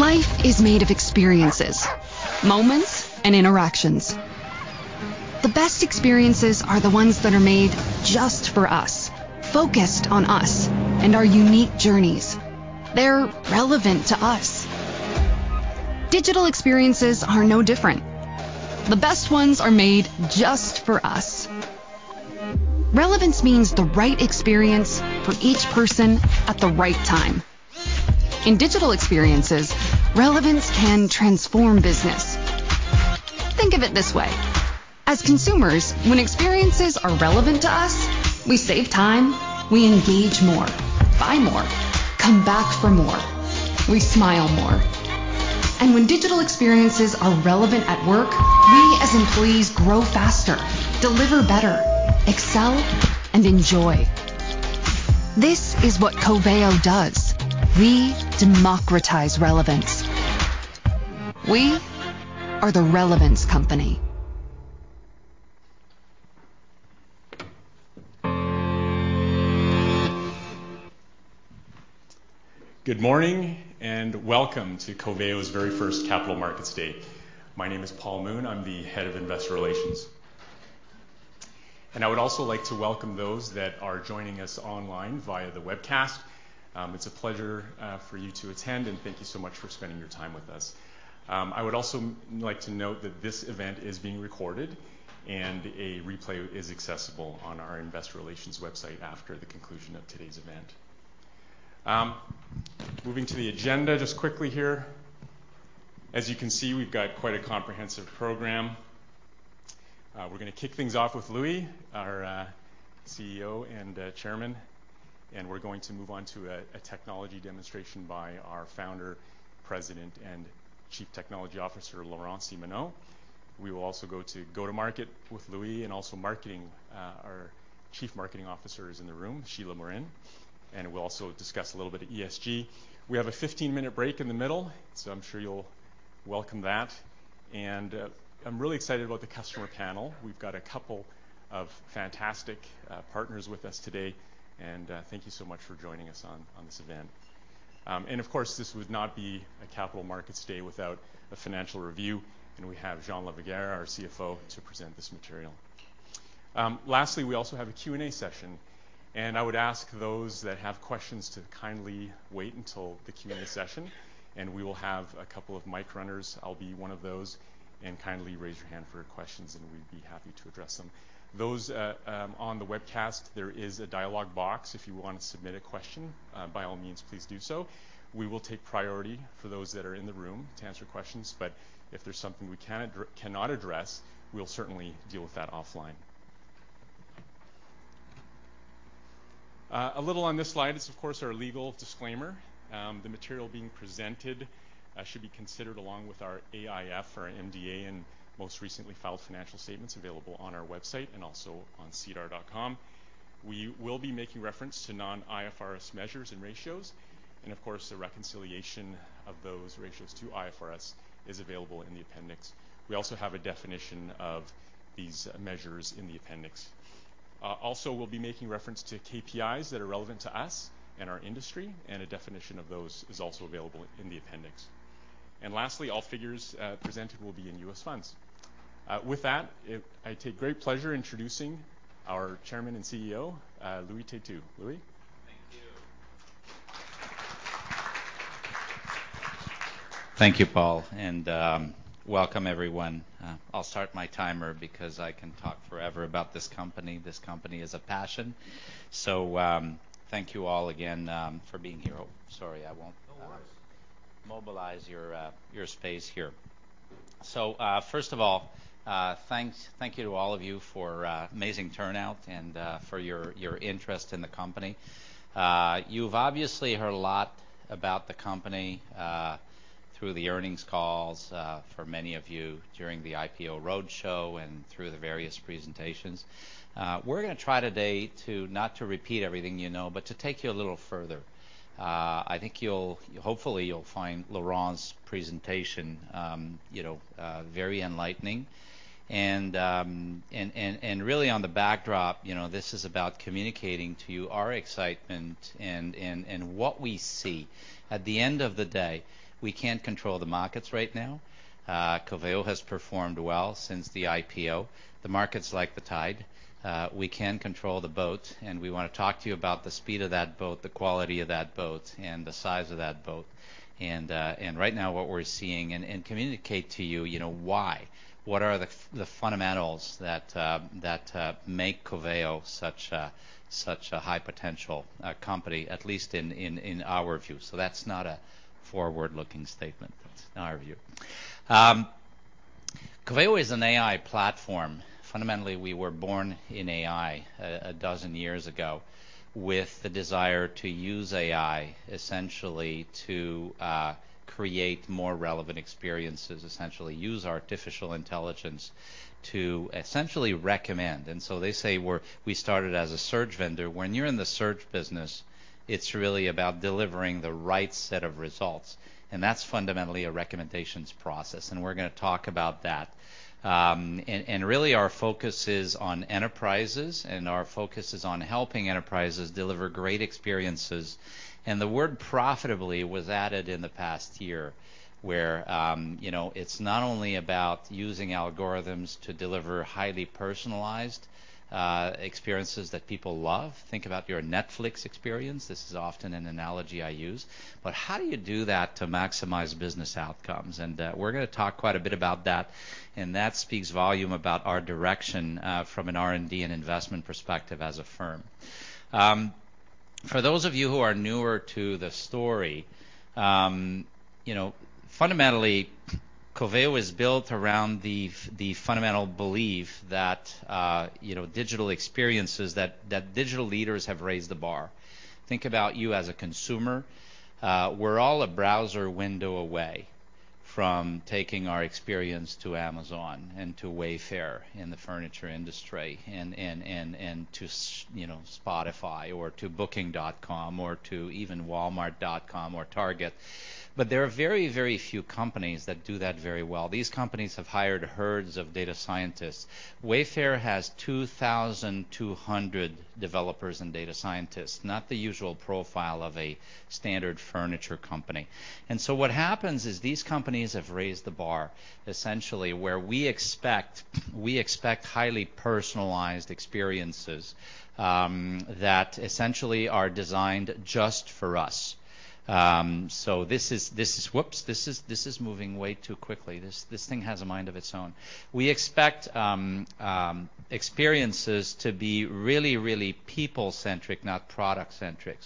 Life is made of experiences, moments, and interactions. The best experiences are the ones that are made just for us, focused on us and our unique journeys. They're relevant to us. Digital experiences are no different. The best ones are made just for us. Relevance means the right experience for each person at the right time. In digital experiences, relevance can transform business. Think of it this way. As consumers, when experiences are relevant to us, we save time, we engage more, buy more, come back for more. We smile more. When digital experiences are relevant at work, we as employees grow faster, deliver better, excel, and enjoy. This is what Coveo does. We democratize relevance. We are the relevance company. Good morning, and welcome to Coveo's very first Capital Markets Day. My name is Paul Moon. I'm the Head of Investor Relations. I would also like to welcome those that are joining us online via the webcast. It's a pleasure for you to attend, and thank you so much for spending your time with us. I would also like to note that this event is being recorded and a replay is accessible on our investor relations website after the conclusion of today's event. Moving to the agenda just quickly here. As you can see, we've got quite a comprehensive program. We're gonna kick things off with Louis Têtu, our CEO and Chairman. We're going to move on to a technology demonstration by our founder, President, and Chief Technology Officer, Laurent Simoneau. We will also go to go-to-market with Louis and also marketing, our Chief Marketing Officer is in the room, Sheila Morin. We'll also discuss a little bit of ESG. We have a 15-minute break in the middle, so I'm sure you'll welcome that. I'm really excited about the customer panel. We've got a couple of fantastic partners with us today, and thank you so much for joining us on this event. Of course, this would not be a capital markets day without a financial review, and we have Jean Lavigueur, our CFO, to present this material. Lastly, we also have a Q&A session. I would ask those that have questions to kindly wait until the Q&A session, and we will have a couple of mic runners, I'll be one of those, and kindly raise your hand for questions and we'd be happy to address them. Those on the webcast, there is a dialog box. If you wanna submit a question, by all means, please do so. We will take priority for those that are in the room to answer questions, but if there's something we cannot address, we'll certainly deal with that offline. A little on this slide. It's of course our legal disclaimer. The material being presented should be considered along with our AIF, our MD&A, and most recently filed financial statements available on our website and also on sedar.com. We will be making reference to non-IFRS measures and ratios, and of course, the reconciliation of those ratios to IFRS is available in the appendix. We also have a definition of these measures in the appendix. Also we'll be making reference to KPIs that are relevant to us and our industry, and a definition of those is also available in the appendix. Lastly, all figures presented will be in U.S. dollars. With that, I take great pleasure introducing our Chairman and CEO, Louis Têtu. Louis. Thank you. Thank you, Paul, and welcome everyone. I'll start my timer because I can talk forever about this company. This company is a passion. Thank you all again for being here. Oh, sorry. I won't- No worries. Mobilize your space here. First of all, thank you to all of you for amazing turnout and for your interest in the company. You've obviously heard a lot about the company through the earnings calls for many of you during the IPO roadshow and through the various presentations. We're gonna try today not repeat everything you know, but to take you a little further. I think you'll hopefully find Laurent's presentation, you know, very enlightening. And really on the backdrop, you know, this is about communicating to you our excitement and what we see. At the end of the day, we can't control the markets right now. Coveo has performed well since the IPO. The market's like the tide. We can control the boat, and we wanna talk to you about the speed of that boat, the quality of that boat, and the size of that boat. Right now what we're seeing and communicate to you know, why? What are the fundamentals that make Coveo such a high potential company, at least in our view. That's not a forward-looking statement. That's our view. Coveo is an AI platform. Fundamentally, we were born in AI a dozen years ago with the desire to use AI essentially to create more relevant experiences. Essentially use artificial intelligence to essentially recommend. They say we started as a search vendor. When you're in the search business, it's really about delivering the right set of results, and that's fundamentally a recommendations process, and we're gonna talk about that. Really our focus is on enterprises, and our focus is on helping enterprises deliver great experiences. The word profitably was added in the past year, where you know, it's not only about using algorithms to deliver highly personalized experiences that people love. Think about your Netflix experience. This is often an analogy I use. How do you do that to maximize business outcomes? We're gonna talk quite a bit about that, and that speaks volumes about our direction from an R&D and investment perspective as a firm. For those of you who are newer to the story, you know, fundamentally, Coveo is built around the fundamental belief that, you know, digital experiences that digital leaders have raised the bar. Think about you as a consumer. We're all a browser window away from taking our experience to Amazon and to Wayfair in the furniture industry and to you know, Spotify or to Booking.com or to even Walmart.com or Target. But there are very, very few companies that do that very well. These companies have hired herds of data scientists. Wayfair has 2,200 developers and data scientists, not the usual profile of a standard furniture company. What happens is these companies have raised the bar essentially where we expect highly personalized experiences that essentially are designed just for us. This is moving way too quickly. This thing has a mind of its own. We expect experiences to be really, really people-centric, not product-centric.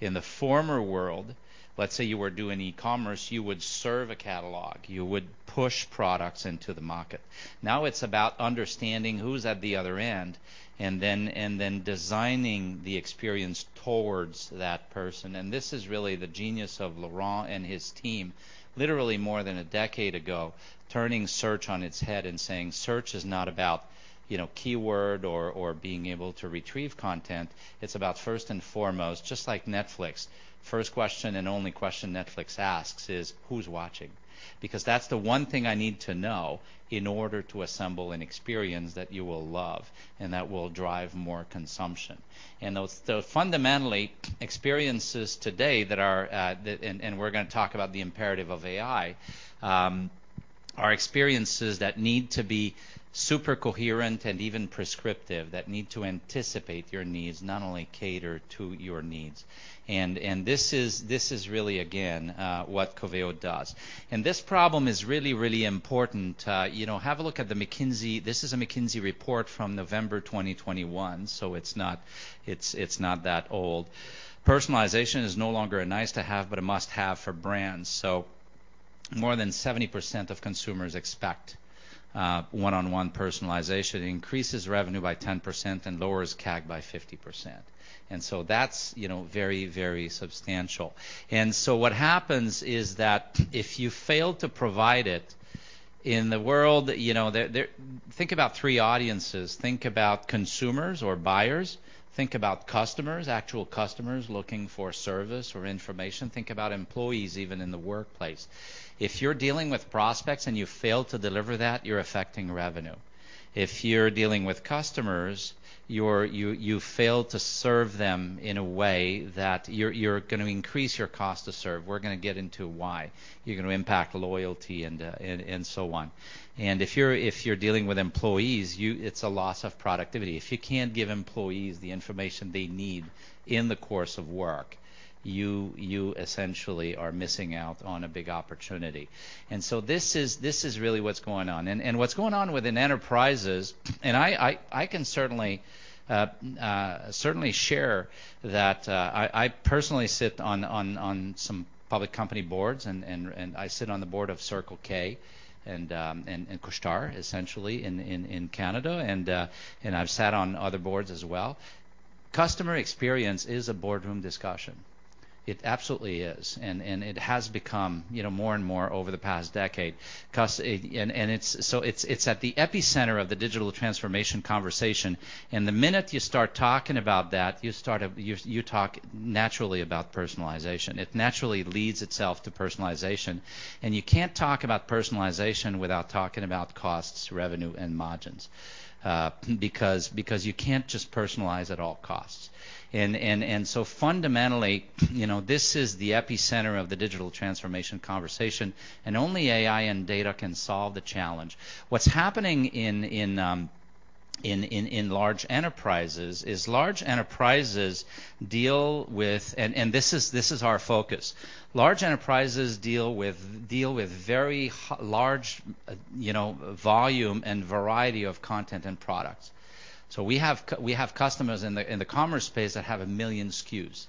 In the former world, let's say you were doing e-commerce, you would serve a catalog. You would push products into the market. Now it's about understanding who's at the other end and then designing the experience towards that person. This is really the genius of Laurent and his team literally more than a decade ago, turning search on its head and saying search is not about, you know, keyword or being able to retrieve content. It's about first and foremost, just like Netflix. First question and only question Netflix asks is who's watching? Because that's the one thing I need to know in order to assemble an experience that you will love and that will drive more consumption. those fundamental experiences today that are experiences that need to be super coherent and even prescriptive, that need to anticipate your needs, not only cater to your needs. We're gonna talk about the imperative of AI. this is really again what Coveo does. This problem is really important. you know, have a look at the McKinsey. This is a McKinsey report from November 2021, so it's not that old. Personalization is no longer a nice-to-have, but a must-have for brands. more than 70% of consumers expect one-on-one personalization. It increases revenue by 10% and lowers CAC by 50%. That's, you know, very, very substantial. What happens is that if you fail to provide it in the world, you know. Think about three audiences. Think about consumers or buyers. Think about customers, actual customers looking for service or information. Think about employees even in the workplace. If you're dealing with prospects and you fail to deliver that, you're affecting revenue. If you're dealing with customers, you fail to serve them in a way that you're gonna increase your cost to serve. We're gonna get into why. You're gonna impact loyalty and so on. If you're dealing with employees, it's a loss of productivity. If you can't give employees the information they need in the course of work, you essentially are missing out on a big opportunity. This is really what's going on. What's going on within enterprises, I can certainly share that. I personally sit on some public company boards. I sit on the board of Circle K and Couche-Tard essentially in Canada. I've sat on other boards as well. Customer experience is a boardroom discussion. It absolutely is. It has become, you know, more and more over the past decade because it's at the epicenter of the digital transformation conversation. The minute you start talking about that, you talk naturally about personalization. It naturally leads itself to personalization. You can't talk about personalization without talking about costs, revenue, and margins, because you can't just personalize at all costs. So fundamentally, you know, this is the epicenter of the digital transformation conversation, and only AI and data can solve the challenge. What's happening in large enterprises is large enterprises deal with. This is our focus. Large enterprises deal with very large, you know, volume and variety of content and products. So we have customers in the commerce space that have 1 million SKUs.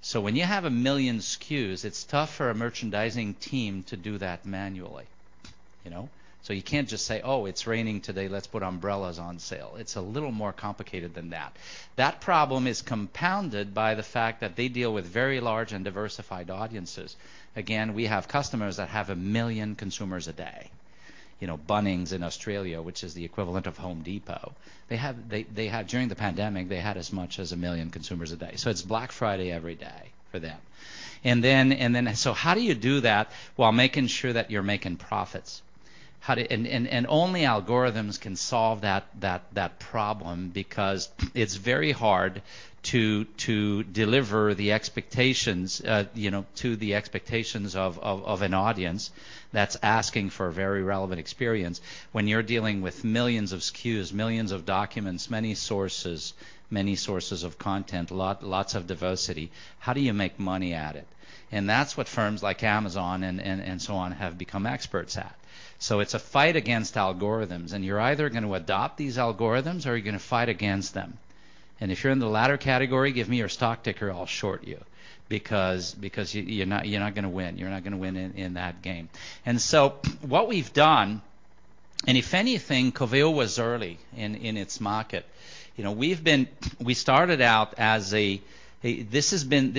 So when you have 1 million SKUs, it's tough for a merchandising team to do that manually, you know? So you can't just say, "Oh, it's raining today. Let's put umbrellas on sale." It's a little more complicated than that. That problem is compounded by the fact that they deal with very large and diversified audiences. Again, we have customers that have 1 million consumers a day. You know, Bunnings in Australia, which is the equivalent of Home Depot, they had during the pandemic as much as 1 million consumers a day. It's Black Friday every day for them. How do you do that while making sure that you're making profits? Only algorithms can solve that problem because it's very hard to deliver to the expectations of an audience that's asking for a very relevant experience when you're dealing with millions of SKUs, millions of documents, many sources of content, lots of diversity. How do you make money at it? That's what firms like Amazon and so on have become experts at. It's a fight against algorithms, and you're either gonna adopt these algorithms or you're gonna fight against them. If you're in the latter category, give me your stock ticker, I'll short you because you're not gonna win. You're not gonna win in that game. What we've done. If anything, Coveo was early in its market. You know, this has been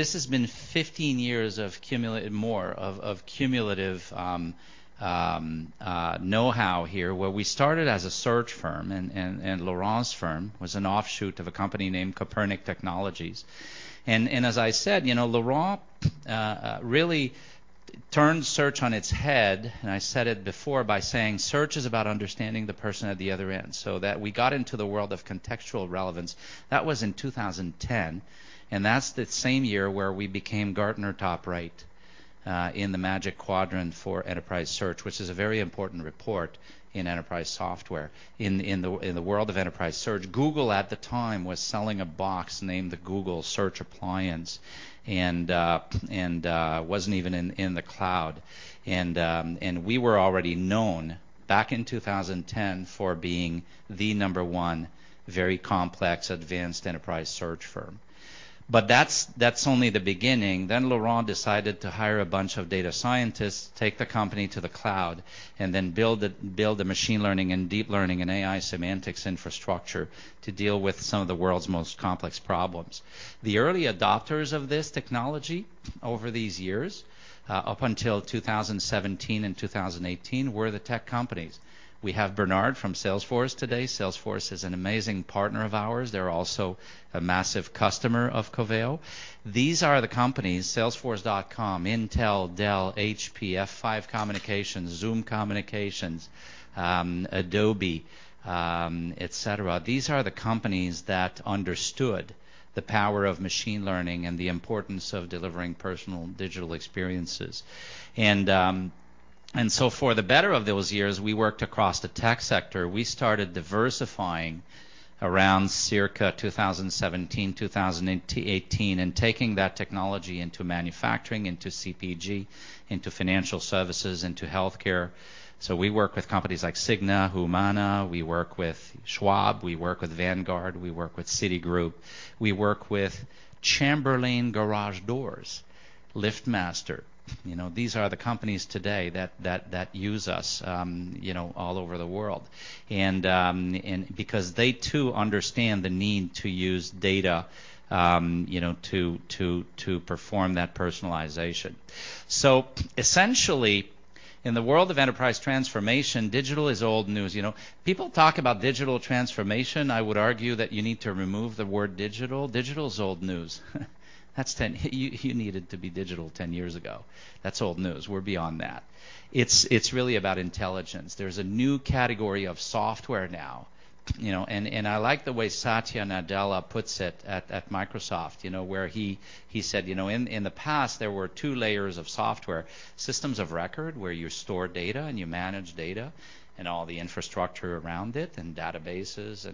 15 years of cumulative know-how here, where we started as a search firm and Laurent Simoneau's firm was an offshoot of a company named Copernic Technologies. As I said, you know, Laurent really turned search on its head, and I said it before, by saying search is about understanding the person at the other end so that we got into the world of contextual relevance. That was in 2010, and that's the same year where we became Gartner top right in the Magic Quadrant for Enterprise Search, which is a very important report in enterprise software. In the world of enterprise search, Google at the time was selling a box named the Google Search Appliance and wasn't even in the cloud. We were already known back in 2010 for being the number one very complex advanced enterprise search firm. That's only the beginning. Laurent decided to hire a bunch of data scientists, take the company to the cloud, and then build the machine learning and deep learning and AI semantics infrastructure to deal with some of the world's most complex problems. The early adopters of this technology over these years up until 2017 and 2018 were the tech companies. We have Bernard from Salesforce today. Salesforce is an amazing partner of ours. They are also a massive customer of Coveo. These are the companies, Salesforce.com, Intel, Dell, HP, F5, Zoom, Adobe, et cetera. These are the companies that understood the power of machine learning and the importance of delivering personal digital experiences. For the better part of those years, we worked across the tech sector. We started diversifying around circa 2017, 2018, and taking that technology into manufacturing, into CPG, into financial services, into healthcare. We work with companies like Cigna, Humana. We work with Schwab. We work with Vanguard. We work with Citigroup. We work with Chamberlain Garage Doors, LiftMaster. You know, these are the companies today that use us, you know, all over the world and because they too understand the need to use data, you know, to perform that personalization. Essentially, in the world of enterprise transformation, digital is old news. You know. People talk about digital transformation. I would argue that you need to remove the word digital. Digital is old news. You needed to be digital 10 years ago. That's old news. We're beyond that. It's really about intelligence. There's a new category of software now, you know, and I like the way Satya Nadella puts it at Microsoft, you know, where he said, you know, in the past there were two layers of software: systems of record, where you store data and you manage data and all the infrastructure around it and databases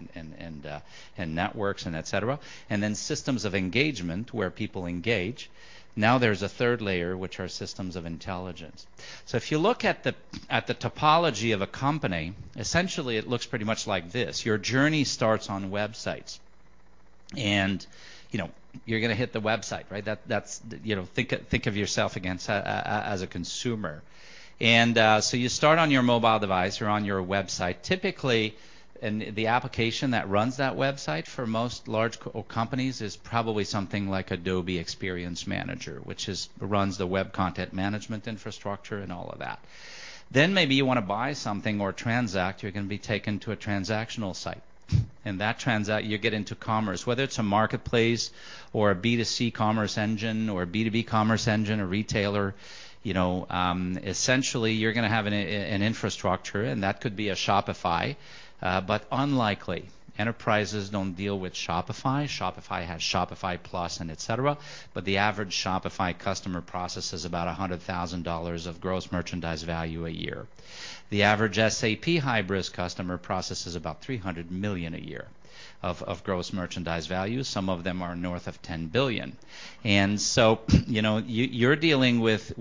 and networks and et cetera, and then systems of engagement, where people engage. Now there's a third layer, which are systems of intelligence. If you look at the topology of a company, essentially it looks pretty much like this. Your journey starts on websites and, you know, you're gonna hit the website, right? You know, think of yourself as a consumer. You start on your mobile device. You're on your website. Typically, the application that runs that website for most large companies is probably something like Adobe Experience Manager, which runs the web content management infrastructure and all of that. Then maybe you wanna buy something or transact. You're gonna be taken to a transactional site, and that you get into commerce. Whether it's a marketplace or a B2C commerce engine or a B2B commerce engine, a retailer, you know, essentially you're gonna have an infrastructure, and that could be a Shopify, but unlikely. Enterprises don't deal with Shopify. Shopify has Shopify Plus and et cetera, but the average Shopify customer processes about $100,000 of gross merchandise value a year. The average SAP Hybris customer processes about $300 million a year of gross merchandise value. Some of them are north of $10 billion. You know, you're dealing with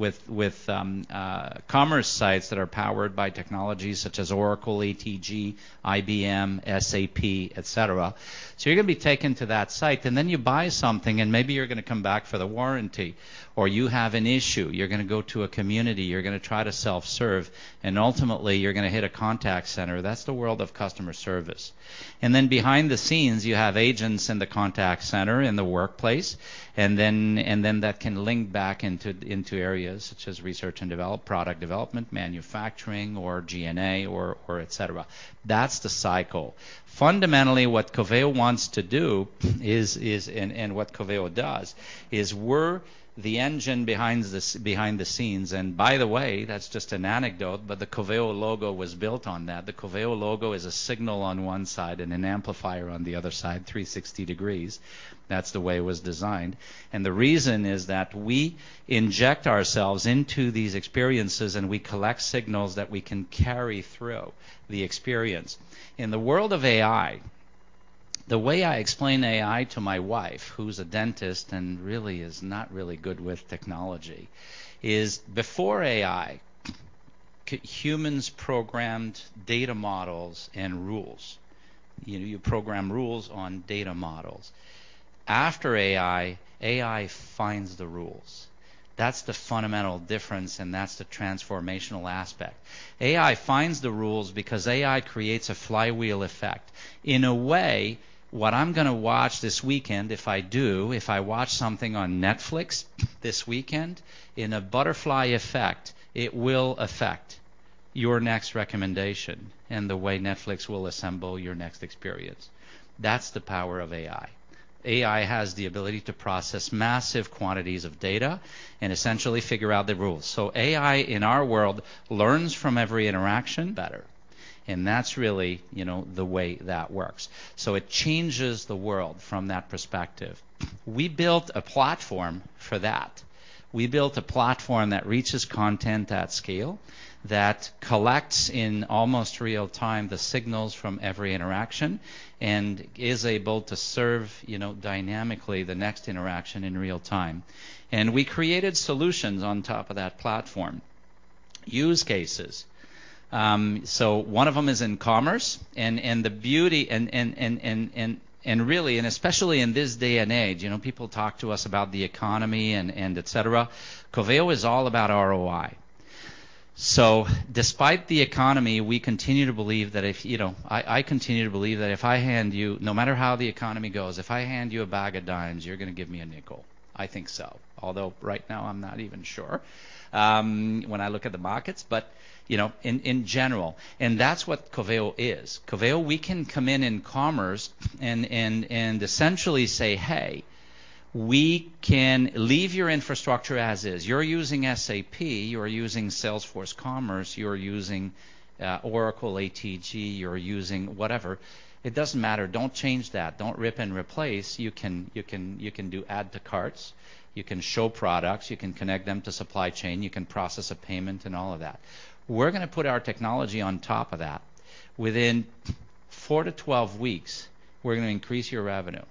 commerce sites that are powered by technologies such as Oracle, ATG, IBM, SAP, et cetera. You're gonna be taken to that site, and then you buy something, and maybe you're gonna come back for the warranty, or you have an issue. You're gonna go to a community. You're gonna try to self-serve, and ultimately, you're gonna hit a contact center. That's the world of customer service. Behind the scenes, you have agents in the contact center, in the workplace, and then that can link back into areas such as research and development, product development, manufacturing or G&A or et cetera. That's the cycle. Fundamentally, what Coveo wants to do is, and what Coveo does is we're the engine behind the scenes. By the way, that's just an anecdote, but the Coveo logo was built on that. The Coveo logo is a signal on one side and an amplifier on the other side, 360 degrees. That's the way it was designed. The reason is that we inject ourselves into these experiences, and we collect signals that we can carry through the experience. In the world of AI, the way I explain AI to my wife, who's a dentist and really is not really good with technology, is before AI, humans programmed data models and rules. You know, you program rules on data models. After AI finds the rules. That's the fundamental difference, and that's the transformational aspect. AI finds the rules because AI creates a flywheel effect. In a way, what I'm gonna watch this weekend, if I do, if I watch something on Netflix this weekend, in a butterfly effect, it will affect your next recommendation and the way Netflix will assemble your next experience. That's the power of AI. AI has the ability to process massive quantities of data and essentially figure out the rules. AI, in our world, learns from every interaction better, and that's really, you know, the way that works. It changes the world from that perspective. We built a platform for that. We built a platform that reaches content at scale, that collects, in almost real-time, the signals from every interaction and is able to serve, you know, dynamically the next interaction in real-time. We created solutions on top of that platform, use cases. One of them is in commerce, and the beauty and really and especially in this day and age, you know, people talk to us about the economy and et cetera, Coveo is all about ROI. Despite the economy, we continue to believe that, you know, I continue to believe that no matter how the economy goes, if I hand you a bag of dimes, you're gonna give me a nickel. I think so. Although right now, I'm not even sure when I look at the markets, but, you know, in general. That's what Coveo is. Coveo, we can come in in commerce and essentially say, "Hey, we can leave your infrastructure as is. You're using SAP. You're using Salesforce Commerce. You're using Oracle ATG. You're using whatever. It doesn't matter. Don't change that. Don't rip and replace. You can do add to carts. You can show products. You can connect them to supply chain. You can process a payment and all of that. We're gonna put our technology on top of that. Within 4-12 weeks, we're gonna increase your revenue.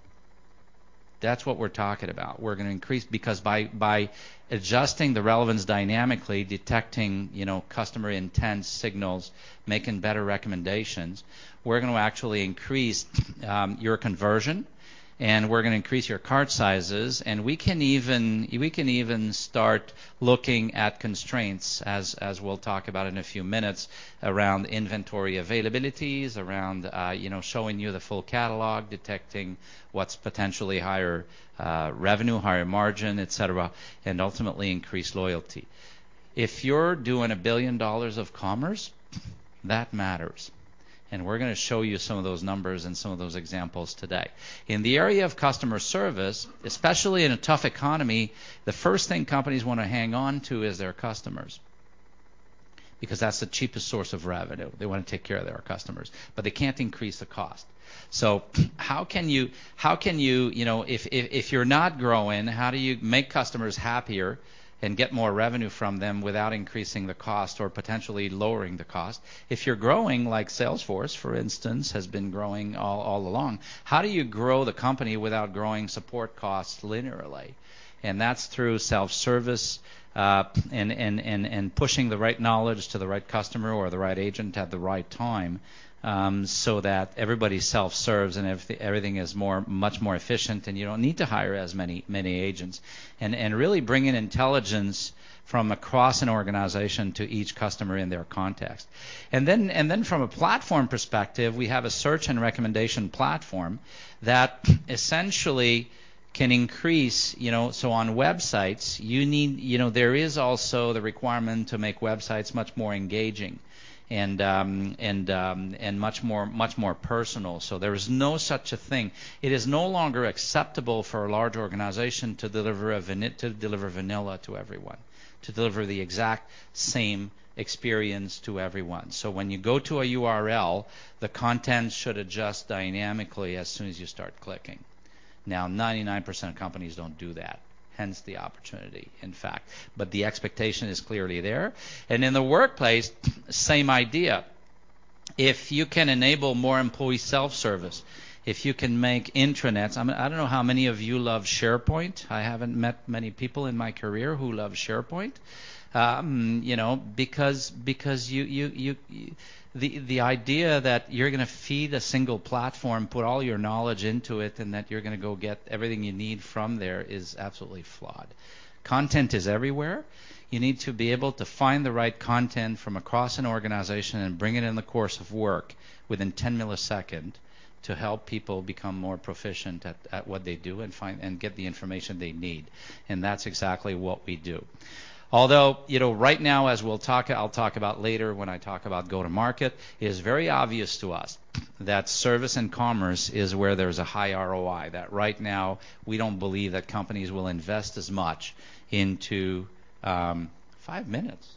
That's what we're talking about. We're gonna increase because by adjusting the relevance dynamically, detecting, you know, customer intent signals, making better recommendations, we're gonna actually increase your conversion, and we're gonna increase your cart sizes, and we can even start looking at constraints, as we'll talk about in a few minutes, around inventory availabilities, around, you know, showing you the full catalog, detecting what's potentially higher revenue, higher margin, et cetera, and ultimately increase loyalty. If you're doing $1 billion of commerce, that matters, and we're gonna show you some of those numbers and some of those examples today. In the area of customer service, especially in a tough economy, the first thing companies wanna hang on to is their customers because that's the cheapest source of revenue. They wanna take care of their customers, but they can't increase the cost. How can you know, if you're not growing, how do you make customers happier and get more revenue from them without increasing the cost or potentially lowering the cost? If you're growing, like Salesforce, for instance, has been growing all along, how do you grow the company without growing support costs linearly? That's through self-service, and pushing the right knowledge to the right customer or the right agent at the right time, so that everybody self-serves and everything is much more efficient and you don't need to hire as many agents, and really bringing intelligence from across an organization to each customer in their context. Then from a platform perspective, we have a search and recommendation platform that essentially can increase you know on websites. You need you know there is also the requirement to make websites much more engaging and much more personal. There is no such a thing. It is no longer acceptable for a large organization to deliver vanilla to everyone, to deliver the exact same experience to everyone. When you go to a URL, the content should adjust dynamically as soon as you start clicking. Now, 99% of companies don't do that. Hence the opportunity, in fact. The expectation is clearly there. In the workplace, same idea. If you can enable more employee self-service, if you can make intranets. I mean, I don't know how many of you love SharePoint. I haven't met many people in my career who love SharePoint, you know, because the idea that you're gonna feed a single platform, put all your knowledge into it, and that you're gonna go get everything you need from there is absolutely flawed. Content is everywhere. You need to be able to find the right content from across an organization and bring it in the course of work within 10 milliseconds to help people become more proficient at what they do and find and get the information they need. That's exactly what we do. Although, you know, right now, as I'll talk about later when I talk about go-to-market, it is very obvious to us that service and commerce is where there's a high ROI. That right now, we don't believe that companies will invest as much into. five minutes?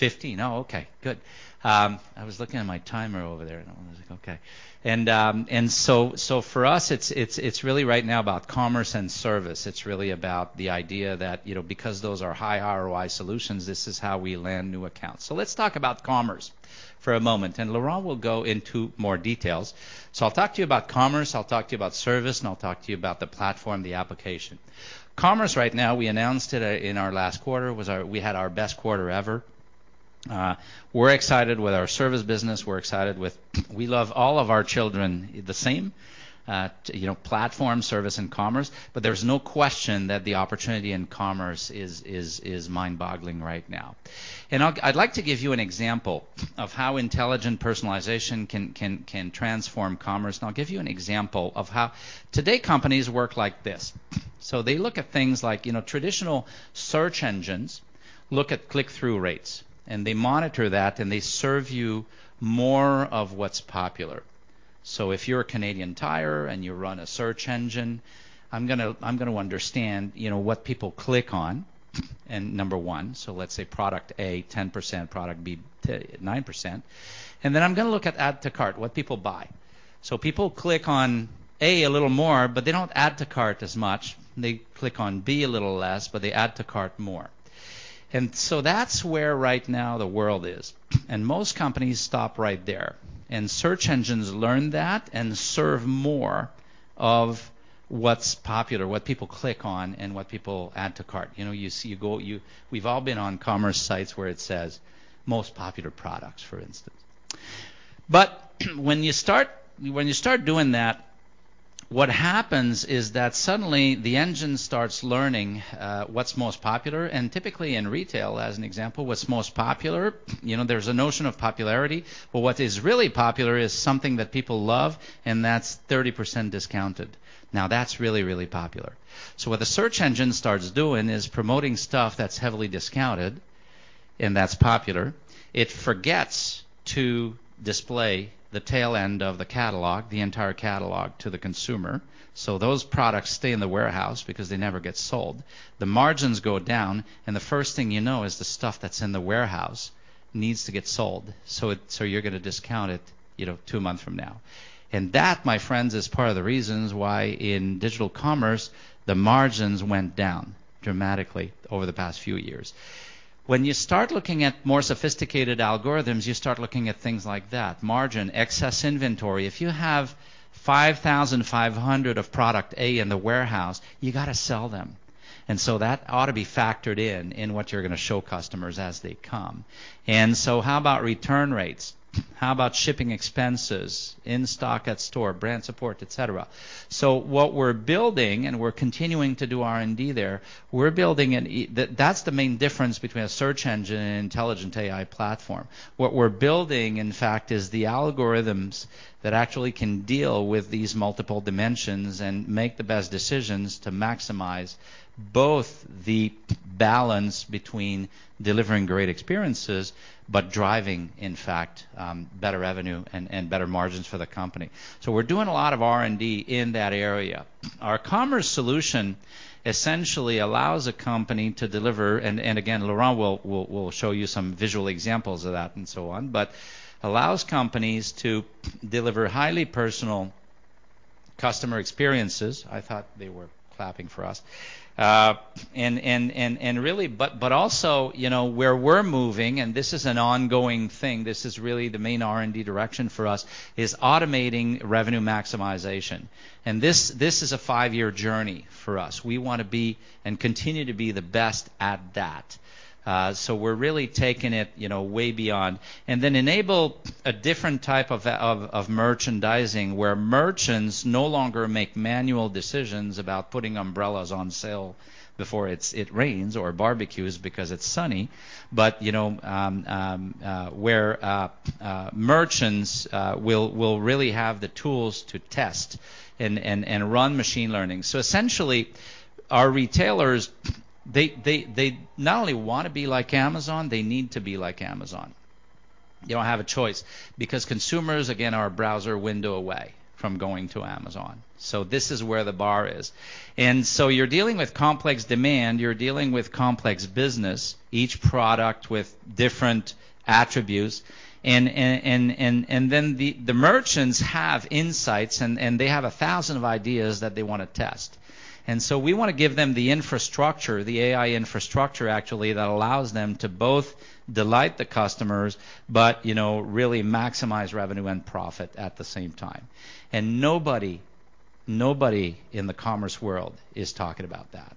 15. Oh, okay. Good. I was looking at my timer over there, and I was like, "Okay." For us, it's really right now about commerce and service. It's really about the idea that, you know, because those are high ROI solutions, this is how we land new accounts. Let's talk about commerce for a moment, and Laurent will go into more details. I'll talk to you about commerce, I'll talk to you about service, and I'll talk to you about the platform, the application. Commerce right now, we announced it in our last quarter, was our best quarter ever. We're excited with our service business. We're excited with. We love all of our children the same, you know, platform, service, and commerce, but there's no question that the opportunity in commerce is mind-boggling right now. I'd like to give you an example of how intelligent personalization can transform commerce, and I'll give you an example of how. Today, companies work like this. They look at things like, you know, traditional search engines look at click-through rates, and they monitor that, and they serve you more of what's popular. If you're a Canadian Tire and you run a search engine, I'm gonna understand, you know, what people click on and number one, so let's say product A, 10%, product B, 9%. Then I'm gonna look at add to cart, what people buy. People click on A a little more, but they don't add to cart as much. They click on B a little less, but they add to cart more. That's where right now the world is, and most companies stop right there, and search engines learn that and serve more of what's popular, what people click on, and what people add to cart. You know, you see, you. We've all been on commerce sites where it says most popular products, for instance. When you start doing that, what happens is that suddenly the engine starts learning what's most popular, and typically in retail, as an example, what's most popular, you know, there's a notion of popularity. What is really popular is something that people love, and that's 30% discounted. Now, that's really, really popular. What the search engine starts doing is promoting stuff that's heavily discounted and that's popular. It forgets to display the tail end of the catalog, the entire catalog, to the consumer, so those products stay in the warehouse because they never get sold. The margins go down, and the first thing you know is the stuff that's in the warehouse needs to get sold, so you're gonna discount it, you know, two months from now. That, my friends, is part of the reasons why in digital commerce, the margins went down dramatically over the past few years. When you start looking at more sophisticated algorithms, you start looking at things like that. Margin, excess inventory. If you have 5,500 of product A in the warehouse, you gotta sell them. That ought to be factored in in what you're gonna show customers as they come. How about return rates? How about shipping expenses, in-stock at store, brand support, et cetera? What we're building, and we're continuing to do R&D there. That's the main difference between a search engine and an intelligent AI platform. What we're building, in fact, is the algorithms that actually can deal with these multiple dimensions and make the best decisions to maximize both the balance between delivering great experiences but driving, in fact, better revenue and better margins for the company. We're doing a lot of R&D in that area. Our commerce solution essentially allows a company to deliver, and again, Laurent will show you some visual examples of that and so on, but allows companies to deliver highly personal customer experiences. I thought they were clapping for us. Really, but also, you know, where we're moving, and this is an ongoing thing, this is really the main R&D direction for us, is automating revenue maximization. This is a five-year journey for us. We wanna be, and continue to be, the best at that. So we're really taking it, you know, way beyond. Then enable a different type of merchandising where merchants no longer make manual decisions about putting umbrellas on sale before it rains or barbecues because it's sunny. You know, where merchants will really have the tools to test and run machine learning. Essentially, our retailers, they not only want to be like Amazon, they need to be like Amazon. You don't have a choice because consumers, again, are a browser window away from going to Amazon. This is where the bar is. You're dealing with complex demand, you're dealing with complex business, each product with different attributes and then the merchants have insights and they have a thousand of ideas that they want to test. We want to give them the infrastructure, the AI infrastructure, actually, that allows them to both delight the customers, but, you know, really maximize revenue and profit at the same time. Nobody in the commerce world is talking about that.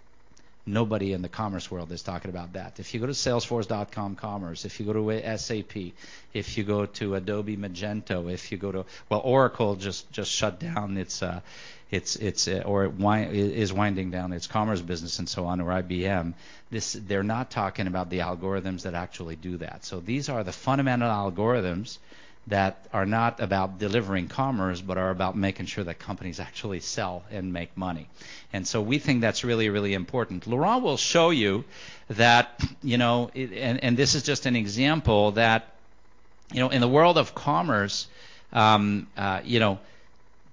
Nobody in the commerce world is talking about that. If you go to Salesforce Commerce Cloud, if you go to SAP, if you go to Adobe Commerce, if you go to. Well, Oracle is winding down its commerce business and so on, or IBM. This. They're not talking about the algorithms that actually do that. These are the fundamental algorithms that are not about delivering commerce, but are about making sure that companies actually sell and make money. We think that's really, really important. Laurent will show you that, you know, it. This is just an example that, you know, in the world of commerce, you know,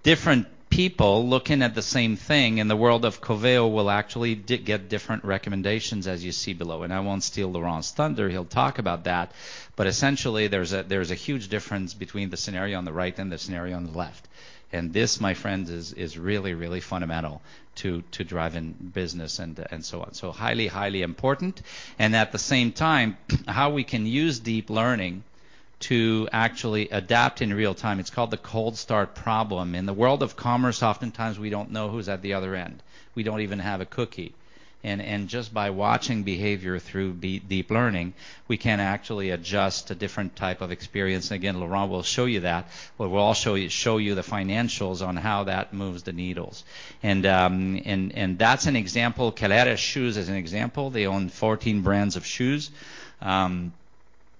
different people looking at the same thing in the world of Coveo will actually get different recommendations, as you see below. I won't steal Laurent's thunder. He'll talk about that. Essentially, there's a huge difference between the scenario on the right and the scenario on the left. This, my friends, is really fundamental to driving business and so on. Highly important. At the same time, how we can use deep learning to actually adapt in real time. It's called the cold start problem. In the world of commerce, oftentimes we don't know who's at the other end. We don't even have a cookie. Just by watching behavior through deep learning, we can actually adjust a different type of experience. Again, Laurent will show you that. We'll also show you the financials on how that moves the needles. That's an example. Caleres is an example. They own 14 brands of shoes.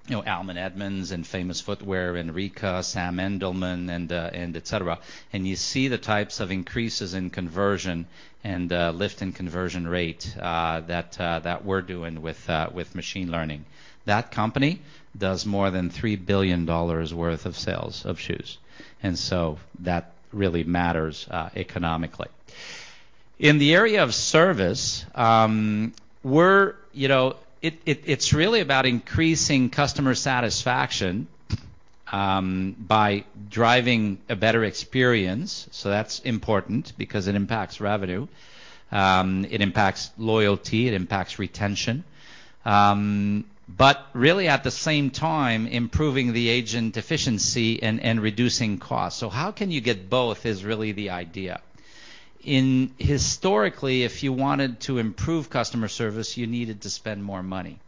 You know, Allen Edmonds and Famous Footwear and Ryka, Sam Edelman, and et cetera. You see the types of increases in conversion and lift in conversion rate that we're doing with machine learning. That company does more than $3 billion worth of sales of shoes, and so that really matters economically. In the area of service, we're you know it's really about increasing customer satisfaction by driving a better experience. That's important because it impacts revenue, it impacts loyalty, it impacts retention. Really, at the same time, improving the agent efficiency and reducing costs. How can you get both is really the idea. Historically, if you wanted to improve customer service, you needed to spend more money.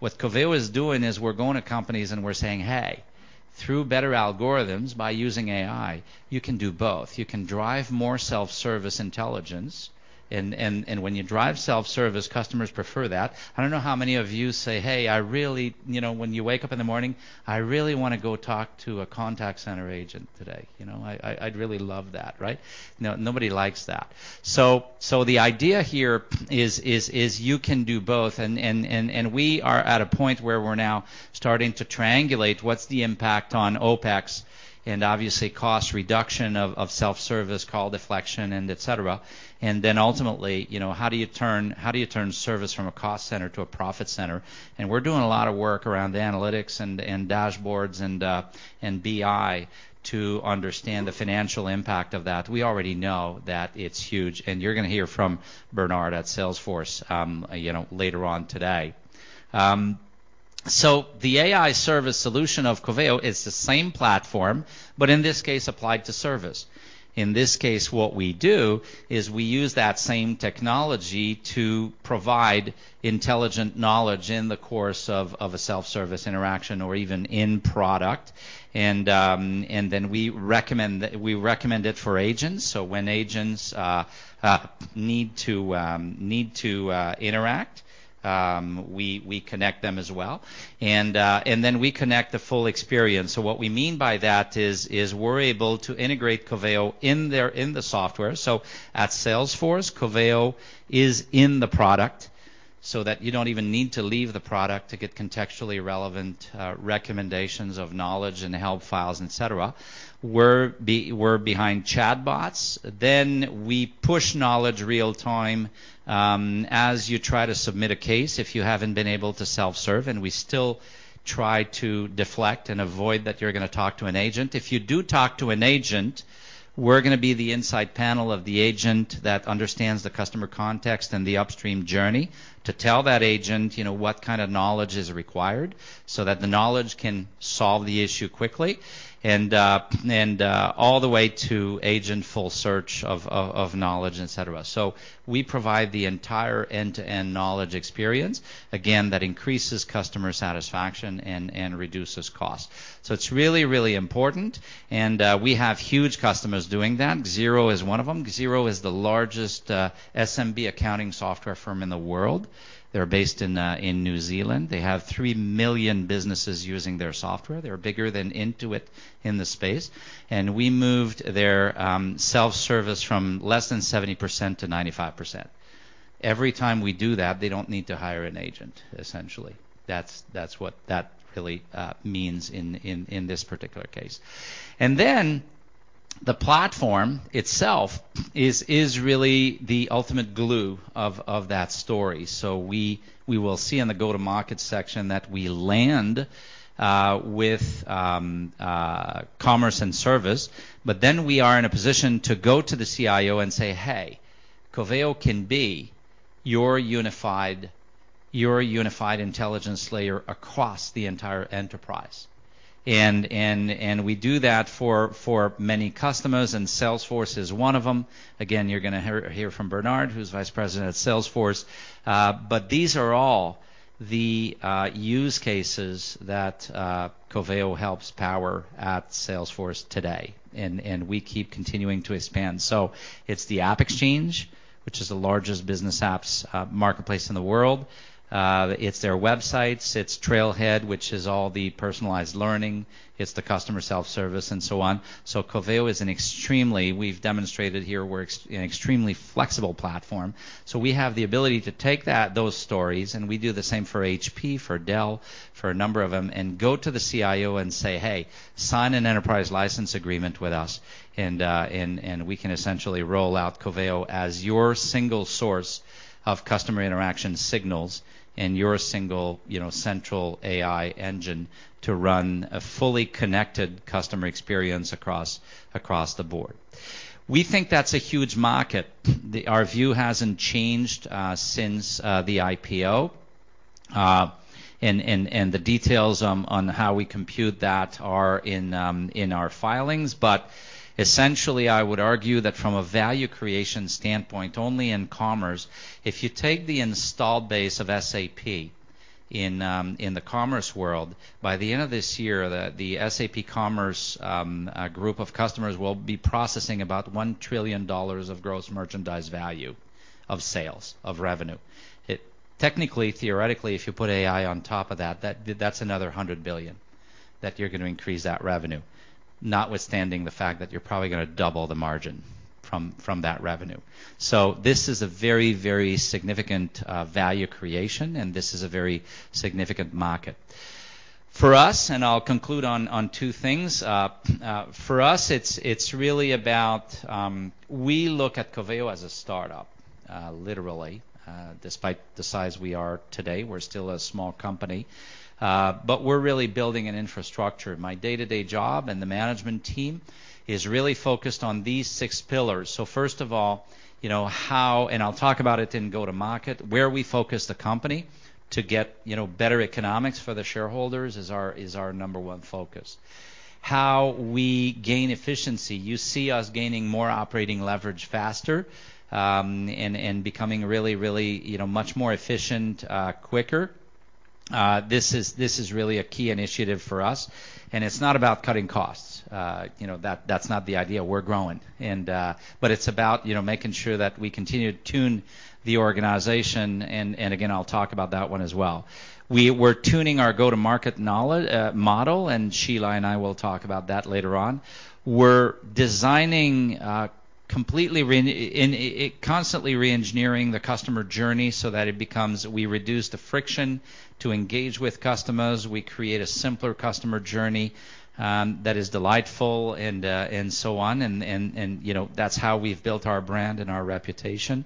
What Coveo is doing is we're going to companies, and we're saying, "Hey, through better algorithms by using AI, you can do both." You can drive more self-service intelligence, and when you drive self-service, customers prefer that. I don't know how many of you say, "Hey, I really..." You know, when you wake up in the morning, "I really want to go talk to a contact center agent today. You know, I'd really love that," right? No, nobody likes that. So the idea here is you can do both. We are at a point where we're now starting to triangulate what's the impact on OpEx and obviously cost reduction of self-service, call deflection, and et cetera. Ultimately, you know, how do you turn service from a cost center to a profit center? We're doing a lot of work around analytics and dashboards and BI to understand the financial impact of that. We already know that it's huge, and you're going to hear from Bernard at Salesforce, you know, later on today. The AI service solution of Coveo is the same platform, but in this case applied to service. In this case, what we do is we use that same technology to provide intelligent knowledge in the course of a self-service interaction or even in product. We recommend it for agents. When agents need to interact, we connect them as well. We connect the full experience. What we mean by that is we're able to integrate Coveo in their software. At Salesforce, Coveo is in the product so that you don't even need to leave the product to get contextually relevant recommendations of knowledge and help files, et cetera. We're behind chatbots. We push knowledge real time as you try to submit a case, if you haven't been able to self-serve, and we still try to deflect and avoid that you're going to talk to an agent. If you do talk to an agent, we're gonna be the inside panel of the agent that understands the customer context and the upstream journey to tell that agent, you know, what kind of knowledge is required so that the knowledge can solve the issue quickly and all the way to agent full search of knowledge, et cetera. We provide the entire end-to-end knowledge experience, again, that increases customer satisfaction and reduces cost. It's really important, and we have huge customers doing that. Xero is one of them. Xero is the largest SMB accounting software firm in the world. They're based in New Zealand. They have 3 million businesses using their software. They're bigger than Intuit in the space. We moved their self-service from less than 70% to 95%. Every time we do that, they don't need to hire an agent, essentially. That's what that really means in this particular case. The platform itself is really the ultimate glue of that story. We will see in the go-to-market section that we land with commerce and service, but then we are in a position to go to the CIO and say, "Hey, Coveo can be your unified intelligence layer across the entire enterprise." We do that for many customers, and Salesforce is one of them. Again, you're gonna hear from Bernard, who's vice president of Salesforce. But these are all the use cases that Coveo helps power at Salesforce today. We keep continuing to expand. It's the AppExchange, which is the largest business apps marketplace in the world. It's their websites, it's Trailhead, which is all the personalized learning. It's the customer self-service, and so on. Coveo is an extremely... We've demonstrated here we're an extremely flexible platform, so we have the ability to take those stories, and we do the same for HP, for Dell, for a number of them, and go to the CIO and say, "Hey, sign an enterprise license agreement with us, and we can essentially roll out Coveo as your single source of customer interaction signals and your single, you know, central AI engine to run a fully connected customer experience across the board." We think that's a huge market. Our view hasn't changed since the IPO. The details on how we compute that are in our filings. Essentially I would argue that from a value creation standpoint, only in commerce, if you take the installed base of SAP in the commerce world, by the end of this year, the SAP commerce group of customers will be processing about $1 trillion of gross merchandise value of sales, of revenue. Technically, theoretically, if you put AI on top of that's another $100 billion that you're gonna increase that revenue, notwithstanding the fact that you're probably gonna double the margin from that revenue. This is a very significant value creation, and this is a very significant market. For us, I'll conclude on two things. For us, it's really about we look at Coveo as a startup, literally. Despite the size we are today, we're still a small company. We're really building an infrastructure. My day-to-day job and the management team is really focused on these six pillars. First of all, you know, how, and I'll talk about it in go-to-market, where we focus the company to get, you know, better economics for the shareholders is our number one focus. How we gain efficiency. You see us gaining more operating leverage faster, and becoming really much more efficient quicker. This is really a key initiative for us. It's not about cutting costs. You know, that's not the idea. We're growing. It's about, you know, making sure that we continue to tune the organization, and again, I'll talk about that one as well. We're tuning our go-to-market model, and Sheila and I will talk about that later on. We're designing constantly re-engineering the customer journey so that it becomes, we reduce the friction to engage with customers. We create a simpler customer journey that is delightful and so on. You know, that's how we've built our brand and our reputation.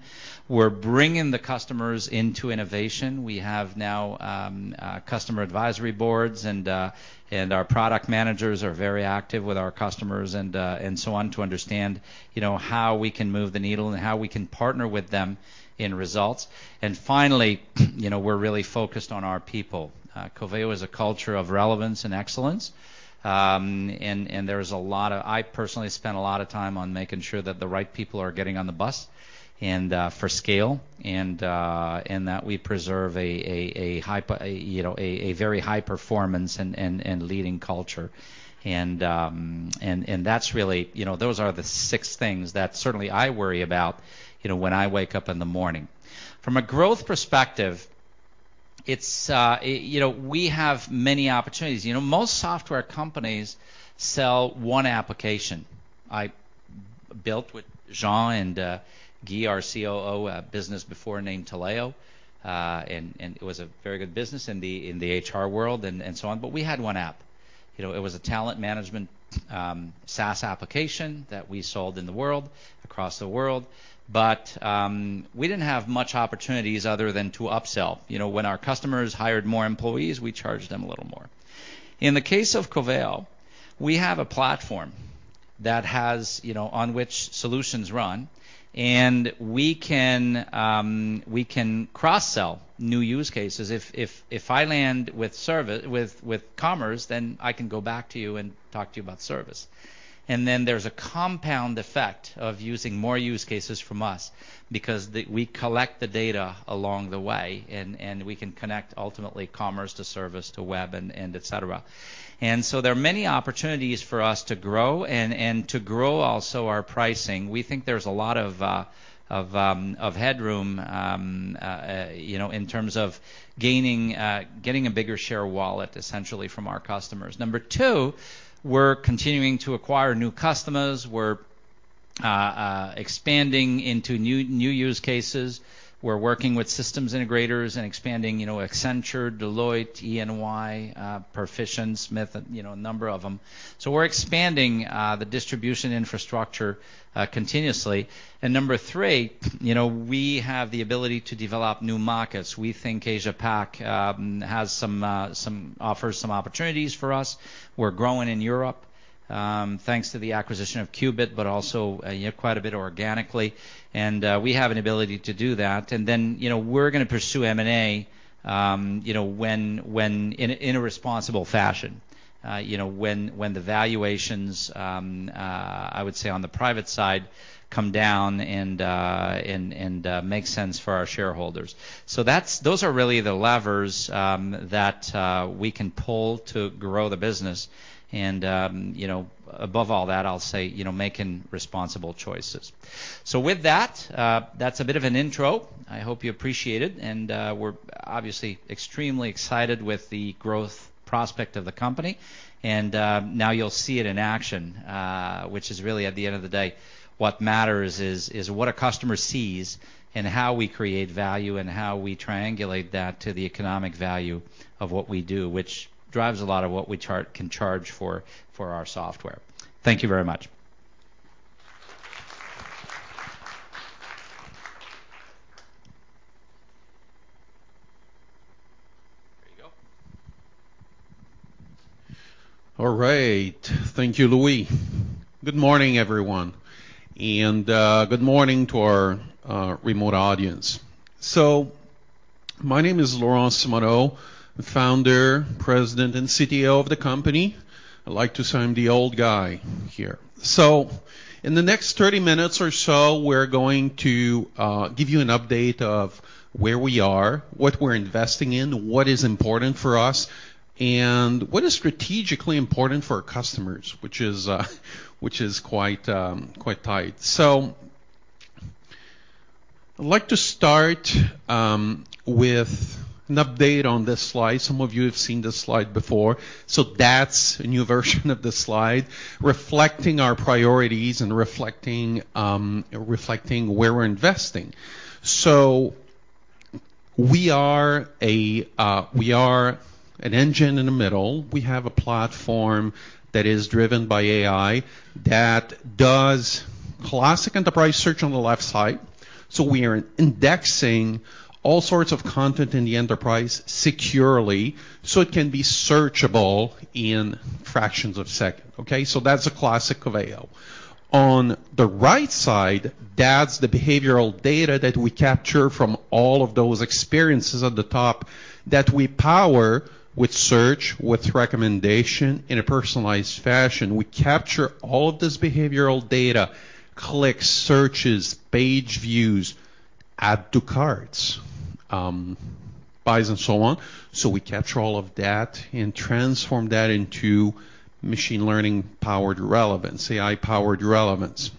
We're bringing the customers into innovation. We have now customer advisory boards and our product managers are very active with our customers and so on to understand, you know, how we can move the needle and how we can partner with them in results. Finally, you know, we're really focused on our people. Coveo is a culture of relevance and excellence. I personally spend a lot of time on making sure that the right people are getting on the bus and for scale and that we preserve a you know a very high performance and leading culture. That's really you know those are the six things that certainly I worry about you know when I wake up in the morning. From a growth perspective, it's you know we have many opportunities. You know most software companies sell one application. I built with Jean and Guy, our COO, a business before named Taleo and it was a very good business in the HR world and so on, but we had one app. You know, it was a talent management SaaS application that we sold in the world, across the world, but we didn't have much opportunities other than to upsell. You know, when our customers hired more employees, we charged them a little more. In the case of Coveo, we have a platform that has, you know, on which solutions run, and we can cross-sell new use cases. If I land with commerce, then I can go back to you and talk to you about service. Then there's a compound effect of using more use cases from us because we collect the data along the way and we can connect ultimately commerce to service to web and et cetera. There are many opportunities for us to grow and to grow also our pricing. We think there's a lot of headroom, you know, in terms of gaining, getting a bigger share of wallet essentially from our customers. Number two, we're continuing to acquire new customers. We're expanding into new use cases. We're working with systems integrators and expanding, you know, Accenture, Deloitte, E&Y, Perficient, Smith, you know, a number of them. We're expanding the distribution infrastructure continuously. Number three, you know, we have the ability to develop new markets. We think Asia-Pac has some opportunities for us. We're growing in Europe thanks to the acquisition of Qubit, but also, you know, quite a bit organically, and we have an ability to do that. Then, you know, we're gonna pursue M&A, you know, when in a responsible fashion. You know, when the valuations, I would say on the private side, come down and make sense for our shareholders. Those are really the levers that we can pull to grow the business and, you know, above all that, I'll say, you know, making responsible choices. With that's a bit of an intro. I hope you appreciate it, and we're obviously extremely excited with the growth prospect of the company. Now you'll see it in action, which is really at the end of the day, what matters is what a customer sees and how we create value and how we triangulate that to the economic value of what we do, which drives a lot of what we can charge for our software. Thank you very much. There you go. All right. Thank you, Louis. Good morning, everyone, and good morning to our remote audience. My name is Laurent Simoneau, the founder, president, and CTO of the company. I'd like to say I'm the old guy here. In the next 30 minutes or so, we're going to give you an update of where we are, what we're investing in, what is important for us, and what is strategically important for our customers, which is quite tight. I'd like to start with an update on this slide. Some of you have seen this slide before, so that's a new version of the slide reflecting our priorities and reflecting where we're investing. We are an engine in the middle. We have a platform that is driven by AI that does classic enterprise search on the left side, so we are indexing all sorts of content in the enterprise securely, so it can be searchable in fractions of a second. That's a classic Coveo. On the right side, that's the behavioral data that we capture from all of those experiences at the top that we power with search, with recommendation in a personalized fashion. We capture all of this behavioral data, clicks, searches, page views, add to carts, buys and so on. We capture all of that and transform that into machine learning-powered relevance, AI-powered relevance.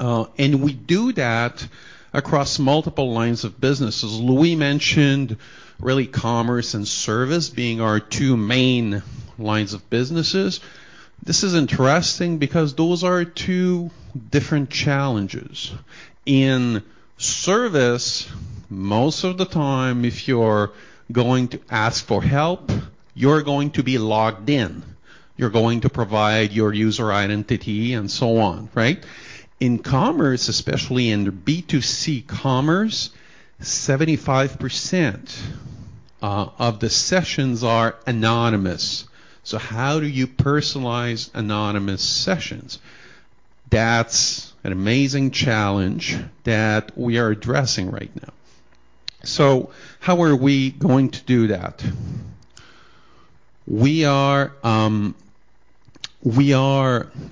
We do that across multiple lines of businesses. Louis mentioned really commerce and service being our two main lines of businesses. This is interesting because those are two different challenges. In service, most of the time, if you're going to ask for help, you're going to be logged in. You're going to provide your user identity and so on, right? In commerce, especially in B2C commerce, 75% of the sessions are anonymous. How do you personalize anonymous sessions? That's an amazing challenge that we are addressing right now. How are we going to do that? We are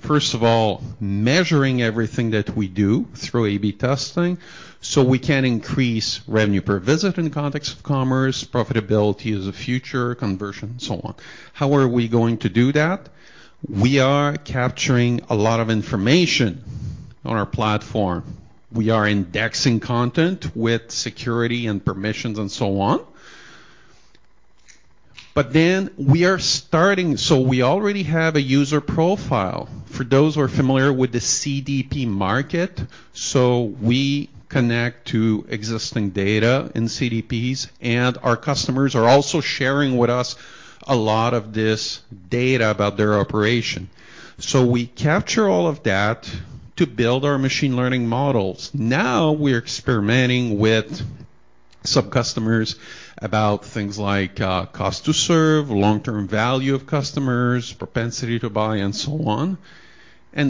first of all measuring everything that we do through A/B testing, so we can increase revenue per visit in the context of commerce, profitability as a future conversion and so on. How are we going to do that? We are capturing a lot of information on our platform. We are indexing content with security and permissions and so on. We are starting. We already have a user profile for those who are familiar with the CDP market. We connect to existing data in CDPs, and our customers are also sharing with us a lot of this data about their operation. We capture all of that to build our machine learning models. Now we're experimenting with some customers about things like, cost to serve, long-term value of customers, propensity to buy and so on.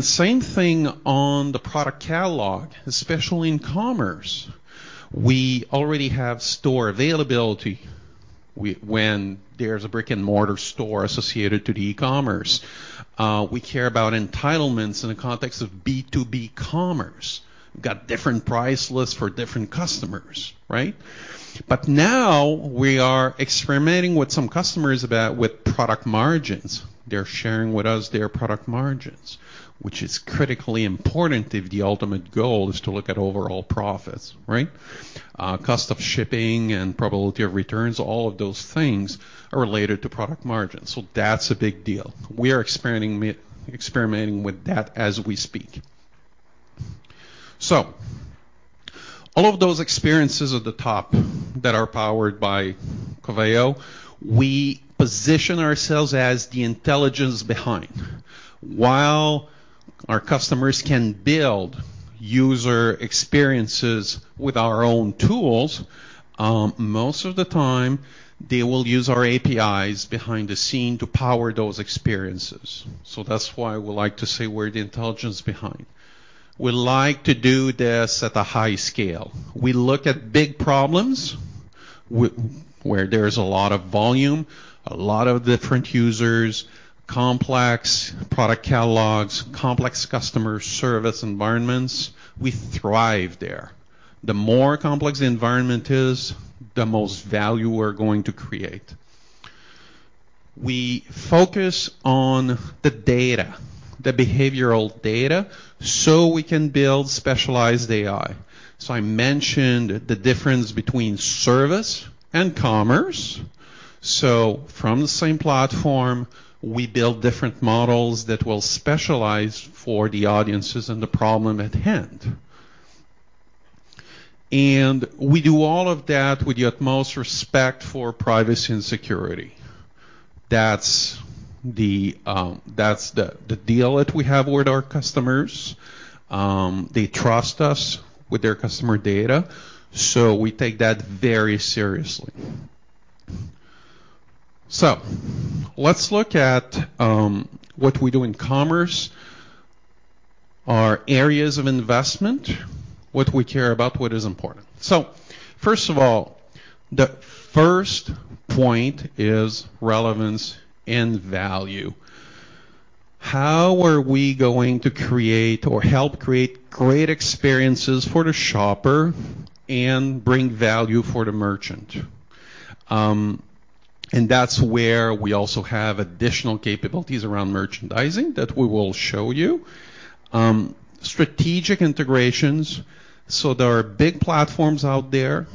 Same thing on the product catalog, especially in commerce. We already have store availability when there's a brick-and-mortar store associated to the e-commerce. We care about entitlements in the context of B2B commerce. We've got different price lists for different customers, right? Now we are experimenting with some customers about, with product margins. They're sharing with us their product margins, which is critically important if the ultimate goal is to look at overall profits, right? Cost of shipping and probability of returns, all of those things are related to product margins, so that's a big deal. We are experimenting with that as we speak. All of those experiences at the top that are powered by Coveo, we position ourselves as the intelligence behind. While our customers can build user experiences with our own tools, most of the time, they will use our APIs behind the scene to power those experiences. That's why we like to say we're the intelligence behind. We like to do this at a high scale. We look at big problems where there's a lot of volume, a lot of different users, complex product catalogs, complex customer service environments. We thrive there. The more complex the environment is, the most value we're going to create. We focus on the data, the behavioral data, so we can build specialized AI. I mentioned the difference between service and commerce. From the same platform, we build different models that will specialize for the audiences and the problem at hand. We do all of that with the utmost respect for privacy and security. That's the deal that we have with our customers. They trust us with their customer data, so we take that very seriously. Let's look at what we do in commerce, our areas of investment, what we care about, what is important. First of all, the first point is relevance and value. How are we going to create or help create great experiences for the shopper and bring value for the merchant? That's where we also have additional capabilities around merchandising that we will show you. Strategic integrations. There are big platforms out there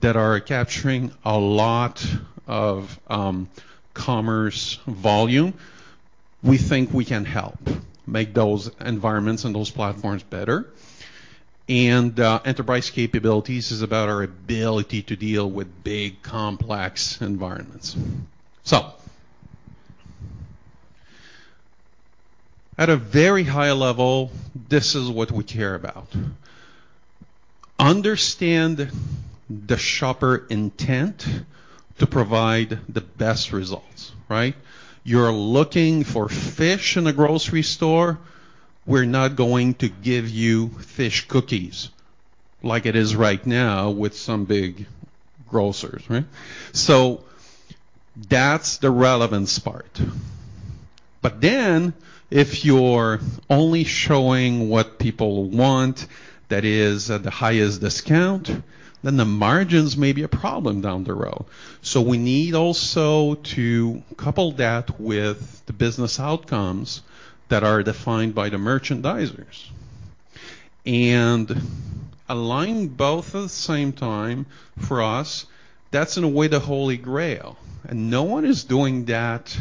that are capturing a lot of commerce volume. We think we can help make those environments and those platforms better. Enterprise capabilities is about our ability to deal with big, complex environments. At a very high level, this is what we care about. Understand the shopper intent to provide the best results, right? You're looking for fish in a grocery store, we're not going to give you fish cookies like it is right now with some big grocers, right? That's the relevance part. Then if you're only showing what people want, that is at the highest discount, then the margins may be a problem down the road. We need also to couple that with the business outcomes that are defined by the merchandisers. Align both at the same time, for us, that's in a way the Holy Grail, and no one is doing that,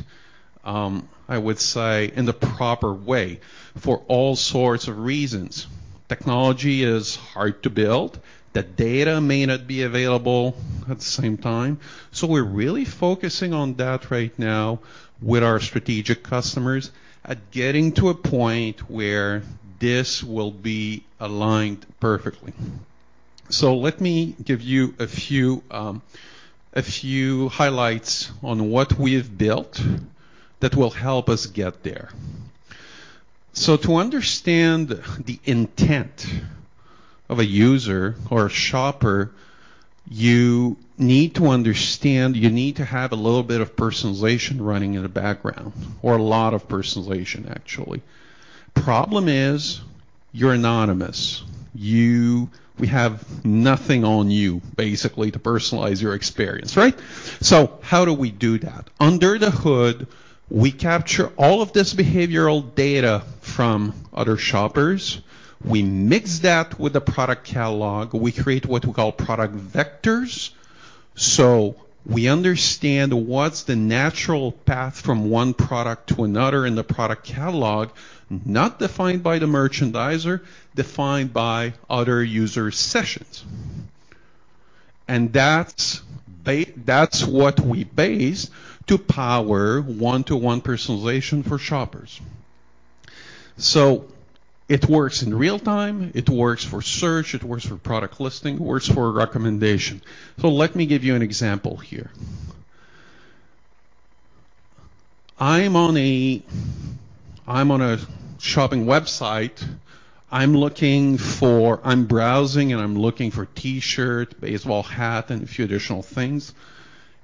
I would say in the proper way for all sorts of reasons. Technology is hard to build. The data may not be available at the same time. We're really focusing on that right now with our strategic customers at getting to a point where this will be aligned perfectly. Let me give you a few highlights on what we've built that will help us get there. To understand the intent of a user or a shopper, you need to understand, you need to have a little bit of personalization running in the background or a lot of personalization actually. Problem is you're anonymous. You We have nothing on you basically to personalize your experience, right? How do we do that? Under the hood, we capture all of this behavioral data from other shoppers. We mix that with the product catalog. We create what we call product vectors. We understand what's the natural path from one product to another in the product catalog, not defined by the merchandiser, defined by other user sessions. That's what we use to power one-to-one personalization for shoppers. It works in real time. It works for search. It works for product listing. It works for recommendation. Let me give you an example here. I'm on a shopping website. I'm browsing and I'm looking for T-shirt, baseball hat, and a few additional things.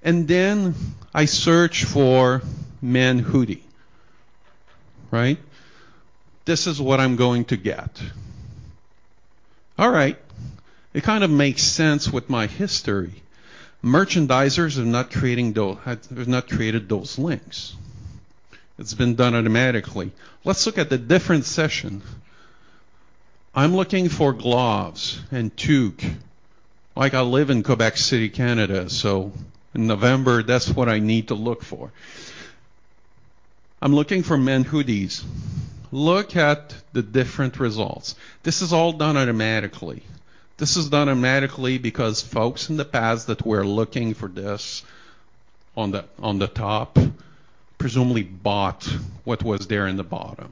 Then I search for men hoodie, right? This is what I'm going to get. All right. It kind of makes sense with my history. Merchandisers have not created those links. It's been done automatically. Let's look at the different session. I'm looking for gloves and toque. Like, I live in Quebec City, Canada, so in November, that's what I need to look for. I'm looking for men's hoodies. Look at the different results. This is all done automatically because folks in the past that were looking for this on the top presumably bought what was there in the bottom.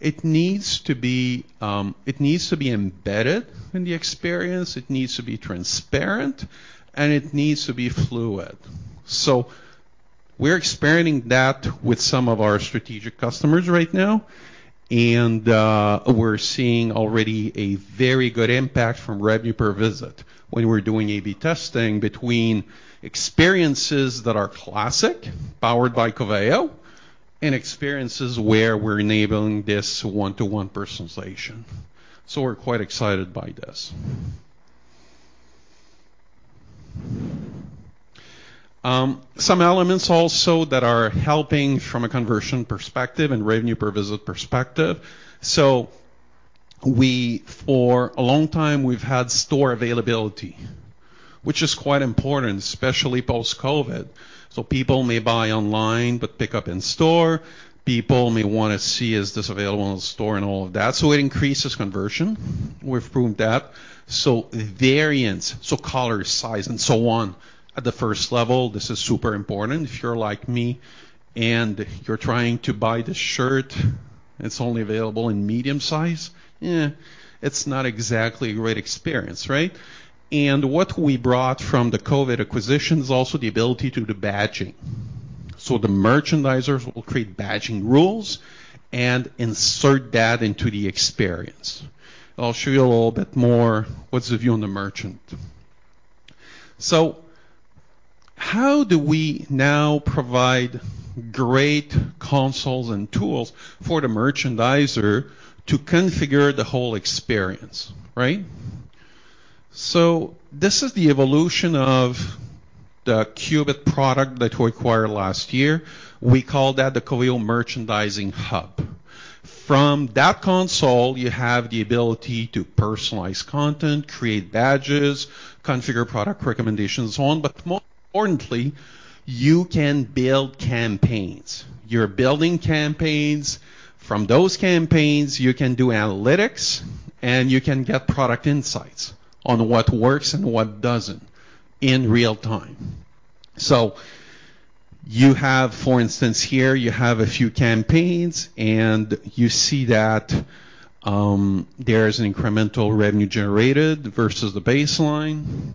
It needs to be embedded in the experience, it needs to be transparent, and it needs to be fluid. We're experimenting that with some of our strategic customers right now, and we're seeing already a very good impact from revenue per visit when we're doing A/B testing between experiences that are classic, powered by Coveo, and experiences where we're enabling this one-to-one personalization. We're quite excited by this. Some elements also that are helping from a conversion perspective and revenue per visit perspective. For a long time, we've had store availability, which is quite important, especially post-COVID. People may buy online, but pick up in store. People may wanna see is this available in store and all of that, so it increases conversion. We've proved that. Variance, so color, size, and so on at the first level, this is super important. If you're like me, and you're trying to buy this shirt, and it's only available in medium size, it's not exactly a great experience, right? What we brought from the Qubit acquisition is also the ability to do badging. The merchandisers will create badging rules and insert that into the experience. I'll show you a little bit more what's the view on the merchant. How do we now provide great consoles and tools for the merchandiser to configure the whole experience, right? This is the evolution of the Qubit product that we acquired last year. We call that the Coveo Merchandising Hub. From that console, you have the ability to personalize content, create badges, configure product recommendations, so on. More importantly, you can build campaigns. You're building campaigns. From those campaigns, you can do analytics, and you can get product insights on what works and what doesn't in real-time. You have, for instance, here you have a few campaigns, and you see that there is an incremental revenue generated versus the baseline.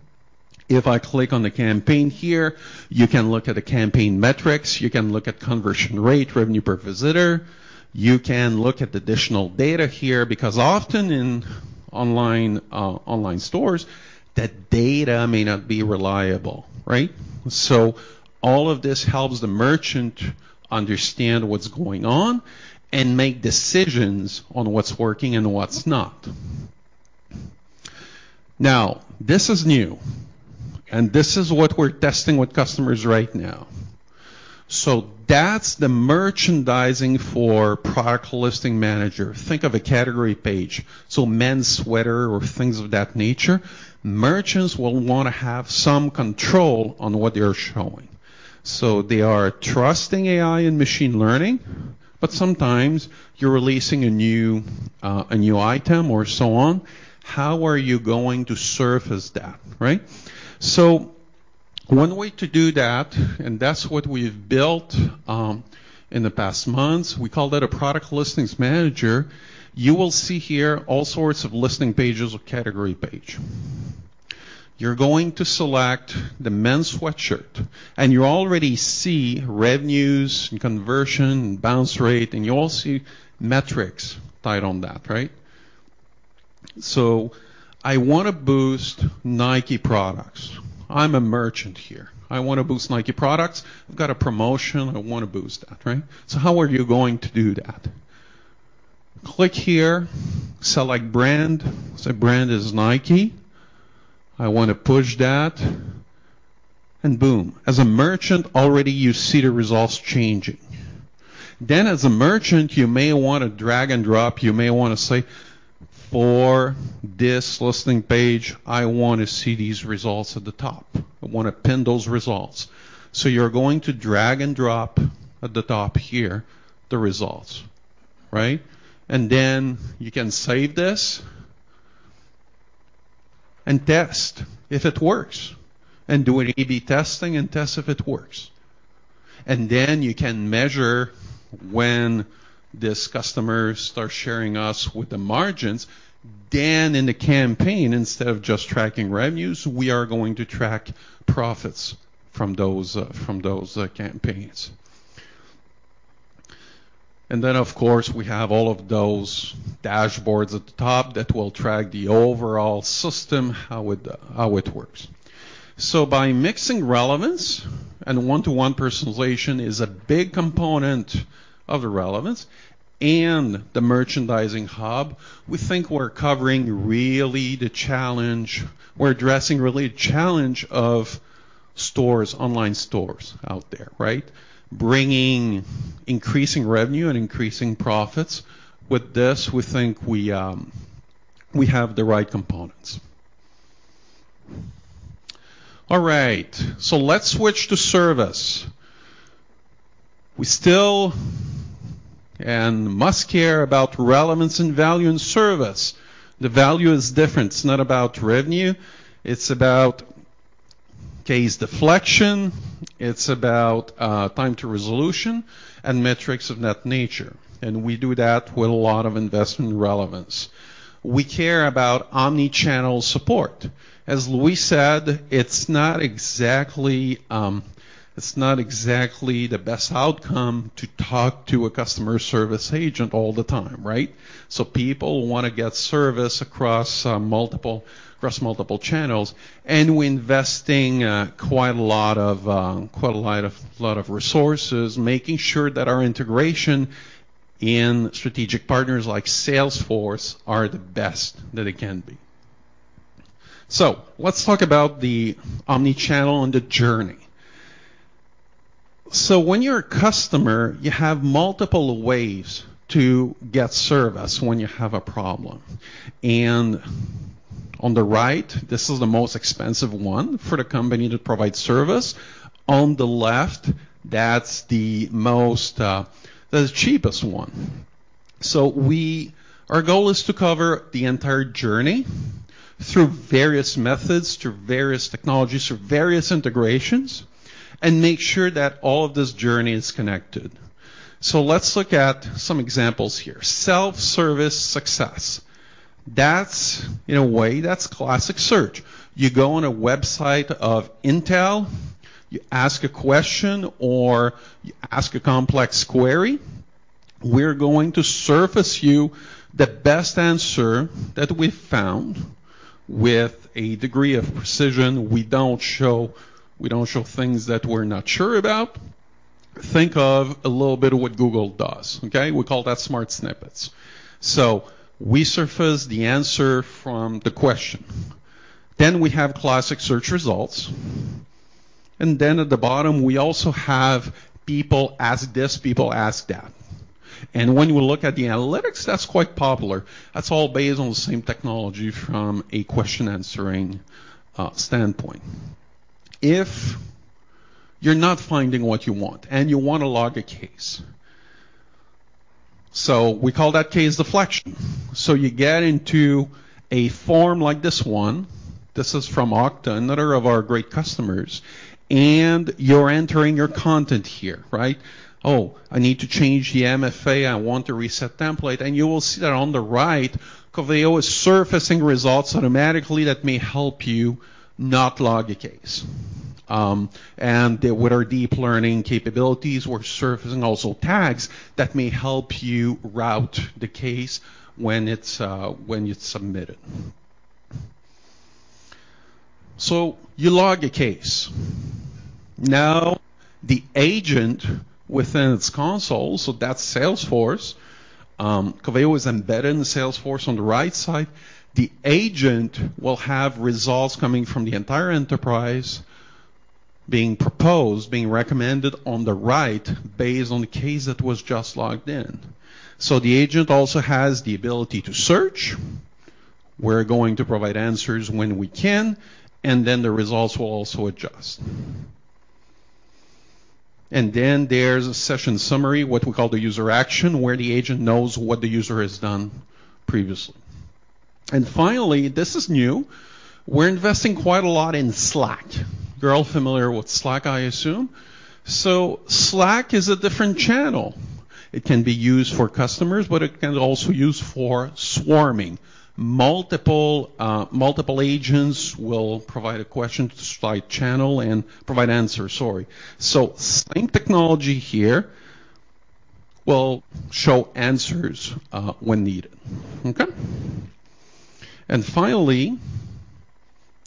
If I click on the campaign here, you can look at the campaign metrics. You can look at conversion rate, revenue per visitor. You can look at the additional data here, because often in online stores, that data may not be reliable, right? All of this helps the merchant understand what's going on and make decisions on what's working and what's not. Now, this is new, and this is what we're testing with customers right now. That's the merchandising for product listing manager. Think of a category page, so men's sweater or things of that nature. Merchants will wanna have some control on what they are showing. They are trusting AI and machine learning, but sometimes you're releasing a new item or so on. How are you going to surface that, right? One way to do that, and that's what we've built in the past months, we call that a product listings manager. You will see here all sorts of listing pages or category page. You're going to select the men's sweatshirt, and you already see revenues and conversion and bounce rate, and you all see metrics tied on that, right? I wanna boost Nike products. I'm a merchant here. I wanna boost Nike products. I've got a promotion. I wanna boost that, right? How are you going to do that? Click here, select brand. Say brand is Nike. I wanna push that, and boom. As a merchant, already you see the results changing. As a merchant, you may wanna drag and drop. You may wanna say, "For this listing page, I wanna see these results at the top. I wanna pin those results." You're going to drag and drop at the top here the results, right? You can save this and test if it works and do an A/B testing and test if it works. You can measure when this customer starts sharing with us the margins. In the campaign, instead of just tracking revenues, we are going to track profits from those campaigns. Of course, we have all of those dashboards at the top that will track the overall system, how it works. By mixing relevance, and one-to-one personalization is a big component of the relevance, and the Merchandising Hub, we think we're addressing really the challenge of stores, online stores out there, right? Bringing increasing revenue and increasing profits. With this, we think we have the right components. All right, let's switch to service. We still must care about relevance and value in service. The value is different. It's not about revenue, it's about case deflection, it's about time to resolution and metrics of that nature, and we do that with a lot of investment in relevance. We care about omni-channel support. As Louis said, it's not exactly the best outcome to talk to a customer service agent all the time, right? People wanna get service across multiple channels, and we're investing quite a lot of resources making sure that our integration with strategic partners like Salesforce are the best that it can be. Let's talk about the omni-channel and the journey. When you're a customer, you have multiple ways to get service when you have a problem. On the right, this is the most expensive one for the company to provide service. On the left, that's the cheapest one. Our goal is to cover the entire journey through various methods, through various technologies, through various integrations and make sure that all of this journey is connected. Let's look at some examples here. Self-service success. That's, in a way, classic search. You go on a website of Intel, you ask a question or you ask a complex query, we're going to surface you the best answer that we found with a degree of precision. We don't show things that we're not sure about. Think of a little bit of what Google does, okay? We call that Smart Snippets. We surface the answer from the question. Then we have classic search results, and then at the bottom, we also have people ask this, people ask that, and when you look at the analytics that's quite popular. That's all based on the same technology from a question answering standpoint. If you're not finding what you want and you wanna log a case, we call that case deflection. You get into a form like this one, this is from Okta, another of our great customers, and you're entering your content here, right? "Oh, I need to change the MFA, I want to reset template." And you will see that on the right Coveo is surfacing results automatically that may help you not log a case, and with our deep learning capabilities, we're surfacing also tags that may help you route the case when you submit it. You log a case. Now the agent within its console, so that's Salesforce, Coveo is embedded in Salesforce on the right side. The agent will have results coming from the entire enterprise being proposed, being recommended on the right based on the case that was just logged in. The agent also has the ability to search. We're going to provide answers when we can, and then the results will also adjust. There's a session summary, what we call the user action, where the agent knows what the user has done previously. Finally, this is new, we're investing quite a lot in Slack. You're all familiar with Slack, I assume. Slack is a different channel. It can be used for customers, but it can also use for swarming. Multiple agents will provide a question to Slack channel and provide answers, sorry. Same technology here will show answers when needed. Okay. Finally,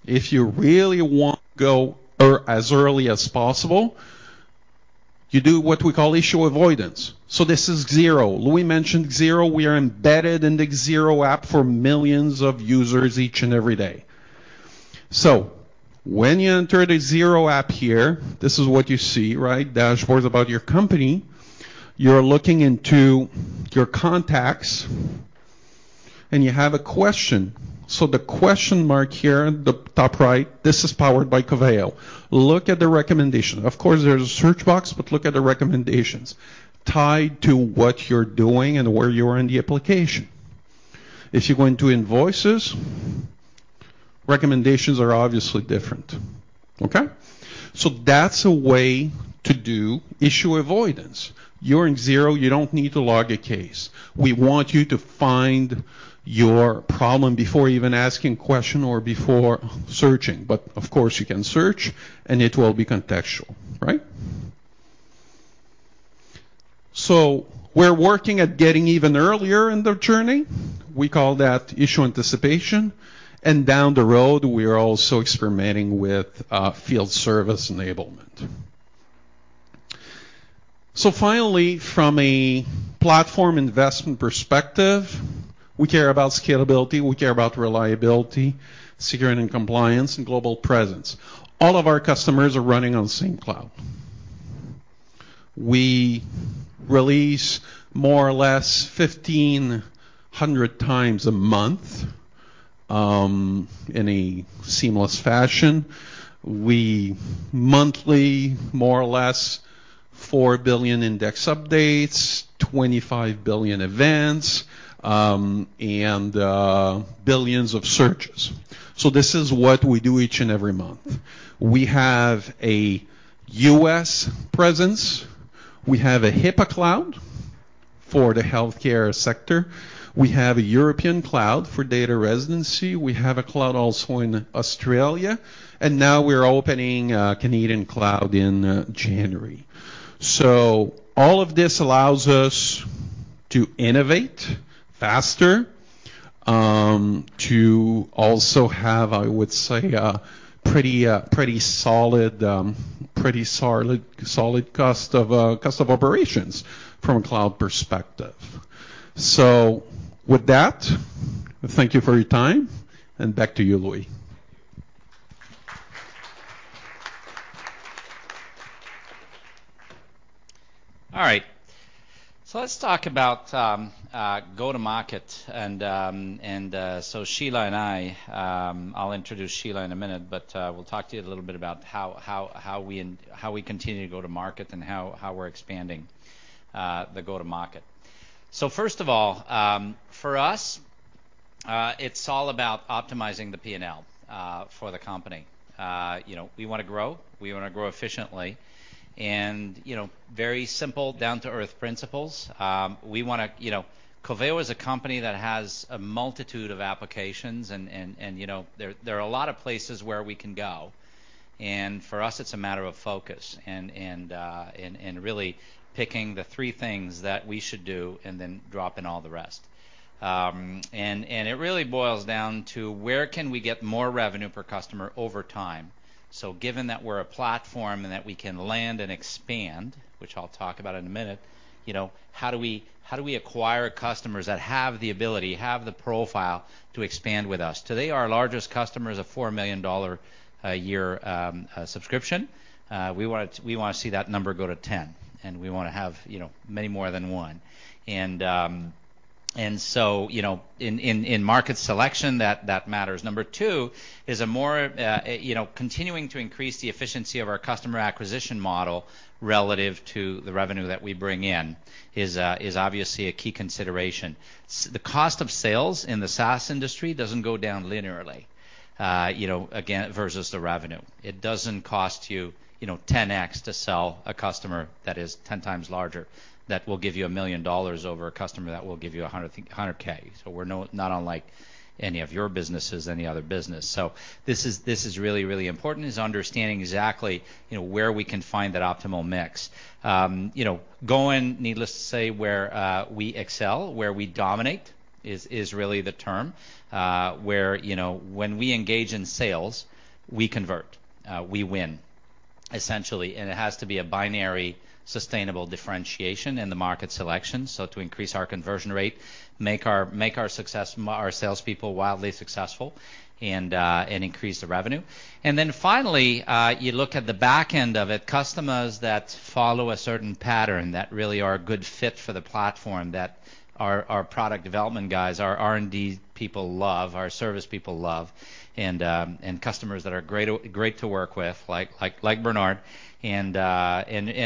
if you really want to go as early as possible, you do what we call issue avoidance. This is Xero. Louis mentioned Xero. We are embedded in the Xero app for millions of users each and every day. When you enter the Xero app here, this is what you see, right? Dashboards about your company. You're looking into your contacts and you have a question. The question mark here at the top right, this is powered by Coveo. Look at the recommendation. Of course there's a search box, but look at the recommendations tied to what you're doing and where you are in the application. If you go into invoices, recommendations are obviously different. Okay? That's a way to do issue avoidance. You're in Xero, you don't need to log a case. We want you to find your problem before even asking question or before searching, but of course you can search and it will be contextual, right? We're working at getting even earlier in the journey. We call that issue anticipation, and down the road we are also experimenting with field service enablement. Finally, from a platform investment perspective, we care about scalability, we care about reliability, security and compliance, and global presence. All of our customers are running on the same cloud. We release more or less 1,500 times a month in a seamless fashion. We monthly, more or less, 4 billion index updates, 25 billion events, and billions of searches. This is what we do each and every month. We have a U.S. presence. We have a HIPAA cloud for the healthcare sector. We have a European cloud for data residency. We have a cloud also in Australia, and now we're opening a Canadian cloud in January. All of this allows us to innovate faster, to also have, I would say, a pretty solid cost of operations from a cloud perspective. With that, thank you for your time, and back to you, Louis. All right. Let's talk about go-to-market and so Sheila and I. I'll introduce Sheila in a minute, but we'll talk to you a little bit about how we continue to go-to-market and how we're expanding the go-to-market. First of all, for us, it's all about optimizing the P&L for the company. You know, we wanna grow efficiently, and you know, very simple, down-to-earth principles. We wanna, you know, Coveo is a company that has a multitude of applications and you know, there are a lot of places where we can go, and for us it's a matter of focus and really picking the three things that we should do and then dropping all the rest. It really boils down to where can we get more revenue per customer over time? Given that we're a platform and that we can land and expand, which I'll talk about in a minute, you know, how do we acquire customers that have the ability, have the profile to expand with us? Today, our largest customer is a $4 million a year subscription. We wanna see that number go to $10 million, and we wanna have, you know, many more than one. You know, in market selection that matters. Number two is continuing to increase the efficiency of our customer acquisition model relative to the revenue that we bring in is obviously a key consideration. The cost of sales in the SaaS industry doesn't go down linearly, you know, again, versus the revenue. It doesn't cost you know, 10x to sell a customer that is 10 times larger, that will give you $1 million over a customer that will give you a $100K. We're not unlike any of your businesses, any other business. This is really, really important, is understanding exactly, you know, where we can find that optimal mix. You know, needless to say, where we excel, where we dominate is really the terrain where, you know, when we engage in sales, we convert, we win, essentially, and it has to be a very sustainable differentiation in the market selection, so to increase our conversion rate, make our salespeople wildly successful and increase the revenue. Finally, you look at the back end of it, customers that follow a certain pattern that really are a good fit for the platform that our product development guys, our R&D people love, our service people love, and customers that are great to work with like Bernard and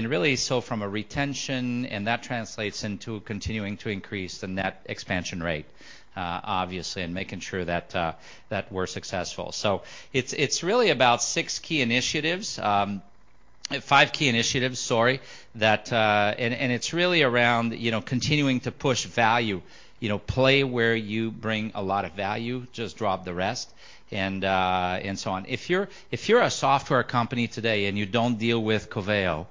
really so from a retention, and that translates into continuing to increase the net expansion rate, obviously, and making sure that we're successful. It's really about six key initiatives, five key initiatives, sorry, that and it's really around, you know, continuing to push value. You know, play where you bring a lot of value, just drop the rest, and so on. If you're a software company today and you don't deal with Coveo,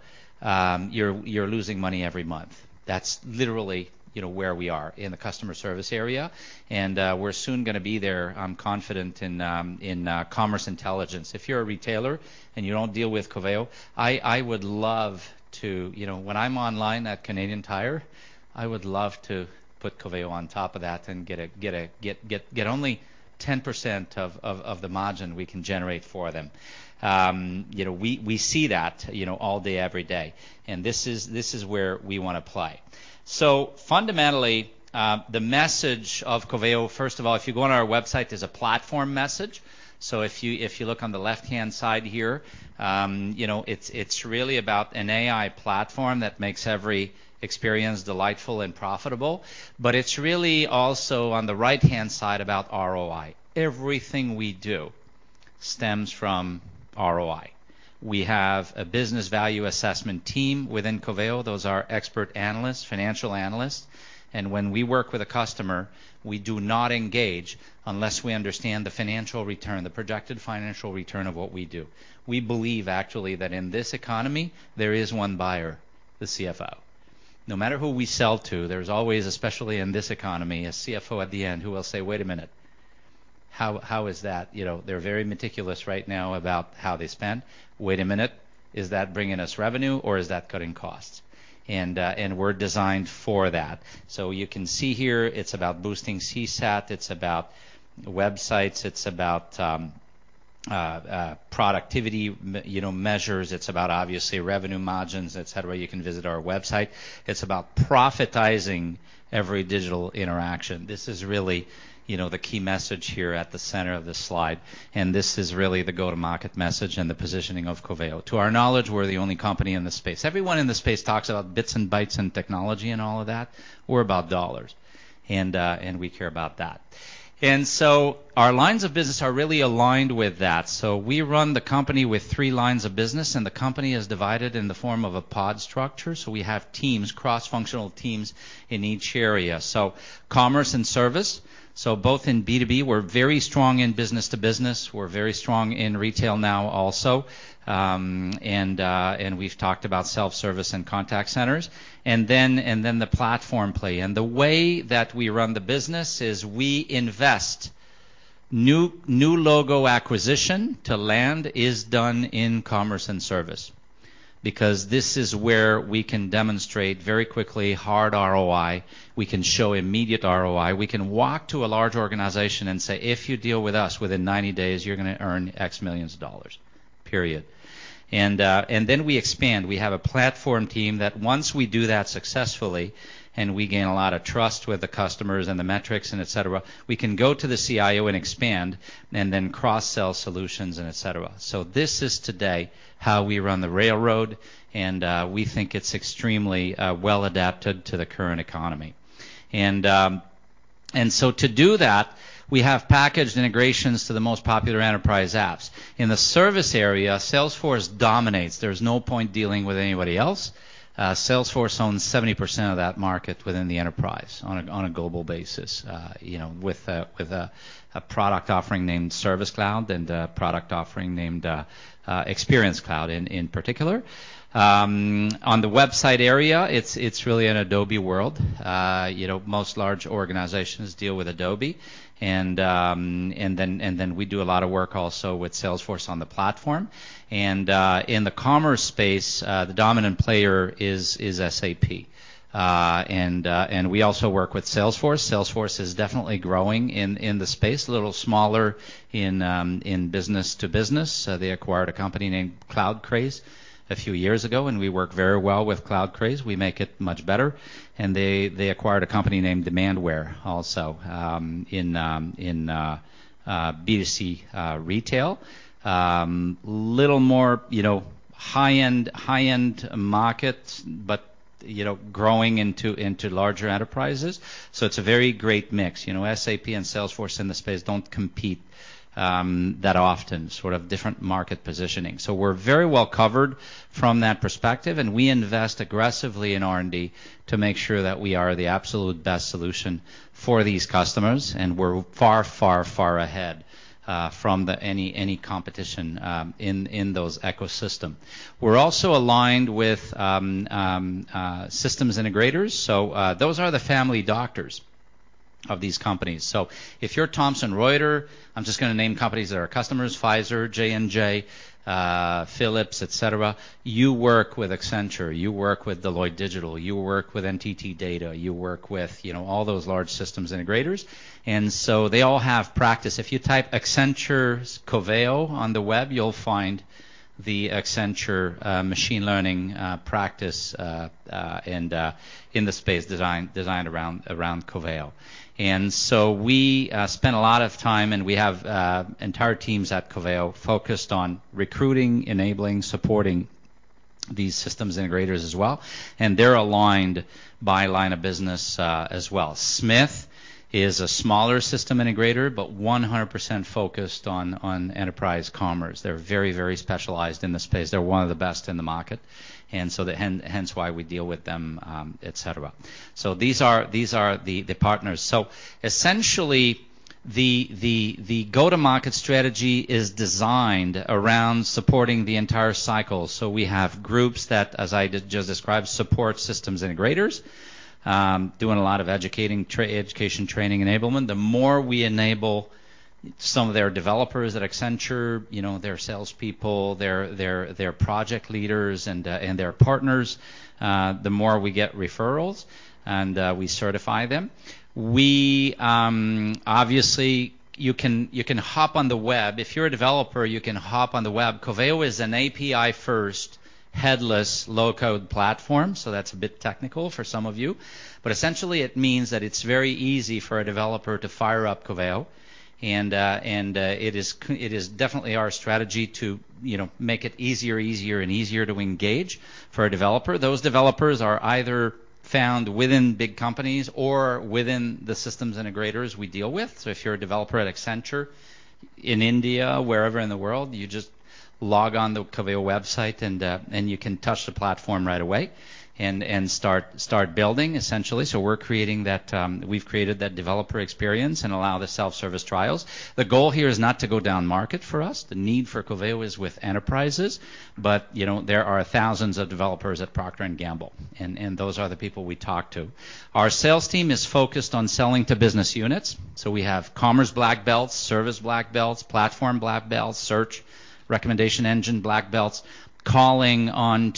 you're losing money every month. That's literally, you know, where we are in the customer service area, and we're soon gonna be there. I'm confident in commerce intelligence. If you're a retailer and you don't deal with Coveo, I would love to. You know, when I'm online at Canadian Tire, I would love to put Coveo on top of that and get only 10% of the margin we can generate for them. You know, we see that, you know, all day, every day, and this is where we wanna play. Fundamentally, the message of Coveo, first of all, if you go on our website, there's a platform message. If you look on the left-hand side here, you know, it's really about an AI platform that makes every experience delightful and profitable. It's really also on the right-hand side about ROI. Everything we do stems from ROI. We have a business value assessment team within Coveo. Those are expert analysts, financial analysts, and when we work with a customer, we do not engage unless we understand the financial return, the projected financial return of what we do. We believe actually that in this economy, there is one buyer, the CFO. No matter who we sell to, there's always, especially in this economy, a CFO at the end who will say, "Wait a minute. How is that?" You know, they're very meticulous right now about how they spend. "Wait a minute. Is that bringing us revenue, or is that cutting costs?" We're designed for that. You can see here it's about boosting CSAT, it's about websites, it's about productivity, you know, measures. It's about obviously revenue margins, et cetera. You can visit our website. It's about profitizing every digital interaction. This is really, you know, the key message here at the center of this slide, and this is really the go-to-market message and the positioning of Coveo. To our knowledge, we're the only company in this space. Everyone in this space talks about bits and bytes and technology and all of that. We're about dollars, and we care about that. Our lines of business are really aligned with that. We run the company with three lines of business, and the company is divided in the form of a pod structure, so we have teams, cross-functional teams in each area. Commerce and service, so both in B2B, we're very strong in business to business. We're very strong in retail now also. We've talked about self-service and contact centers. The platform play. The way that we run the business is we invest. New logo acquisition to land is done in commerce and service because this is where we can demonstrate very quickly hard ROI. We can show immediate ROI. We can walk to a large organization and say, "If you deal with us, within 90 days you're gonna earn $X million, period." We expand. We have a platform team that once we do that successfully, and we gain a lot of trust with the customers and the metrics and et cetera, we can go to the CIO and expand and then cross-sell solutions and et cetera. This is today how we run the railroad, and we think it's extremely well-adapted to the current economy. To do that, we have packaged integrations to the most popular enterprise apps. In the service area, Salesforce dominates. There's no point dealing with anybody else. Salesforce owns 70% of that market within the enterprise on a global basis with a product offering named Service Cloud and a product offering named Experience Cloud in particular. On the website area, it's really an Adobe world. You know, most large organizations deal with Adobe, and then we do a lot of work also with Salesforce on the platform. In the commerce space, the dominant player is SAP. We also work with Salesforce. Salesforce is definitely growing in the space, a little smaller in business to business. They acquired a company named CloudCraze a few years ago, and we work very well with CloudCraze. We make it much better. They acquired a company named Demandware also in B2C retail. Little more, you know, high-end markets but, you know, growing into larger enterprises, so it's a very great mix. You know, SAP and Salesforce in the space don't compete that often, sort of different market positioning. We're very well covered from that perspective, and we invest aggressively in R&D to make sure that we are the absolute best solution for these customers, and we're far ahead from any competition in those ecosystems. We're also aligned with systems integrators, so those are the family doctors of these companies. If you're Thomson Reuters, I'm just gonna name companies that are customers, Pfizer, J&J, Philips, et cetera, you work with Accenture, you work with Deloitte Digital, you work with NTT Data, you work with, you know, all those large systems integrators. They all have practices. If you type Accenture's Coveo on the web, you'll find the Accenture machine learning practice in the space designed around Coveo. We spend a lot of time, and we have entire teams at Coveo focused on recruiting, enabling, supporting these systems integrators as well, and they're aligned by line of business, as well. Smith is a smaller system integrator, but 100% focused on enterprise commerce. They're very specialized in this space. They're one of the best in the market, and hence why we deal with them, et cetera. These are the partners. Essentially, the go-to-market strategy is designed around supporting the entire cycle. We have groups that, as I just described, support systems integrators, doing a lot of educating, education training enablement. The more we enable some of their developers at Accenture, you know, their salespeople, their project leaders and their partners, the more we get referrals, and we certify them. Obviously, you can hop on the web. If you're a developer, you can hop on the web. Coveo is an API first headless low-code platform, so that's a bit technical for some of you. But essentially it means that it's very easy for a developer to fire up Coveo and it is definitely our strategy to, you know, make it easier and easier to engage for a developer. Those developers are either found within big companies or within the systems integrators we deal with. If you're a developer at Accenture in India, wherever in the world, you just log on the Coveo website and you can touch the platform right away and start building essentially. We're creating that, we've created that developer experience and allow the self-service trials. The goal here is not to go down market for us. The need for Coveo is with enterprises, but you know there are thousands of developers at Procter & Gamble, and those are the people we talk to. Our sales team is focused on selling to business units, so we have commerce black belts, service black belts, platform black belts, search recommendation engine black belts, calling on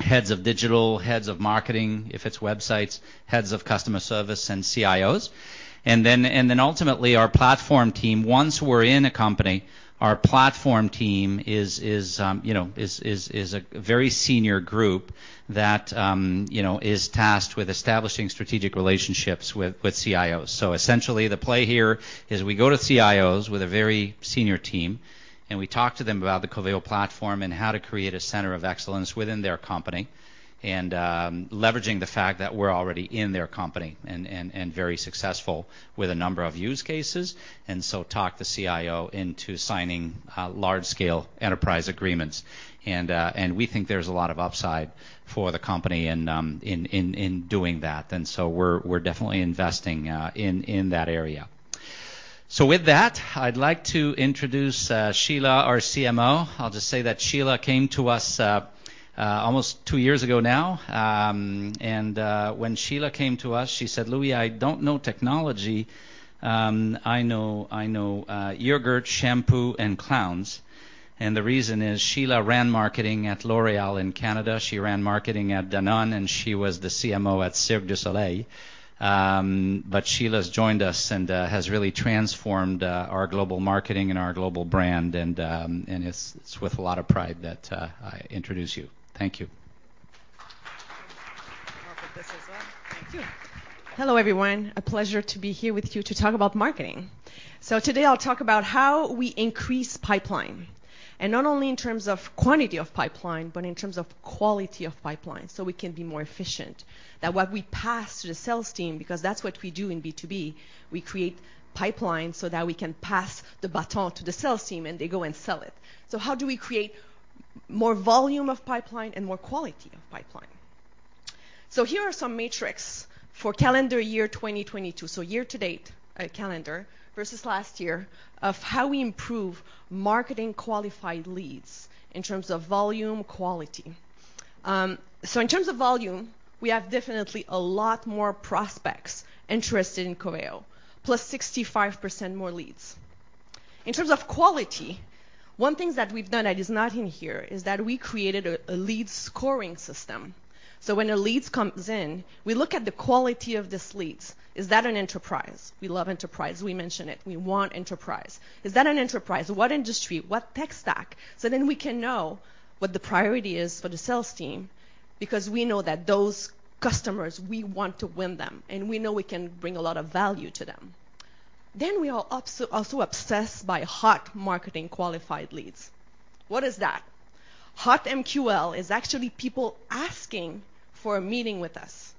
heads of digital, heads of marketing, if it's websites, heads of customer service and CIOs. Ultimately our platform team, once we're in a company, our platform team is you know a very senior group that you know is tasked with establishing strategic relationships with CIOs. Essentially the play here is we go to CIOs with a very senior team, and we talk to them about the Coveo platform and how to create a center of excellence within their company and leveraging the fact that we're already in their company and very successful with a number of use cases, and so talk the CIO into signing large scale enterprise agreements. We think there's a lot of upside for the company in doing that. We're definitely investing in that area. With that, I'd like to introduce Sheila, our CMO. I'll just say that Sheila came to us almost two years ago now, and when Sheila came to us, she said, "Louis Têtu, I don't know technology, I know yogurt, shampoo, and clowns." The reason is Sheila ran marketing at L'Oréal in Canada. She ran marketing at Danone, and she was the CMO at Cirque du Soleil. Sheila's joined us and has really transformed our global marketing and our global brand, and it's with a lot of pride that I introduce you. Thank you. I'll put this as well. Thank you. Hello, everyone. A pleasure to be here with you to talk about marketing. Today I'll talk about how we increase pipeline, and not only in terms of quantity of pipeline, but in terms of quality of pipeline, so we can be more efficient. That's what we pass to the sales team, because that's what we do in B2B, we create pipeline so that we can pass the baton to the sales team, and they go and sell it. How do we create more volume of pipeline and more quality of pipeline? Here are some metrics for calendar year 2022, so year to date, calendar versus last year, of how we improve marketing qualified leads in terms of volume quality. In terms of volume, we have definitely a lot more prospects interested in Coveo, plus 65% more leads. In terms of quality, one thing that we've done that is not in here is that we created a lead scoring system. When a lead comes in, we look at the quality of this lead. Is that an enterprise? We love enterprise. We mention it. We want enterprise. Is that an enterprise? What industry? What tech stack? Then we can know what the priority is for the sales team because we know that those customers, we want to win them, and we know we can bring a lot of value to them. We are also obsessed by hot marketing qualified leads. What is that? Hot MQL is actually people asking for a meeting with us.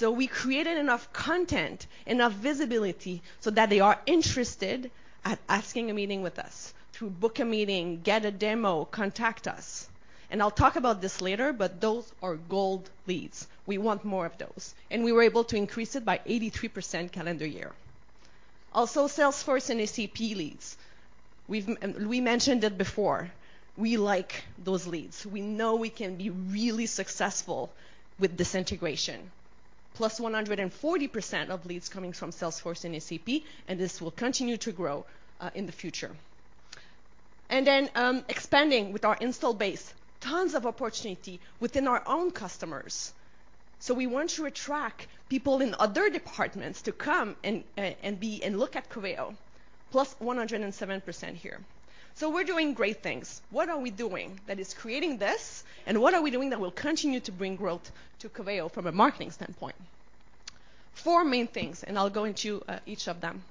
We created enough content, enough visibility, so that they are interested in asking a meeting with us, through book a meeting, get a demo, contact us. I'll talk about this later, but those are gold leads. We want more of those. We were able to increase it by 83% calendar year. Also, Salesforce and SAP leads. We mentioned it before. We like those leads. We know we can be really successful with this integration. Plus 140% of leads coming from Salesforce and ACP, and this will continue to grow in the future. Expanding with our installed base, tons of opportunity within our own customers. We want to attract people in other departments to come and look at Coveo, plus 107% here. We're doing great things. What are we doing that is creating this, and what are we doing that will continue to bring growth to Coveo from a marketing standpoint? Four main things, and I'll go into each of them.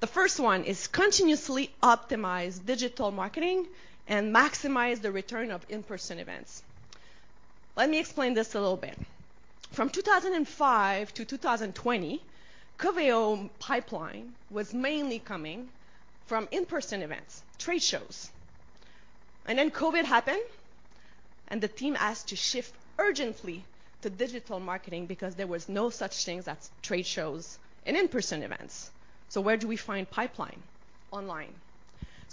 The first one is continuously optimize digital marketing and maximize the return of in-person events. Let me explain this a little bit. From 2005 to 2020, Coveo pipeline was mainly coming from in-person events, trade shows. Then COVID happened, and the team asked to shift urgently to digital marketing because there was no such things as trade shows and in-person events. Where do we find pipeline? Online.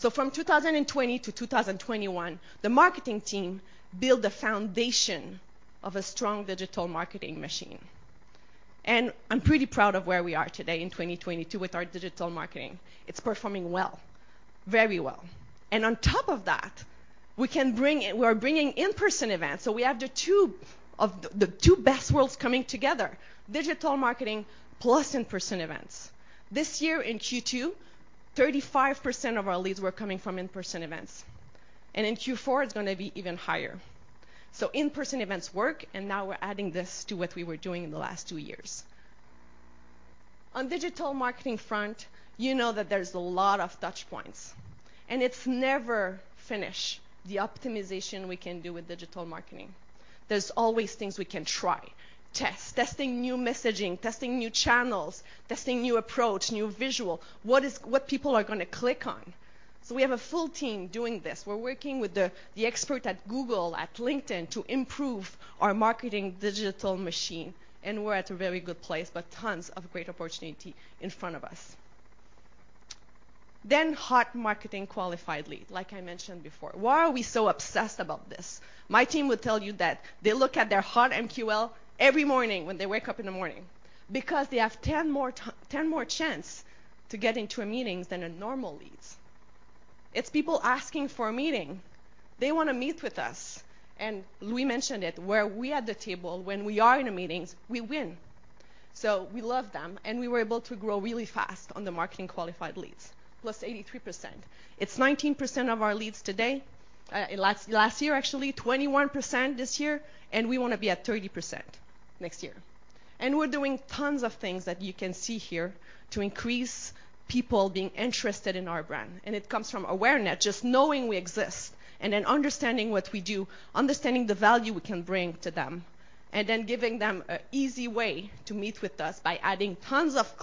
From 2020 to 2021, the marketing team built the foundation of a strong digital marketing machine. I'm pretty proud of where we are today in 2022 with our digital marketing. It's performing well, very well. On top of that, we're bringing in-person events. We have the two best worlds coming together, digital marketing plus in-person events. This year in Q2, 35% of our leads were coming from in-person events. In Q4, it's gonna be even higher. In-person events work, and now we're adding this to what we were doing in the last two years. On digital marketing front, you know that there's a lot of touch points, and it's never finish, the optimization we can do with digital marketing. There's always things we can try. Test. Testing new messaging, testing new channels, testing new approach, new visual. What people are gonna click on. We have a full team doing this. We're working with the expert at Google, at LinkedIn to improve our marketing digital machine, and we're at a very good place, but tons of great opportunity in front of us. Hot marketing qualified lead, like I mentioned before. Why are we so obsessed about this? My team would tell you that they look at their hot MQL every morning when they wake up in the morning because they have 10 more chance to get into a meetings than a normal leads. It's people asking for a meeting. They wanna meet with us, and Louis mentioned it, we're at the table, when we are in the meetings, we win. We love them, and we were able to grow really fast on the marketing qualified leads, plus 83%. It's 19% of our leads today, in last year actually, 21% this year, and we wanna be at 30% next year. We're doing tons of things that you can see here to increase people being interested in our brand, and it comes from awareness, just knowing we exist and then understanding what we do, understanding the value we can bring to them, and then giving them a easy way to meet with us by adding tons of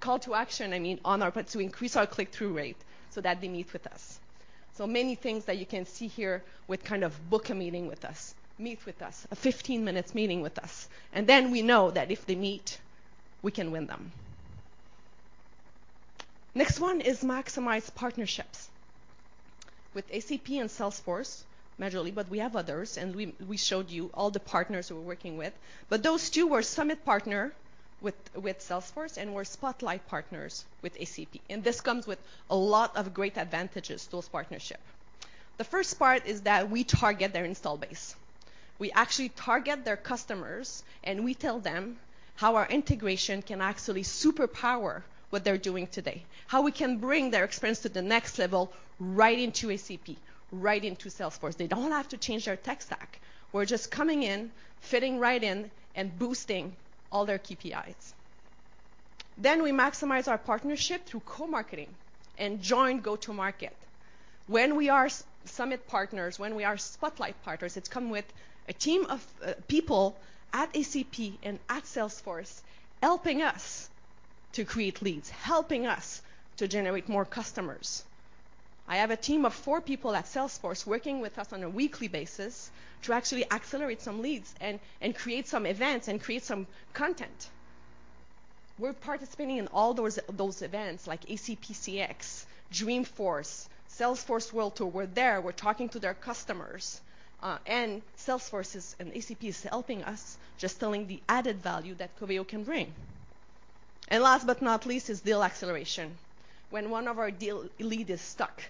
call to action, I mean, to increase our click-through rate so that they meet with us. Many things that you can see here with kind of book a meeting with us, meet with us, a 15-minute meeting with us, and then we know that if they meet, we can win them. Next one is maximize partnerships. With ACP and Salesforce majorly, but we have others, and we showed you all the partners we're working with, but those two were summit partner with Salesforce and were spotlight partners with ACP, and this comes with a lot of great advantages, those partnerships. The first part is that we target their installed base. We actually target their customers, and we tell them how our integration can actually superpower what they're doing today, how we can bring their experience to the next level right into ACP, right into Salesforce. They don't have to change their tech stack. We're just coming in, fitting right in, and boosting all their KPIs. We maximize our partnership through co-marketing and joint go-to-market. When we are summit partners, when we are spotlight partners, it comes with a team of people at ACP and at Salesforce helping us to create leads, helping us to generate more customers. I have a team of four people at Salesforce working with us on a weekly basis to actually accelerate some leads and create some events and create some content. We're participating in all those events like ACP CX, Dreamforce, Salesforce World Tour. We're there. We're talking to their customers, and Salesforce is and ACP is helping us just telling the added value that Coveo can bring. Last but not least is deal acceleration. When one of our deal lead is stuck,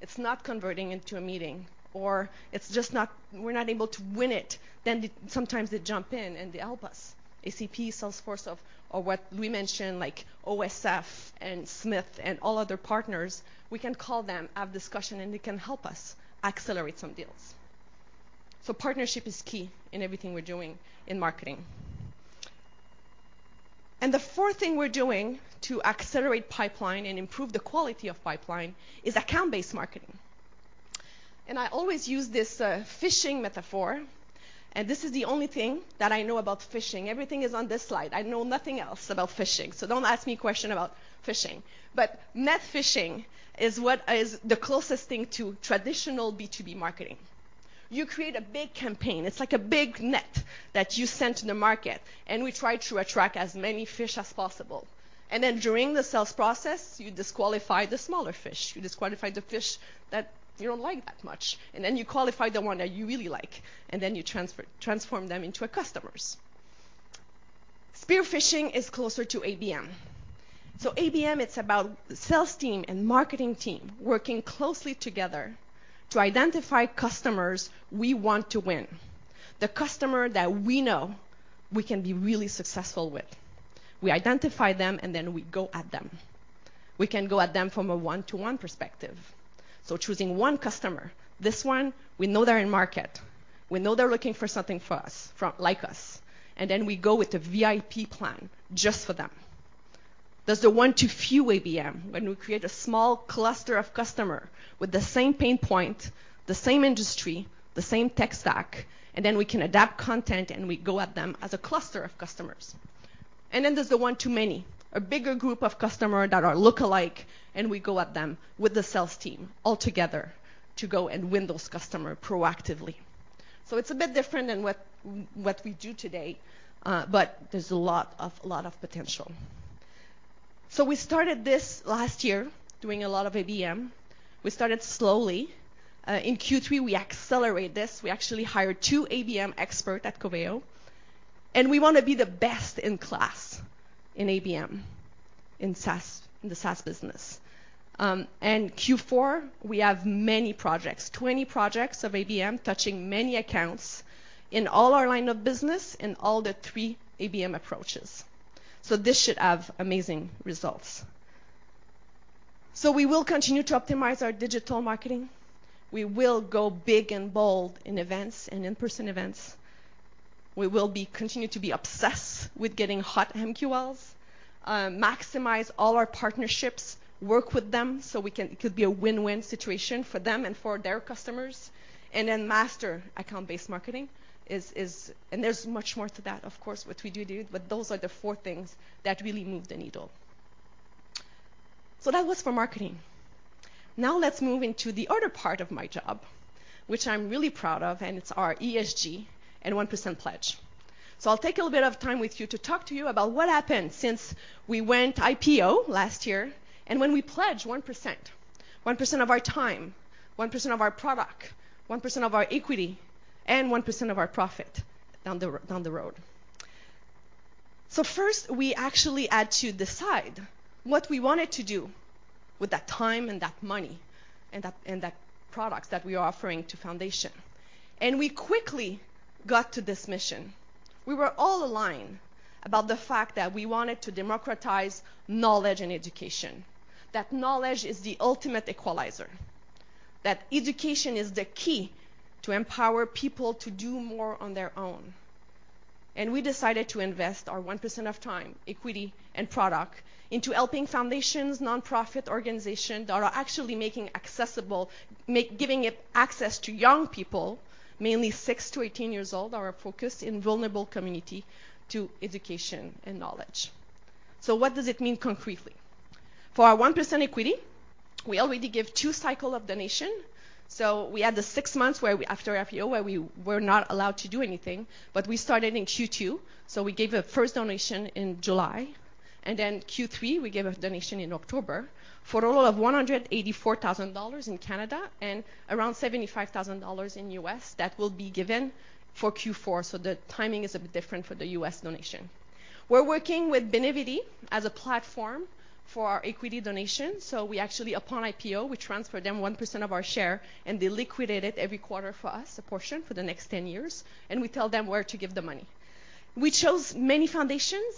it's not converting into a meeting, or it's just not we're not able to win it, then they sometimes jump in and they help us. ACP, Salesforce or what we mentioned, like OSF and Smith and all other partners, we can call them, have discussion, and they can help us accelerate some deals. Partnership is key in everything we're doing in marketing. The fourth thing we're doing to accelerate pipeline and improve the quality of pipeline is account-based marketing. I always use this fishing metaphor, and this is the only thing that I know about fishing. Everything is on this slide. I know nothing else about fishing, so don't ask me question about fishing. Net fishing is what is the closest thing to traditional B2B marketing. You create a big campaign. It's like a big net that you send to the market, and we try to attract as many fish as possible. Then during the sales process, you disqualify the smaller fish. You disqualify the fish that you don't like that much, and then you qualify the one that you really like, and then you transform them into customers. Spear fishing is closer to ABM. ABM, it's about sales team and marketing team working closely together to identify customers we want to win, the customer that we know we can be really successful with. We identify them, and then we go at them. We can go at them from a one-to-one perspective, so choosing one customer. This one, we know they're in market. We know they're looking for something for us, like us, and then we go with the VIP plan just for them. There's the one-to-few ABM, when we create a small cluster of customer with the same pain point, the same industry, the same tech stack, and then we can adapt content, and we go at them as a cluster of customers. There's the one-to-many, a bigger group of customer that are look-alike, and we go at them with the sales team all together to go and win those customer proactively. It's a bit different than what we do today, but there's a lot of potential. We started this last year, doing a lot of ABM. We started slowly. In Q3, we accelerate this. We actually hired 2 ABM expert at Coveo, and we wanna be the best in class in ABM in SaaS, in the SaaS business. Q4, we have many projects, 20 projects of ABM touching many accounts in all our line of business in all the three ABM approaches. This should have amazing results. We will continue to optimize our digital marketing. We will go big and bold in events and in-person events. We will continue to be obsessed with getting hot MQLs, maximize all our partnerships, work with them, it could be a win-win situation for them and for their customers, and then master account-based marketing is. There's much more to that, of course, what we do, but those are the four things that really move the needle. That was for marketing. Now let's move into the other part of my job, which I'm really proud of, and it's our ESG and 1% Pledge. I'll take a little bit of time with you to talk to you about what happened since we went IPO last year and when we pledged 1%, 1% of our time, 1% of our product, 1% of our equity, and 1% of our profit down the road. First, we actually had to decide what we wanted to do with that time and that money and that products that we are offering to foundation. We quickly got to this mission. We were all aligned about the fact that we wanted to democratize knowledge and education. That knowledge is the ultimate equalizer. That education is the key to empower people to do more on their own. We decided to invest our 1% of time, equity, and product into helping foundations, nonprofit organizations that are actually making accessible, giving it access to young people, mainly 6 to 18 years old, are focused in vulnerable communities to education and knowledge. What does it mean concretely? For our 1% equity, we already give two cycles of donations. We had the 6 months where we, after IPO, where we were not allowed to do anything, but we started in Q2, so we gave a first donation in July, and then Q3, we gave a donation in October for a total of 184,000 dollars in Canada and around $75,000 in US that will be given for Q4. The timing is a bit different for the US donation. We're working with Benevity as a platform for our equity donations, so we actually, upon IPO, we transfer them 1% of our share, and they liquidate it every quarter for us, a portion for the next 10 years, and we tell them where to give the money. We chose many foundations.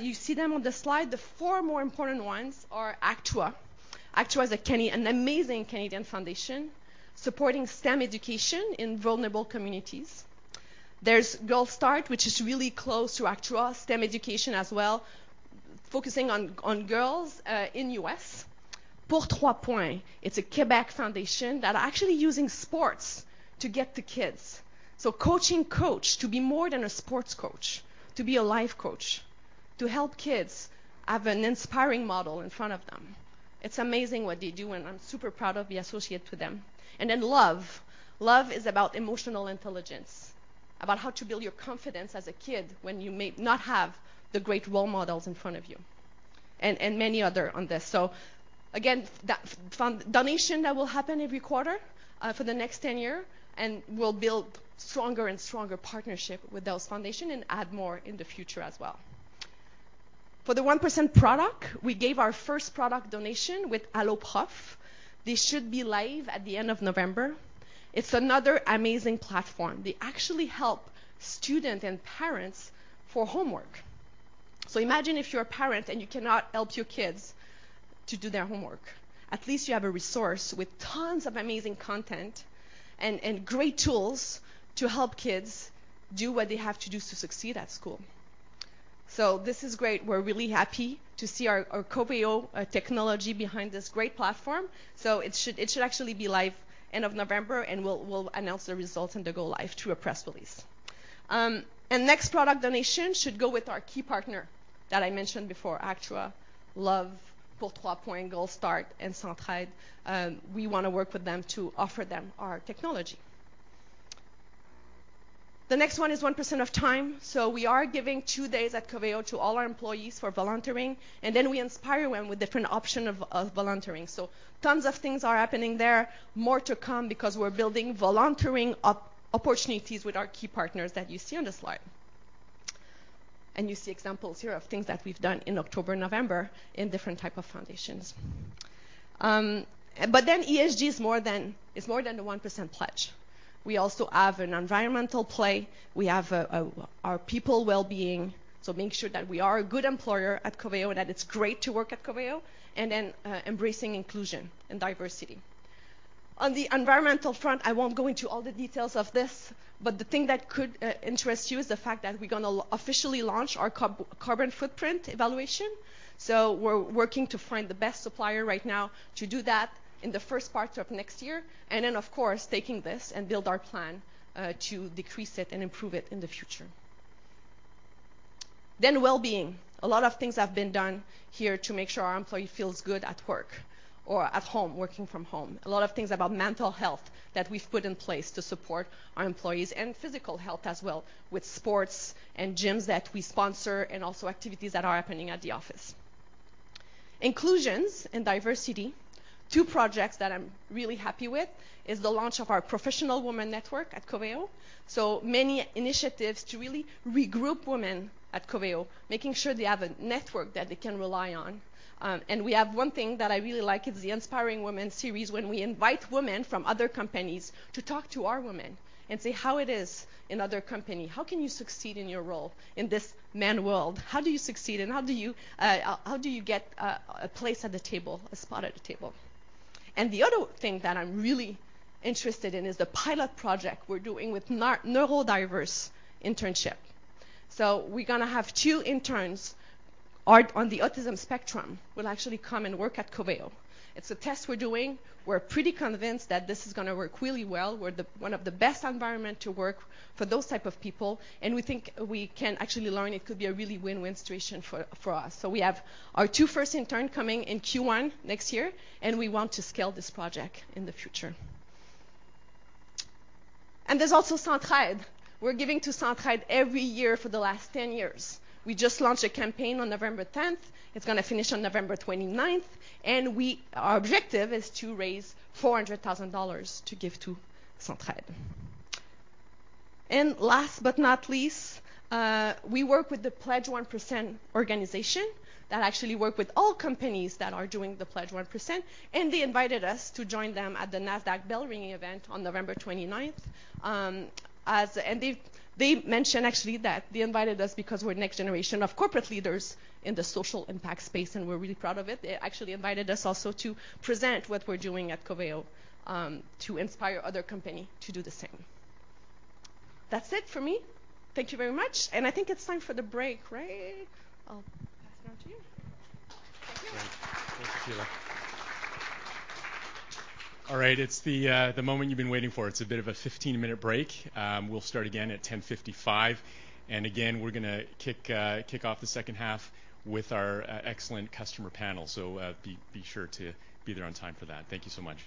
You see them on the slide. The four more important ones are Actua. Actua is an amazing Canadian foundation supporting STEM education in vulnerable communities. There's Girlstart, which is really close to Actua, STEM education as well, focusing on girls in U.S. Pour 3 Points. It's a Quebec foundation that are actually using sports to get the kids. So coaching coaches to be more than a sports coach, to be a life coach, to help kids have an inspiring model in front of them. It's amazing what they do, and I'm super proud to be associated with them. Then LOVE. LOVE is about emotional intelligence, about how to build your confidence as a kid when you may not have the great role models in front of you and many other on this. Again, that fund donation that will happen every quarter for the next 10 year and will build stronger and stronger partnership with those foundation and add more in the future as well. For the Pledge 1% product, we gave our first product donation with Alloprof. This should be live at the end of November. It's another amazing platform. They actually help student and parents for homework. Imagine if you're a parent and you cannot help your kids to do their homework. At least you have a resource with tons of amazing content and great tools to help kids do what they have to do to succeed at school. This is great. We're really happy to see our Coveo technology behind this great platform. It should actually be live end of November, and we'll announce the results and the go live through a press release. Next product donation should go with our key partner that I mentioned before, Actua, LOVE, Pour 3 Points, Girlstart, and Centraide. We wanna work with them to offer them our technology. The next one is one percent of time. We are giving two days at Coveo to all our employees for volunteering, and then we inspire them with different option of volunteering. Tons of things are happening there. More to come because we're building volunteering opportunities with our key partners that you see on the slide. You see examples here of things that we've done in October, November in different type of foundations. ESG is more than, it's more than the one percent pledge. We also have an environmental play. We have our people well-being, so making sure that we are a good employer at Coveo, that it's great to work at Coveo, and then embracing inclusion and diversity. On the environmental front, I won't go into all the details of this, but the thing that could interest you is the fact that we're gonna officially launch our carbon footprint evaluation. We're working to find the best supplier right now to do that in the first part of next year, and then of course, taking this and build our plan to decrease it and improve it in the future. Well-being. A lot of things have been done here to make sure our employee feels good at work or at home, working from home. A lot of things about mental health that we've put in place to support our employees and physical health as well with sports and gyms that we sponsor, and also activities that are happening at the office. Inclusion and diversity. Two projects that I'm really happy with is the launch of our Professional Women's Network at Coveo. Many initiatives to really regroup women at Coveo, making sure they have a network that they can rely on. We have one thing that I really like is the Inspiring Women series, when we invite women from other companies to talk to our women and say how it is in other company. How can you succeed in your role in this man's world? How do you succeed, and how do you get a place at the table, a spot at the table? The other thing that I'm really interested in is the pilot project we're doing with neurodiverse internship. We're gonna have two interns on the autism spectrum who will actually come and work at Coveo. It's a test we're doing. We're pretty convinced that this is gonna work really well. We're one of the best environments to work for those type of people, and we think we can actually learn. It could be a really win-win situation for us. We have our two first intern coming in Q1 next year, and we want to scale this project in the future. There's also Centraide. We're giving to Centraide every year for the last 10 years. We just launched a campaign on November 10. It's gonna finish on November 29, and our objective is to raise $400,000 to give to Centraide. Last but not least, we work with the Pledge 1% organization that actually work with all companies that are doing the Pledge 1%, and they invited us to join them at the Nasdaq bell ringing event on November 29. They mentioned actually that they invited us because we're next generation of corporate leaders in the social impact space, and we're really proud of it. They actually invited us also to present what we're doing at Coveo, to inspire other company to do the same. That's it for me. Thank you very much, and I think it's time for the break, right? I'll pass it on to you. Thank you. Thank you, Sheila. All right, it's the moment you've been waiting for. It's a bit of a 15-minute break. We'll start again at 10:55. Again, we're gonna kick off the second half with our excellent customer panel. Be sure to be there on time for that. Thank you so much.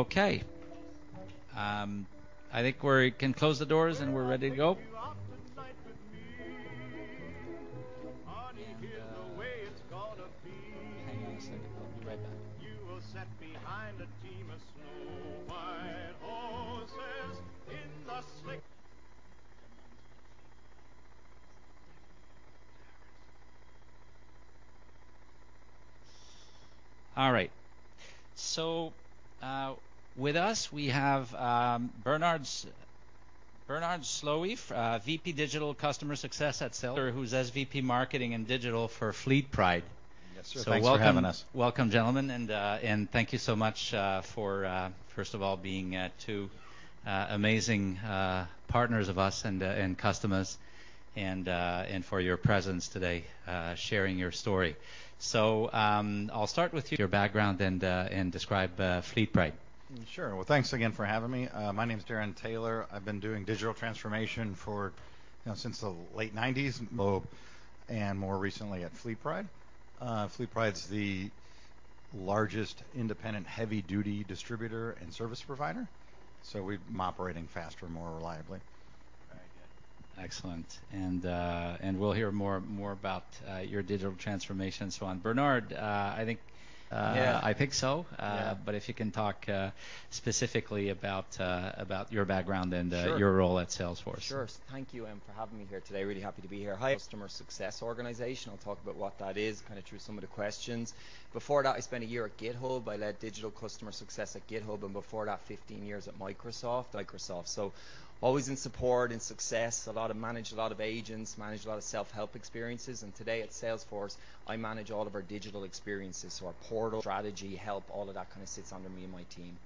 Okay. I think we can close the doors and we're ready to go. Hang on a second. I'll be right back. All right. With us, we have Bernard Slowey, VP Digital Customer Success at Salesforce or who's SVP Marketing and Digital for FleetPride. Yes, sir. Thanks for having us. Welcome, gentlemen. Thank you so much for first of all being two amazing partners of us and customers and for your presence today sharing your story. I'll start with you, your background and describe FleetPride. Sure. Well, thanks again for having me. My name's Darren Taylor. I've been doing digital transformation for, you know, since the late nineties and more recently at FleetPride. FleetPride's the largest independent heavy-duty distributor and service provider, so we've been operating faster and more reliably. Very good. Excellent. We'll hear more about your digital transformation and so on. Bernard, I think, Yeah. I think so. Yeah. If you can talk specifically about your background and. Sure. your role at Salesforce. Sure. Thank you for having me here today. Really happy to be here. I head customer success organization. I'll talk about what that is kinda through some of the questions. Before that, I spent a year at GitHub. I led digital customer success at GitHub, and before that, 15 years at Microsoft. Always in support and success, a lot of managed a lot of agents, managed a lot of self-help experiences, and today at Salesforce, I manage all of our digital experiences. Our portal, strategy, help, all of that kinda sits under me and my team.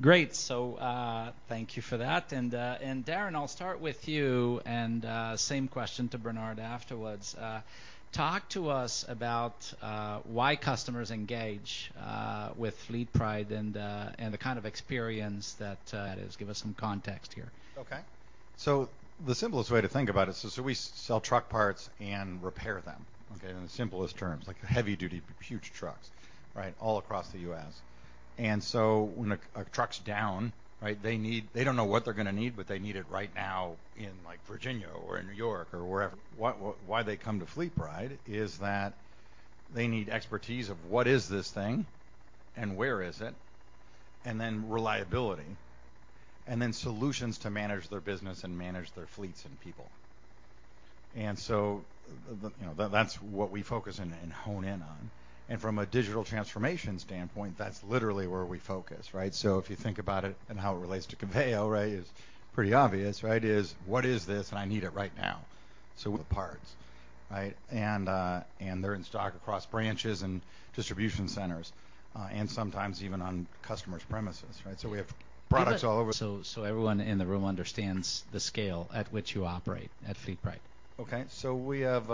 Great. Thank you for that. Darren, I'll start with you and same question to Bernard afterwards. Talk to us about why customers engage with FleetPride and the kind of experience that is. Give us some context here. Okay. The simplest way to think about it is, we sell truck parts and repair them, okay, in the simplest terms. Like heavy duty, huge trucks, right? All across the U.S. When a truck's down, right, they need. They don't know what they're gonna need, but they need it right now in like Virginia or in New York or wherever. Why they come to FleetPride is that they need expertise of what is this thing and where is it, and then reliability, and then solutions to manage their business and manage their fleets and people. You know, that's what we focus and hone in on. From a digital transformation standpoint, that's literally where we focus, right? If you think about it and how it relates to Coveo, right, is pretty obvious, right, is what is this and I need it right now? The parts, right? They're in stock across branches and distribution centers, and sometimes even on customer's premises, right? We have products all over. Give us so everyone in the room understands the scale at which you operate at FleetPride. Okay. We have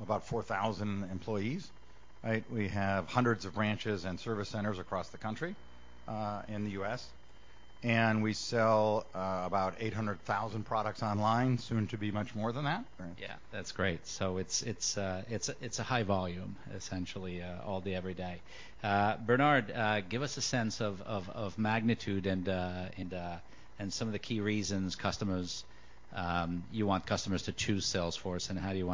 about 4,000 employees, right? We have hundreds of branches and service centers across the country in the US, and we sell about 800,000 products online, soon to be much more than that. Yeah. That's great. It's a high volume essentially, all day, every day. Bernard, give us a sense of magnitude and some of the key reasons customers you want customers to choose Salesforce, and how do you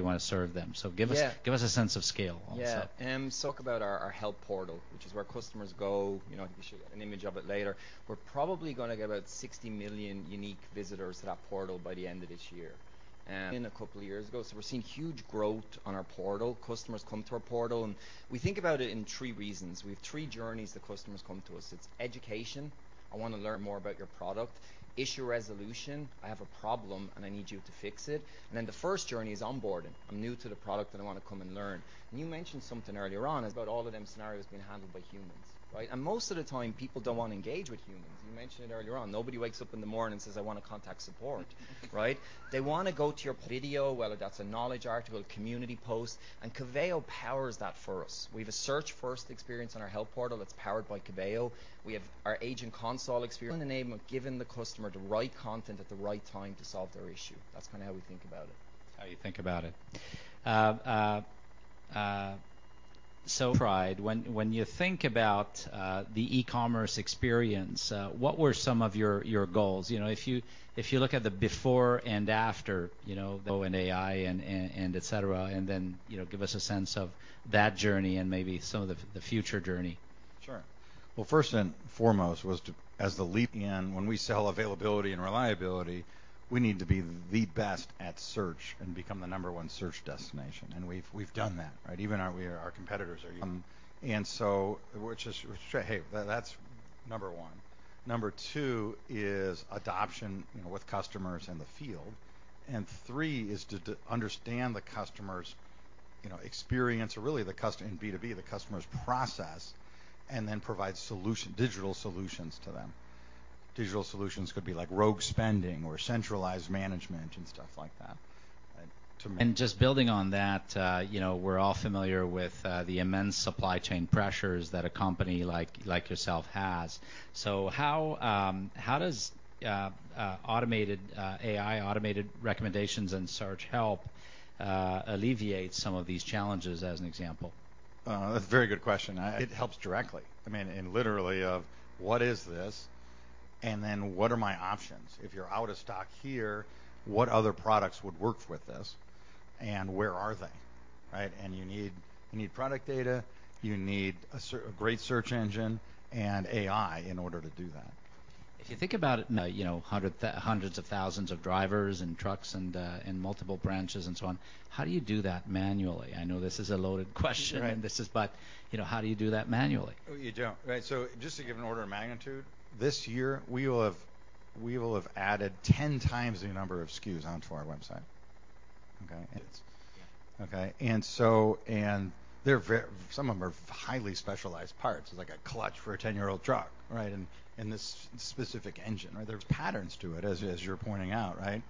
wanna serve them. Yeah. Give us a sense of scale also? Yeah. Talk about our help portal, which is where customers go. You know, I think we show an image of it later. We're probably gonna get about 60 million unique visitors to that portal by the end of this year. So we're seeing huge growth on our portal. Customers come to our portal, and we think about it in three reasons. We have three journeys that customers come to us. It's education, I wanna learn more about your product. Issue resolution, I have a problem, and I need you to fix it. And then the first journey is onboarding. I'm new to the product, and I want to come and learn. You mentioned something earlier on about all of them scenarios being handled by humans, right? Most of the time, people don't want to engage with humans. You mentioned it earlier on. Nobody wakes up in the morning and says, "I want to contact support." Right? They wanna go to a video, whether that's a knowledge article, community post, and Coveo powers that for us. We have a search-first experience on our help portal that's powered by Coveo. We have our agent console experience in the name of giving the customer the right content at the right time to solve their issue. That's kind of how we think about it. How you think about it. FleetPride, when you think about the e-commerce experience, what were some of your goals? You know, if you look at the before and after, you know, GenAI and et cetera, and then, you know, give us a sense of that journey and maybe some of the future journey. Sure. Well, first and foremost was to be the leading and when we sell availability and reliability, we need to be the best at search and become the number one search destination. We've done that, right? Even our competitors are young. We're just saying, hey, that's number one. Number two is adoption, you know, with customers in the field. Three is to understand the customer's, you know, experience or really the customer in B2B, the customer's process, and then provide solution, digital solutions to them. Digital solutions could be like rogue spending or centralized management and stuff like that. To me Just building on that, you know, we're all familiar with the immense supply chain pressures that a company like yourself has. How does automated AI recommendations and search help alleviate some of these challenges as an example? That's a very good question. It helps directly, I mean, in literally of what is this? What are my options? If you're out of stock here, what other products would work with this, and where are they, right? You need product data, you need a great search engine and AI in order to do that. If you think about it now, you know, hundreds of thousands of drivers and trucks and multiple branches and so on, how do you do that manually? I know this is a loaded question. Right. You know, how do you do that manually? You don't. Right. Just to give an order of magnitude, this year we will have added 10 times the number of SKUs onto our website. Okay. Yeah. Some of them are highly specialized parts. It's like a clutch for a 10-year-old truck, right? This specific engine, right? There's patterns to it as you're pointing out, right?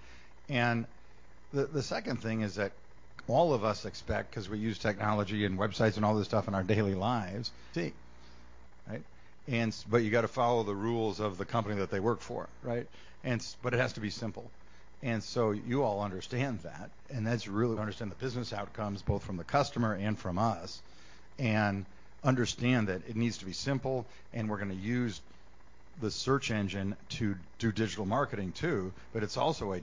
The second thing is that all of us expect, 'cause we use technology and websites and all this stuff in our daily lives, see, right? But you got to follow the rules of the company that they work for, right? But it has to be simple. You all understand that, and that's really understand the business outcomes both from the customer and from us, and understand that it needs to be simple, and we're gonna use the search engine to do digital marketing too, but it's also a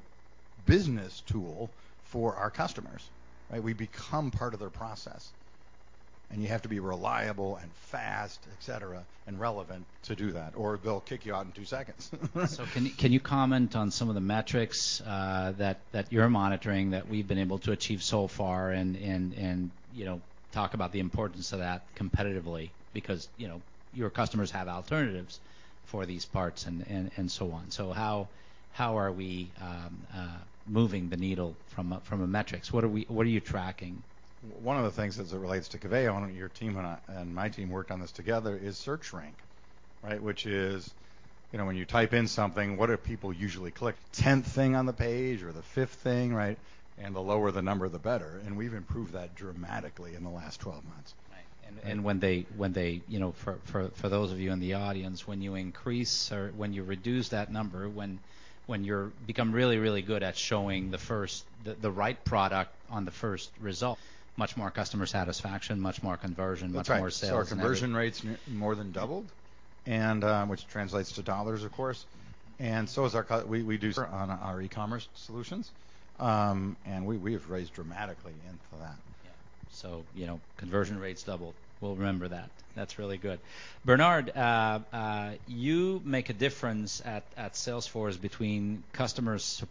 business tool for our customers, right? We become part of their process, and you have to be reliable and fast, et cetera, and relevant to do that, or they'll kick you out in two seconds. Can you comment on some of the metrics that you're monitoring that we've been able to achieve so far and, you know, talk about the importance of that competitively because, you know, your customers have alternatives for these parts and so on. How are we moving the needle from a metrics? What are you tracking? One of the things as it relates to Coveo and your team and I, and my team worked on this together is search rank, right? Which is, you know, when you type in something, what do people usually click? Tenth thing on the page or the fifth thing, right? The lower the number, the better. We've improved that dramatically in the last 12 months. Right. When they, you know, for those of you in the audience, when you increase or when you reduce that number, when you're become really good at showing the right product on the first result, much more customer satisfaction, much more conversion. That's right. Much more sales and every- Our conversion rates more than doubled and which translates to dollars of course, and so is what we do on our e-commerce solutions, and we've raised dramatically and for that. Yeah. You know, conversion rates double. We'll remember that. That's really good. Bernard, you make a difference at Salesforce between customer support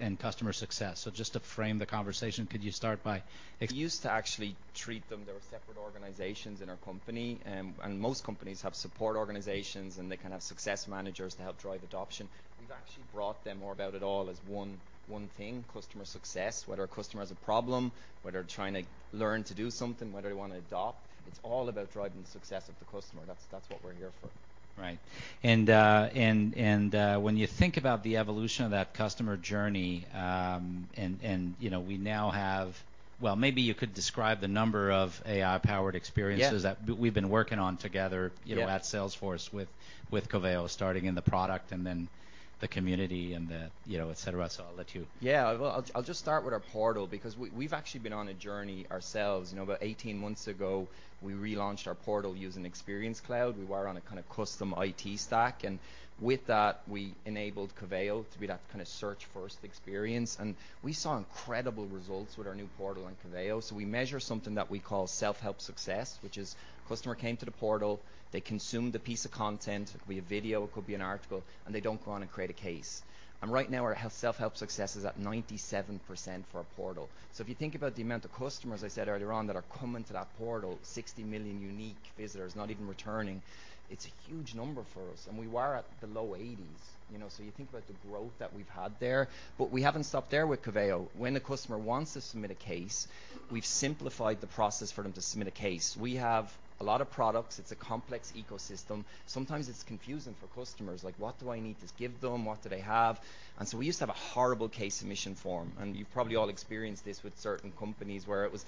and customer success. Just to frame the conversation, could you start by ex- We used to actually treat them. They were separate organizations in our company, and most companies have support organizations, and they can have success managers to help drive adoption. We've actually brought them more about it all as one thing, customer success. Whether a customer has a problem, whether trying to learn to do something, whether they want to adopt, it's all about driving success of the customer. That's what we're here for. Right. When you think about the evolution of that customer journey, you know, we now have. Well, maybe you could describe the number of AI-powered experiences. Yeah. That we've been working on together. Yeah. You know, at Salesforce with Coveo starting in the product and then the community and the, you know, et cetera. I'll let you. Yeah. Well, I'll just start with our portal because we've actually been on a journey ourselves. You know, about 18 months ago, we relaunched our portal using Experience Cloud. We were on a kind of custom IT stack, and with that, we enabled Coveo to be that kind of search-first experience, and we saw incredible results with our new portal in Coveo. We measure something that we call self-help success, which is customer came to the portal, they consumed the piece of content. It could be a video, it could be an article, and they don't go on and create a case. Right now, our self-help success is at 97% for our portal. If you think about the amount of customers I said earlier on that are coming to that portal, 60 million unique visitors, not even returning, it's a huge number for us, and we were at the low 80s. You know, you think about the growth that we've had there. We haven't stopped there with Coveo. When a customer wants to submit a case, we've simplified the process for them to submit a case. We have a lot of products. It's a complex ecosystem. Sometimes it's confusing for customers, like what do I need to give them? What do they have? We used to have a horrible case submission form, and you've probably all experienced this with certain companies where it was,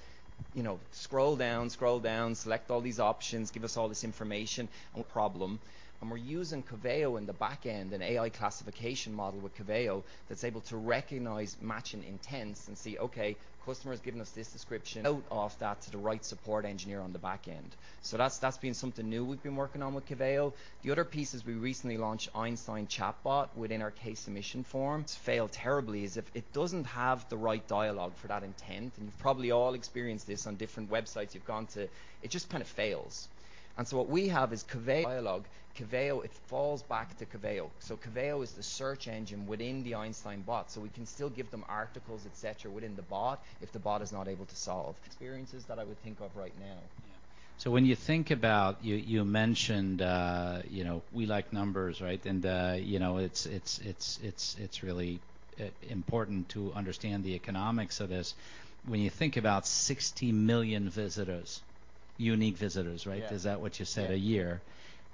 you know, scroll down, scroll down, select all these options, give us all this information on problem. We're using Coveo in the back end, an AI classification model with Coveo that's able to recognize matching intents and see, okay, customer has given us this description, route that to the right support engineer on the back end. That's been something new we've been working on with Coveo. The other piece is we recently launched Einstein chatbot within our case submission forms. It fails terribly if it doesn't have the right dialogue for that intent, and you've probably all experienced this on different websites you've gone to. It just kind of fails. What we have is Coveo dialogue, Coveo. It falls back to Coveo. Coveo is the search engine within the Einstein bot, so we can still give them articles, et cetera, within the bot if the bot is not able to solve. Experiences that I would think of right now. When you think about it, you mentioned, you know, we like numbers, right? You know, it's really important to understand the economics of this. When you think about 60 million visitors, unique visitors, right? Yeah. Is that what you said? Yeah. A year.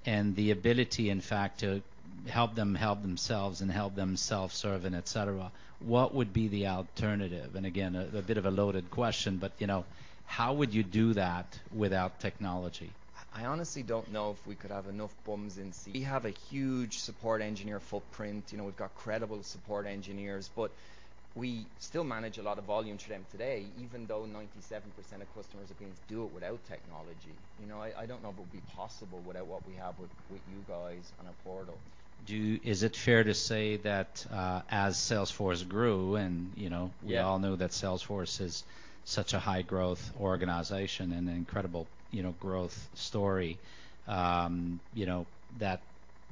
The ability, in fact, to help them help themselves and help them self-serve and et cetera, what would be the alternative? Again, a bit of a loaded question, but, you know, how would you do that without technology? I honestly don't know if we could have enough bums in seats. We have a huge support engineer footprint. You know, we've got credible support engineers, but we still manage a lot of volume through them today, even though 97% of customers are going to do it without technology. You know, I don't know if it would be possible without what we have with you guys and our portal. Is it fair to say that, as Salesforce grew and, you know? Yeah We all know that Salesforce is such a high-growth organization and an incredible, you know, growth story,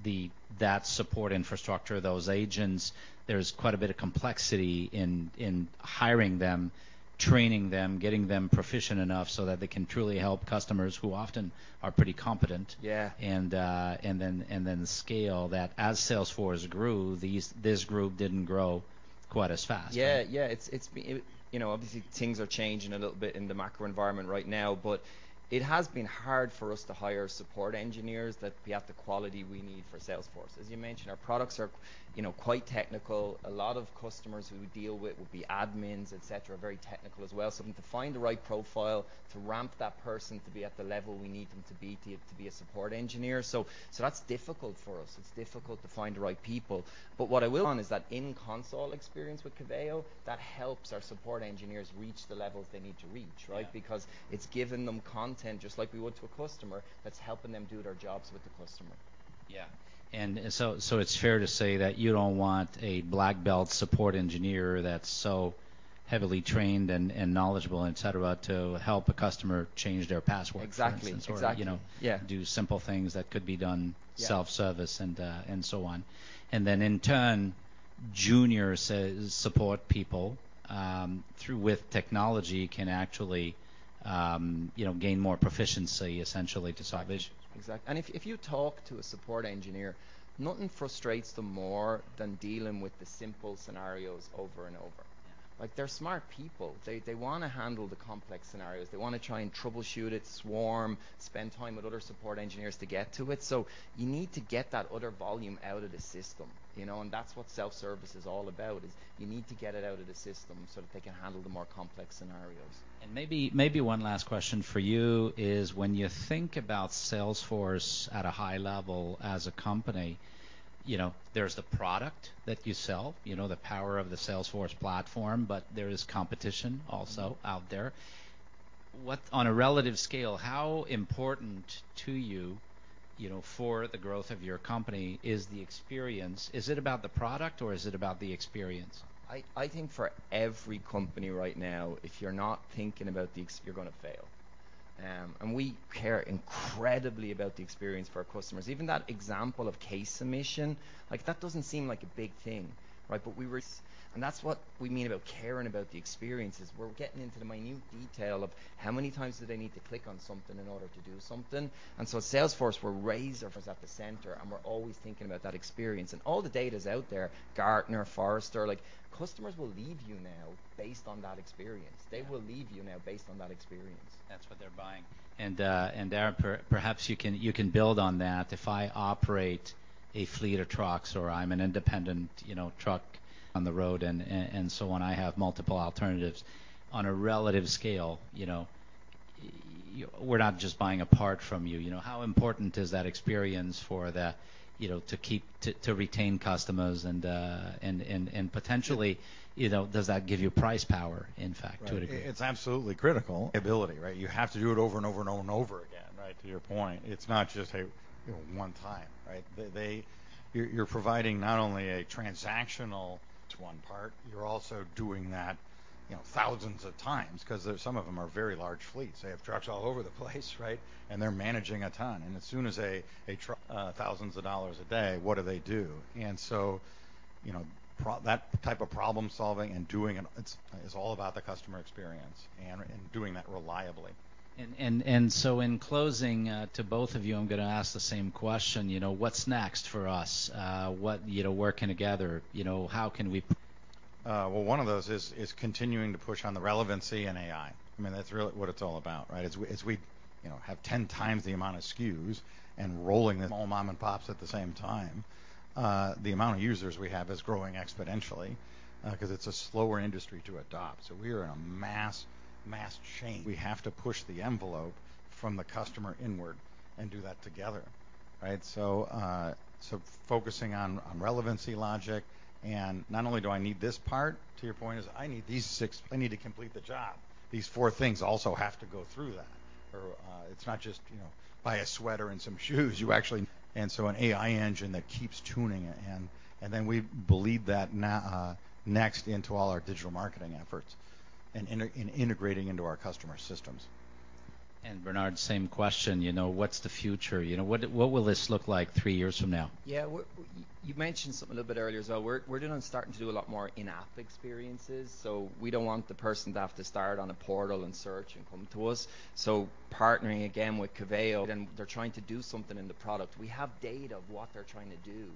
you know, that support infrastructure, those agents, there's quite a bit of complexity in hiring them, training them, getting them proficient enough so that they can truly help customers who often are pretty competent. Yeah Scale that. As Salesforce grew, this group didn't grow quite as fast, right? Yeah. It's been. You know, obviously things are changing a little bit in the macro environment right now, but it has been hard for us to hire support engineers that be at the quality we need for Salesforce. As you mentioned, our products are, you know, quite technical. A lot of customers who we deal with will be admins, et cetera, very technical as well. So we need to find the right profile to ramp that person to be at the level we need them to be to be a support engineer. So that's difficult for us. It's difficult to find the right people. But what I rely on is that in-console experience with Coveo, that helps our support engineers reach the levels they need to reach, right? Yeah. Because it's given them content, just like we would to a customer, that's helping them do their jobs with the customer. Yeah. It's fair to say that you don't want a black belt support engineer that's so heavily trained and knowledgeable and et cetera to help a customer change their password. Exactly. for instance or, you know. Yeah do simple things that could be done. Yeah self-service and so on. Then in turn, junior support people through with technology can actually, you know, gain more proficiency essentially to solve issues. Exactly. If you talk to a support engineer, nothing frustrates them more than dealing with the simple scenarios over and over. Yeah. Like, they're smart people. They wanna handle the complex scenarios. They wanna try and troubleshoot it, swarm, spend time with other support engineers to get to it. You need to get that other volume out of the system, you know, and that's what self-service is all about, is you need to get it out of the system so that they can handle the more complex scenarios. Maybe one last question for you is when you think about Salesforce at a high level as a company, you know, there's the product that you sell, you know, the power of the Salesforce platform, but there is competition also out there. What, on a relative scale, how important to you know, for the growth of your company, is the experience? Is it about the product or is it about the experience? I think for every company right now, if you're not thinking about the experience, you're gonna fail. We care incredibly about the experience for our customers. Even that example of case submission, like that doesn't seem like a big thing, right? But we were. That's what we mean about caring about the experiences. We're getting into the minute detail of how many times do they need to click on something in order to do something. At Salesforce, we're laser-focused if it's at the center, and we're always thinking about that experience. All the data is out there, Gartner, Forrester. Like, customers will leave you now based on that experience. Yeah. They will leave you now based on that experience. That's what they're buying. Darren, perhaps you can build on that. If I operate a fleet of trucks or I'm an independent, you know, truck on the road and so on, I have multiple alternatives. On a relative scale, you know, we're not just buying a part from you. You know, how important is that experience for the you know, to keep to retain customers, and potentially, you know, does that give you price power, in fact, to a degree? Right. It's absolutely critical. Ability, right? You have to do it over and over and over and over again, right? To your point. It's not just a, you know, one time, right? You're providing not only a transactional to one part, you're also doing that, you know, thousands of times 'cause some of them are very large fleets. They have trucks all over the place, right? They're managing a ton. As soon as thousands of dollars a day, what do they do? You know, that type of problem-solving and doing it's all about the customer experience and doing that reliably. In closing, to both of you, I'm gonna ask the same question. You know, what's next for us? What, you know, working together, you know, how can we Well, one of those is continuing to push on the relevancy in AI. I mean, that's really what it's all about, right? As we you know have 10 times the amount of SKUs and rolling the small mom and pops at the same time, the amount of users we have is growing exponentially 'cause it's a slower industry to adopt. We are in a mass change. We have to push the envelope from the customer inward and do that together, right? Focusing on relevancy logic, and not only do I need this part, to your point, is I need these six. I need to complete the job. These four things also have to go through that. It's not just, you know, buy a sweater and some shoes, you actually. An AI engine that keeps tuning it. We believe that now next into all our digital marketing efforts and integrating into our customer systems. Bernard, same question, you know, what's the future? You know, what will this look like three years from now? Yeah. You mentioned something a little bit earlier as well. We're starting to do a lot more in-app experiences. We don't want the person to have to start on a portal and search and come to us. Partnering again with Coveo, then they're trying to do something in the product. We have data of what they're trying to do.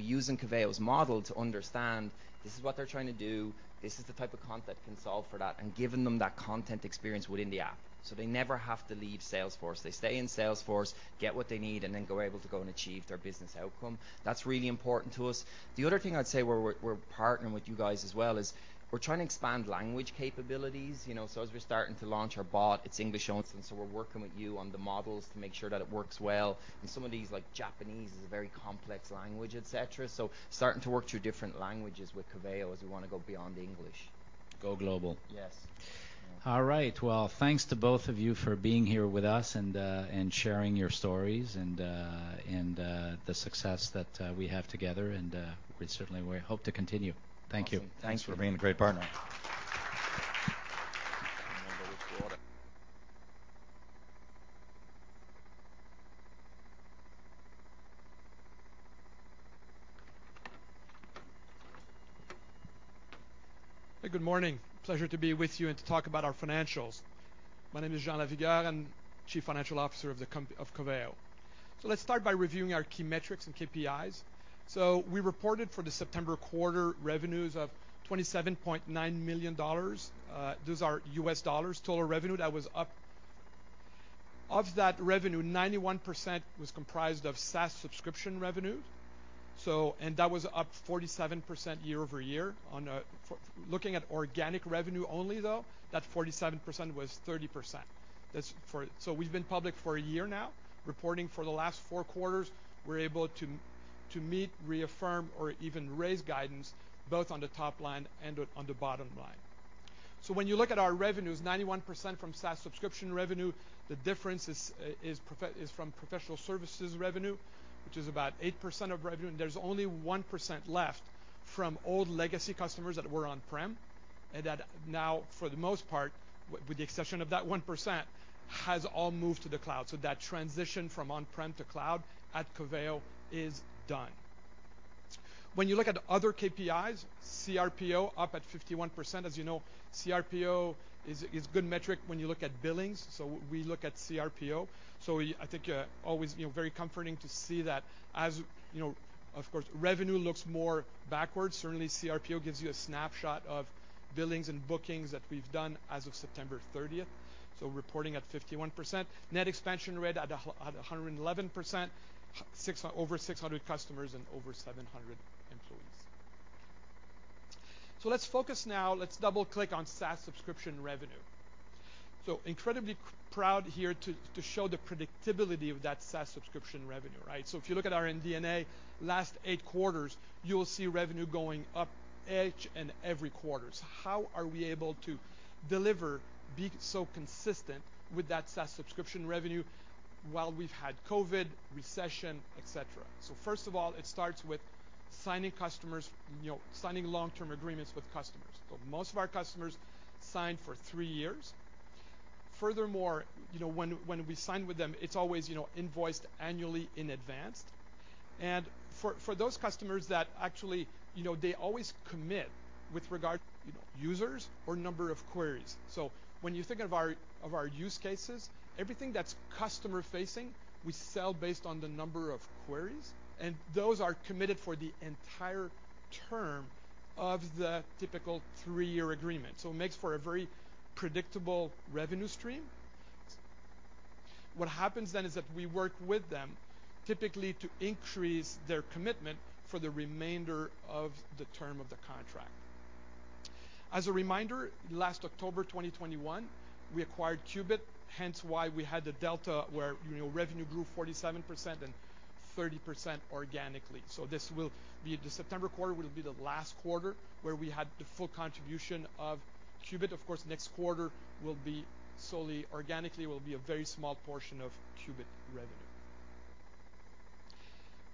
Using Coveo's model to understand this is what they're trying to do, this is the type of content can solve for that, and giving them that content experience within the app. They never have to leave Salesforce. They stay in Salesforce, get what they need, and then able to go and achieve their business outcome. That's really important to us. The other thing I'd say where we're partnering with you guys as well is we're trying to expand language capabilities. You know, as we're starting to launch our bot, it's English only. We're working with you on the models to make sure that it works well in some of these, like Japanese is a very complex language, et cetera. Starting to work through different languages with Coveo as we want to go beyond English. Go global. Yes. All right. Well, thanks to both of you for being here with us and sharing your stories and the success that we have together, and we certainly hope to continue. Thank you. Awesome. Thanks. Thanks for being a great partner. Hey, good morning. Pleasure to be with you and to talk about our financials. My name is Jean Lavigueur, I'm Chief Financial Officer of Coveo. Let's start by reviewing our key metrics and KPIs. We reported for the September quarter revenues of $27.9 million. Those are US dollars. Total revenue, that was up. Of that revenue, 91% was comprised of SaaS subscription revenue. That was up 47% year-over-year. Looking at organic revenue only though, that 47% was 30%. We've been public for a year now. Reporting for the last four quarters, we're able to meet, reaffirm, or even raise guidance both on the top line and on the bottom line. When you look at our revenues, 91% from SaaS subscription revenue, the difference is from professional services revenue, which is about 8% of revenue, and there's only 1% left from old legacy customers that were on-prem, and that now, for the most part, with the exception of that 1%, has all moved to the cloud. That transition from on-prem to cloud at Coveo is done. When you look at other KPIs, CRPO up at 51%. As you know, CRPO is good metric when you look at billings. We look at CRPO. I think always, you know, very comforting to see that. As you know, of course, revenue looks more backwards. Certainly, CRPO gives you a snapshot of billings and bookings that we've done as of September 30. Reporting at 51%. Net expansion rate at 111%. Over 600 customers and over 700 employees. Let's focus now. Let's double-click on SaaS subscription revenue. Incredibly proud here to show the predictability of that SaaS subscription revenue, right? If you look at our MD&A last eight quarters, you will see revenue going up each and every quarters. How are we able to deliver, be so consistent with that SaaS subscription revenue while we've had COVID, recession, et cetera? First of all, it starts with signing customers, you know, signing long-term agreements with customers. Most of our customers sign for three years. Furthermore, you know, when we sign with them, it's always, you know, invoiced annually in advance. For those customers that actually, you know, they always commit with regard to, you know, users or number of queries. When you think of our use cases, everything that's customer-facing, we sell based on the number of queries, and those are committed for the entire term of the typical three-year agreement. It makes for a very predictable revenue stream. What happens then is that we work with them typically to increase their commitment for the remainder of the term of the contract. As a reminder, last October 2021, we acquired Qubit, hence why we had the delta where, you know, revenue grew 47% and 30% organically. The September quarter will be the last quarter where we had the full contribution of Qubit. Of course, next quarter will be solely organically, will be a very small portion of Qubit revenue.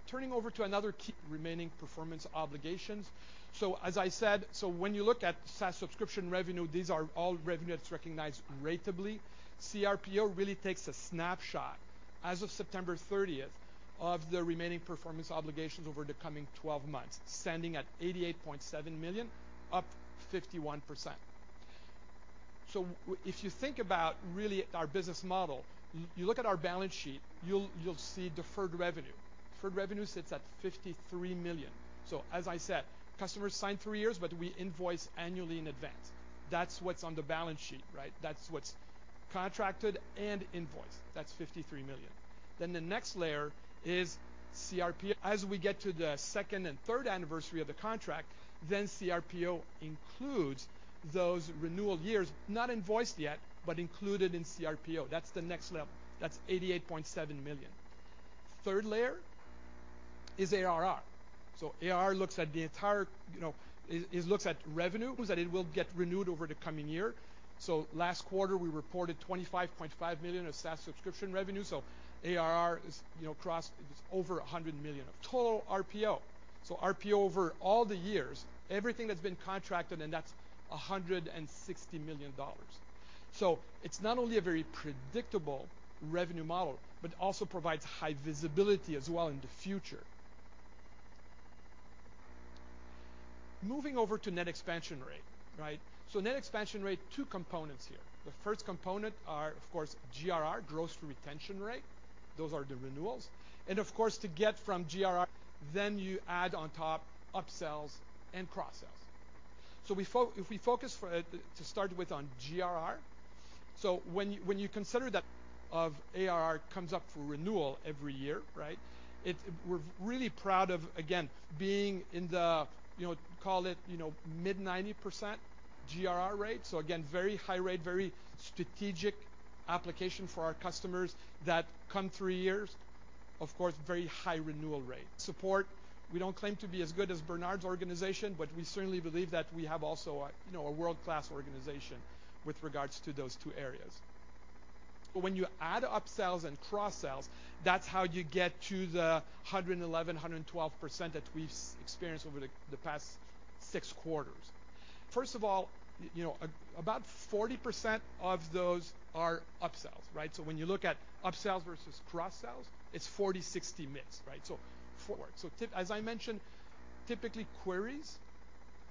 Turning to another key remaining performance obligations. As I said, when you look at SaaS subscription revenue, these are all revenue that's recognized ratably. CRPO really takes a snapshot as of September 30 of the remaining performance obligations over the coming 12 months, standing at $88.7 million, up 51%. If you think about really our business model, you look at our balance sheet, you'll see deferred revenue. Deferred revenue sits at $53 million. As I said, customers sign 3 years, but we invoice annually in advance. That's what's on the balance sheet, right? That's what's contracted and invoiced. That's $53 million. Then the next layer is CRPO. As we get to the second and third anniversary of the contract, then CRPO includes those renewal years, not invoiced yet, but included in CRPO. That's the next level. That's $88.7 million. Third layer is ARR. ARR looks at the entire, you know, it looks at revenue, 'cause that it will get renewed over the coming year. Last quarter, we reported $25.5 million of SaaS subscription revenue. ARR is, you know, crossed, it's over $100 million of total RPO. RPO over all the years, everything that's been contracted, and that's $160 million. It's not only a very predictable revenue model, but also provides high visibility as well in the future. Moving over to net expansion rate, right? Net expansion rate, two components here. The first component are, of course, GRR, gross retention rate. Those are the renewals. Of course, to get from GRR, then you add on top upsells and cross-sells. We focus, to start with, on GRR, so when you consider that 100% of ARR comes up for renewal every year, right? We're really proud of, again, being in the, you know, call it, you know, mid-90% GRR rate. Again, very high rate, very strategic application for our customers that come three years, of course, very high renewal rate. Support, we don't claim to be as good as Bernard's organization, but we certainly believe that we have also a, you know, a world-class organization with regards to those two areas. When you add upsells and cross-sells, that's how you get to the 111%, 112% that we've experienced over the past six quarters. First of all, you know, about 40% of those are upsells, right? When you look at upsells versus cross-sells, it's 40/60 mix, right? Typically as I mentioned, queries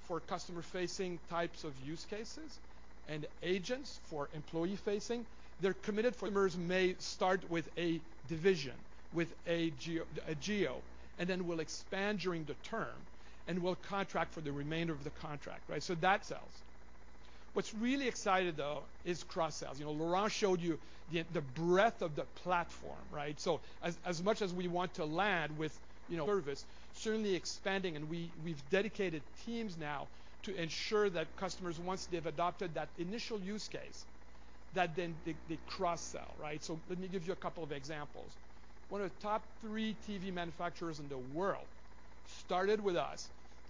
for customer-facing types of use cases, and agents for employee-facing, they're committed. Customers may start with a division, with a geo, and then will expand during the term, and will contract for the remainder of the contract, right? That sells. What's really exciting, though, is cross-sells. You know, Laurent showed you the breadth of the platform, right? As much as we want to land with, you know, service, certainly expanding, and we've dedicated teams now to ensure that customers, once they've adopted that initial use case, that then they cross-sell, right? Let me give you a couple of examples. One of the top three TV manufacturers in the world started with us,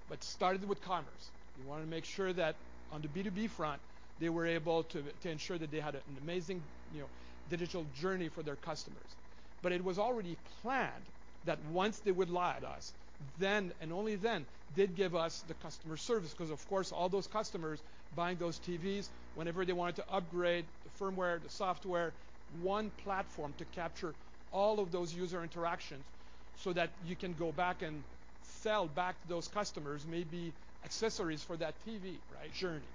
but started with commerce. They wanted to make sure that on the B2B front, they were able to ensure that they had an amazing, you know, digital journey for their customers. It was already planned that once they would live with us, then and only then did give us the customer service because, of course, all those customers buying those TVs, whenever they wanted to upgrade the firmware, the software, one platform to capture all of those user interactions so that you can go back and sell back to those customers, maybe accessories for that TV, right? Journey.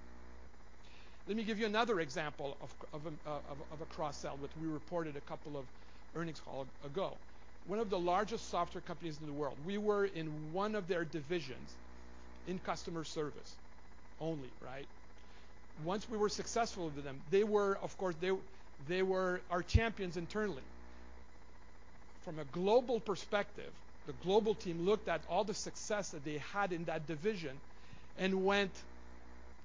Let me give you another example of a cross-sell which we reported a couple of earnings call ago. One of the largest software companies in the world, we were in one of their divisions in customer service only, right? Once we were successful with them, they were, of course, our champions internally. From a global perspective, the global team looked at all the success that they had in that division and went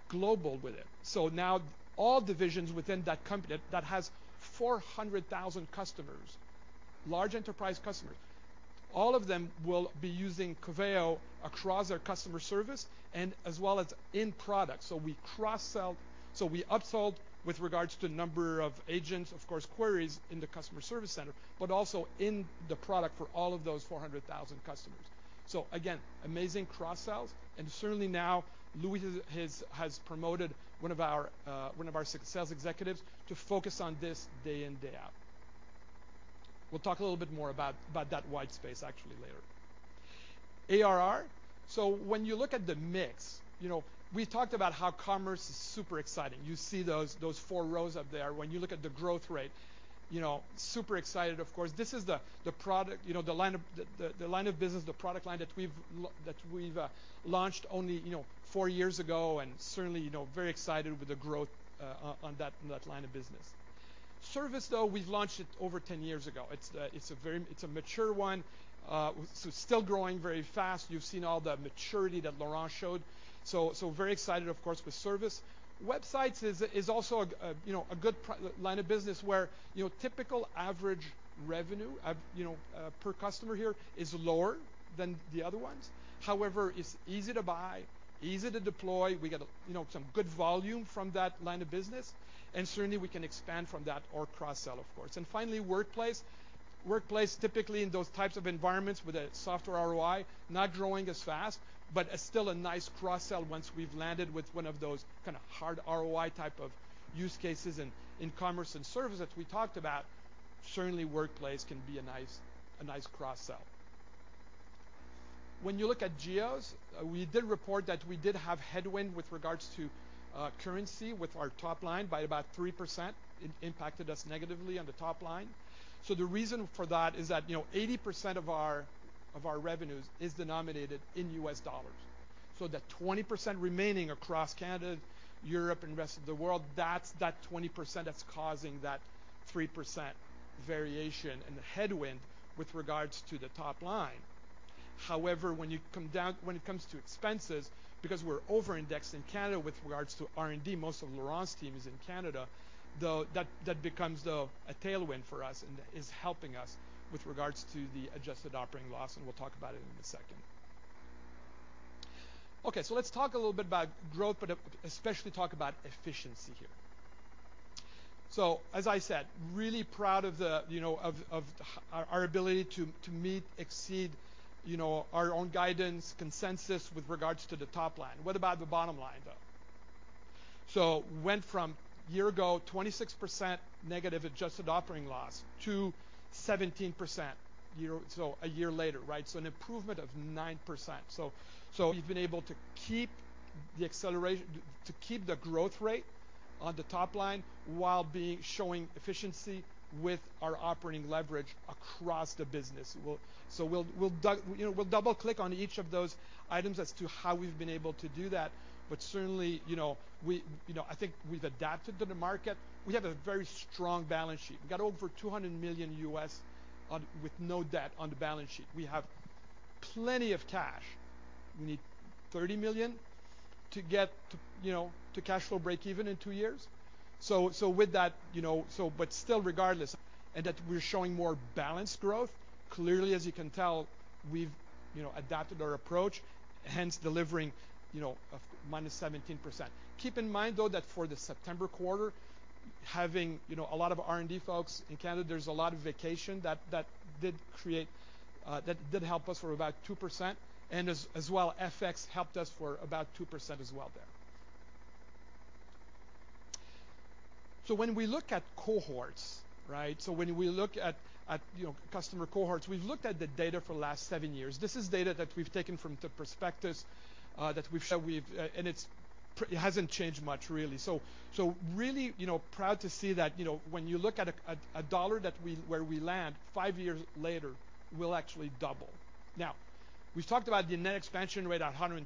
global with it. Now all divisions within that company that has 400,000 customers, large enterprise customers, all of them will be using Coveo across their customer service and as well as in product. We cross-sell. We upsold with regards to number of agents, of course, queries in the customer service center, but also in the product for all of those 400,000 customers. Again, amazing cross-sells. Certainly now, Louis has promoted one of our sales executives to focus on this day in, day out. We'll talk a little bit more about that white space actually later. ARR. When you look at the mix, you know, we talked about how commerce is super exciting. You see those four rows up there. When you look at the growth rate, you know, super excited, of course. This is the product, you know, the line of business, the product line that we've launched only four years ago, and certainly, you know, very excited with the growth on that line of business. Service, though, we've launched it over 10 years ago. It's a very mature one. Still growing very fast. You've seen all the maturity that Laurent showed. Very excited, of course, with service. Websites is also a good line of business where typical average revenue per customer here is lower than the other ones. However, it's easy to buy, easy to deploy. We get some good volume from that line of business, and certainly we can expand from that or cross-sell, of course. Finally, Workplace. Workplace, typically in those types of environments with a software ROI, not growing as fast, but still a nice cross-sell once we've landed with one of those kinda hard ROI type of use cases in commerce and service that we talked about. Certainly, Workplace can be a nice cross-sell. When you look at geos, we did report that we did have headwind with regards to currency with our top line by about 3%. It impacted us negatively on the top line. The reason for that is that, you know, 80% of our, of our revenues is denominated in US dollars. The 20% remaining across Canada, Europe, and rest of the world, that's that 20% that's causing that 3% variation and the headwind with regards to the top line. However, when it comes to expenses, because we're over-indexed in Canada with regards to R&D, most of Laurent's team is in Canada, that becomes a tailwind for us and is helping us with regards to the adjusted operating loss, and we'll talk about it in a second. Okay, let's talk a little bit about growth, but especially talk about efficiency here. As I said, really proud of the you know of our ability to meet exceed you know our own guidance consensus with regards to the top line. What about the bottom line, though? Went from a year ago, -26% adjusted operating loss to 17% year, so a year later, right? We've been able to keep the acceleration to keep the growth rate on the top line while showing efficiency with our operating leverage across the business. We'll dig you know we'll double-click on each of those items as to how we've been able to do that. Certainly you know we you know I think we've adapted to the market. We have a very strong balance sheet. We got over $200 million with no debt on the balance sheet. We have plenty of cash. We need $30 million to get to cash flow breakeven in two years. With that, but still regardless, we're showing more balanced growth. Clearly, as you can tell, we've adapted our approach, hence delivering -17%. Keep in mind though, that for the September quarter, having a lot of R&D folks in Canada, there's a lot of vacation that did help us for about 2%. As well, FX helped us for about 2% as well there. When we look at cohorts, right? When we look at you know customer cohorts we've looked at the data for the last seven years. This is data that we've taken from the prospectus that we've shown and it hasn't changed much really. Really you know proud to see that you know when you look at a dollar where we land five years later we'll actually double. Now we've talked about the net expansion rate at 110%,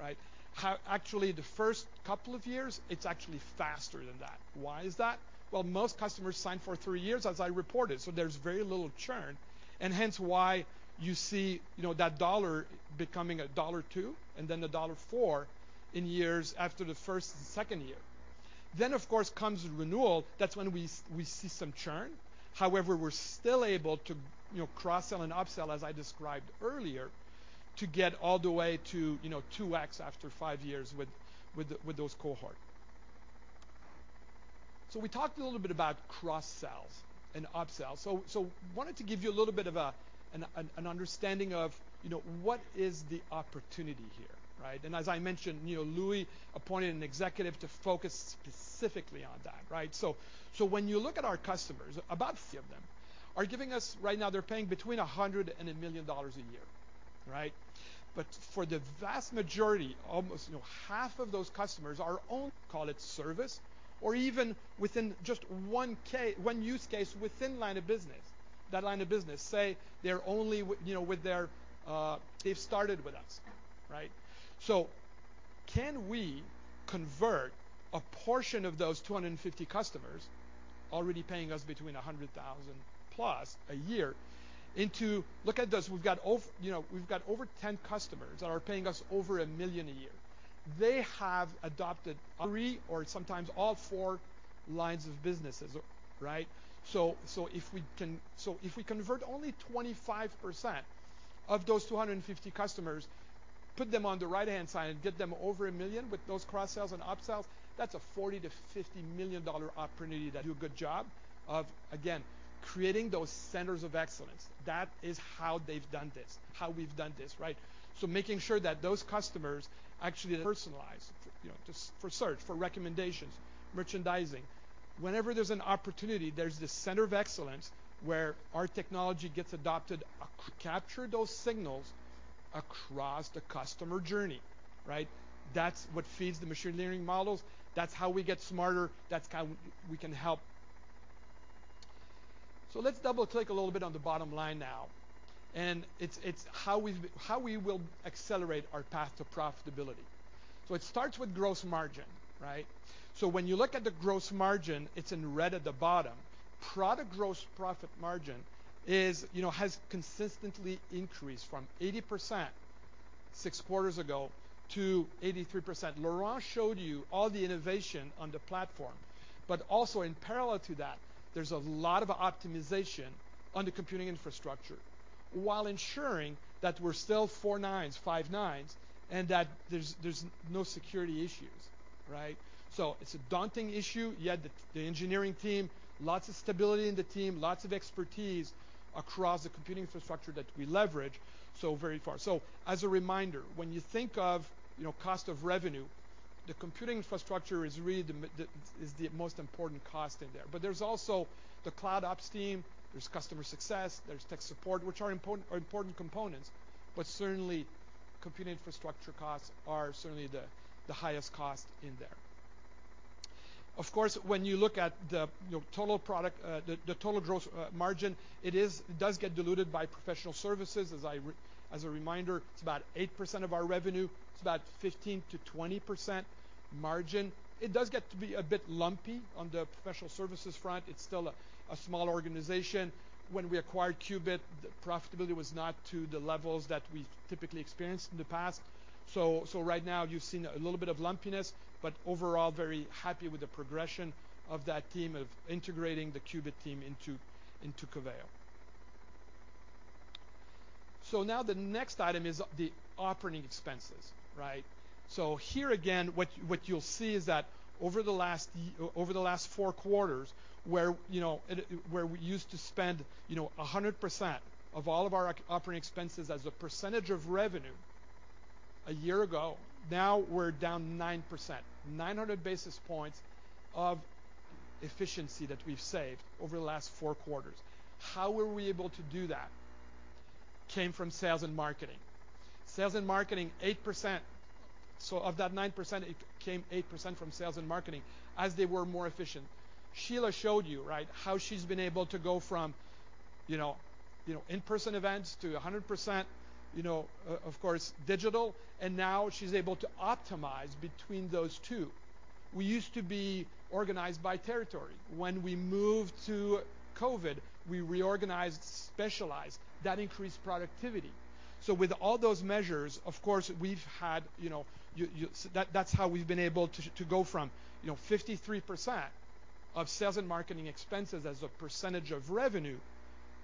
right? How actually the first couple of years it's actually faster than that. Why is that? Well most customers sign for three years as I reported so there's very little churn and hence why you see you know that dollar becoming a dollar two and then a dollar four in years after the first and second year. Then of course comes renewal. That's when we see some churn. However, we're still able to, you know, cross-sell and up-sell, as I described earlier, to get all the way to, you know, 2x after 5 years with those cohort. We talked a little bit about cross-sells and up-sells. Wanted to give you a little bit of a understanding of, you know, what is the opportunity here, right? As I mentioned, you know, Louis appointed an executive to focus specifically on that, right? When you look at our customers, about 50 of them are giving us, right now they're paying between $100 and $1 million a year, right? But for the vast majority, almost, you know, half of those customers are on, call it, service or even within just one use case within line of business. That line of business, say they're only you know, with their, they've started with us, right? Can we convert a portion of those 250 customers already paying us between $100,000 plus a year into... Look at this. We've got you know, we've got over 10 customers that are paying us over $1 million a year. They have adopted three or sometimes all four lines of businesses, right? If we convert only 25% of those 250 customers, put them on the right-hand side, and get them over $1 million with those cross-sells and up-sells, that's a $40 million-$50 million opportunity that do a good job of, again, creating those centers of excellence. That is how they've done this, how we've done this, right? Making sure that those customers actually personalize, you know, just for search, for recommendations, merchandising. Whenever there's an opportunity, there's this center of excellence where our technology gets adopted, capture those signals across the customer journey, right? That's what feeds the machine learning models. That's how we get smarter. That's how we can help. Let's double-click a little bit on the bottom line now, and it's how we will accelerate our path to profitability. It starts with gross margin, right? When you look at the gross margin, it's in red at the bottom. Product gross profit margin is, you know, has consistently increased from 80% six quarters ago to 83%. Laurent showed you all the innovation on the platform, but also in parallel to that, there's a lot of optimization on the computing infrastructure while ensuring that we're still four nines, five nines, and that there's no security issues, right? It's a daunting issue. You add the engineering team, lots of stability in the team, lots of expertise across the computing infrastructure that we leverage so far. As a reminder, when you think of, you know, cost of revenue, the computing infrastructure is really the most important cost in there. But there's also the cloud ops team, there's customer success, there's tech support, which are important components, but certainly computing infrastructure costs are certainly the highest cost in there. Of course, when you look at the, you know, total product, the total gross margin, it does get diluted by professional services. As a reminder, it's about 8% of our revenue. It's about 15%-20% margin. It does get to be a bit lumpy on the professional services front. It's still a small organization. When we acquired Qubit, the profitability was not to the levels that we've typically experienced in the past. So right now you've seen a little bit of lumpiness, but overall very happy with the progression of that team, of integrating the Qubit team into Coveo. Now the next item is the operating expenses, right? Here again, what you'll see is that over the last four quarters, where, you know, it, where we used to spend, you know, 100% of all of our operating expenses as a percentage of revenue a year ago, now we're down 9%. 900 basis points of efficiency that we've saved over the last four quarters. How were we able to do that? Came from sales and marketing. Sales and marketing, 8%. Of that 9%, it came 8% from sales and marketing as they were more efficient. Sheila showed you, right, how she's been able to go from, you know, in-person events to 100%, you know, of course, digital, and now she's able to optimize between those two. We used to be organized by territory. When we moved to COVID, we reorganized, specialized. That increased productivity. With all those measures, of course, we've had, you know, that's how we've been able to go from 53% of sales and marketing expenses as a percentage of revenue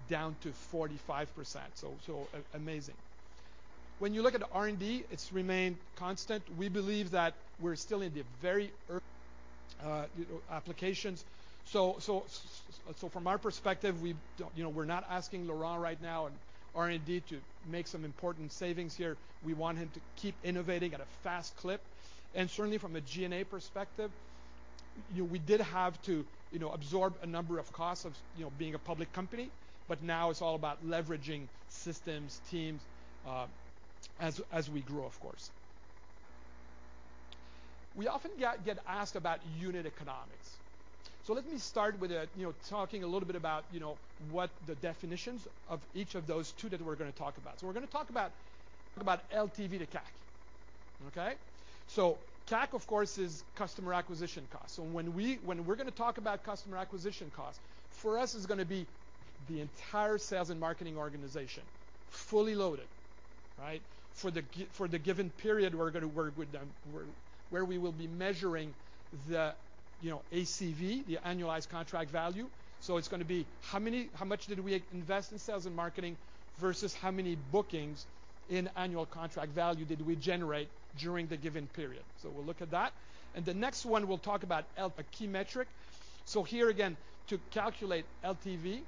down to 45%. Amazing. When you look at R&D, it's remained constant. We believe that we're still in the very early, you know, applications. From our perspective, we don't, you know, we're not asking Laurent right now and R&D to make some important savings here. We want him to keep innovating at a fast clip. Certainly from a G&A perspective, you know, we did have to, you know, absorb a number of costs, you know, being a public company. Now it's all about leveraging systems, teams, as we grow, of course. We often get asked about unit economics. Let me start with, you know, talking a little bit about, you know, what the definitions of each of those two that we're gonna talk about. We're gonna talk about LTV to CAC, okay? CAC, of course, is customer acquisition cost. When we're gonna talk about customer acquisition cost, for us it's gonna be the entire sales and marketing organization, fully loaded, right? For the given period, we're gonna work with them where we will be measuring the, you know, ACV, the annualized contract value. It's gonna be how much did we invest in sales and marketing versus how many bookings in annual contract value did we generate during the given period? We'll look at that. The next one we'll talk about LTV, a key metric. Here again, to calculate LTV,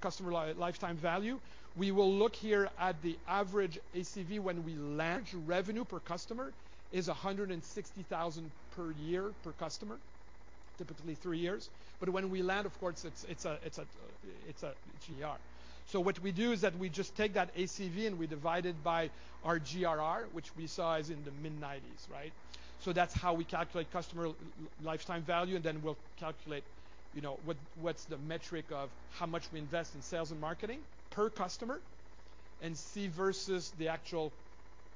customer lifetime value, we will look here at the average ACV when we land revenue per customer is $160,000 per year per customer, typically three years. When we land, of course, it's a GRR. What we do is that we just take that ACV, and we divide it by our GRR, which we saw is in the mid-90s%, right? That's how we calculate customer lifetime value, and then we'll calculate, you know, what's the metric of how much we invest in sales and marketing per customer and see versus the actual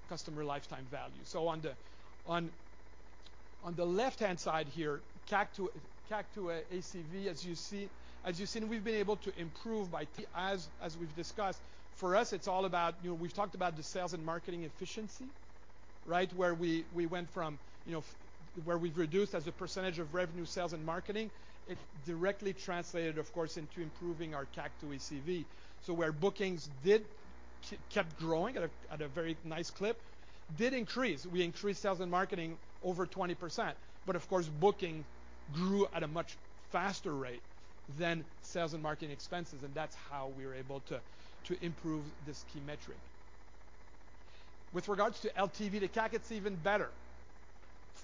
customer lifetime value. On the left-hand side here, CAC to ACV, as you see, as you've seen, we've been able to improve, as we've discussed. For us, it's all about, you know, we've talked about the sales and marketing efficiency, right? Where we went from, you know, where we've reduced as a percentage of revenue, sales, and marketing. It directly translated, of course, into improving our CAC to ACV. Where bookings kept growing at a very nice clip, did increase. We increased sales and marketing over 20%. But of course, bookings grew at a much faster rate than sales and marketing expenses, and that's how we were able to improve this key metric. With regards to LTV to CAC, it's even better.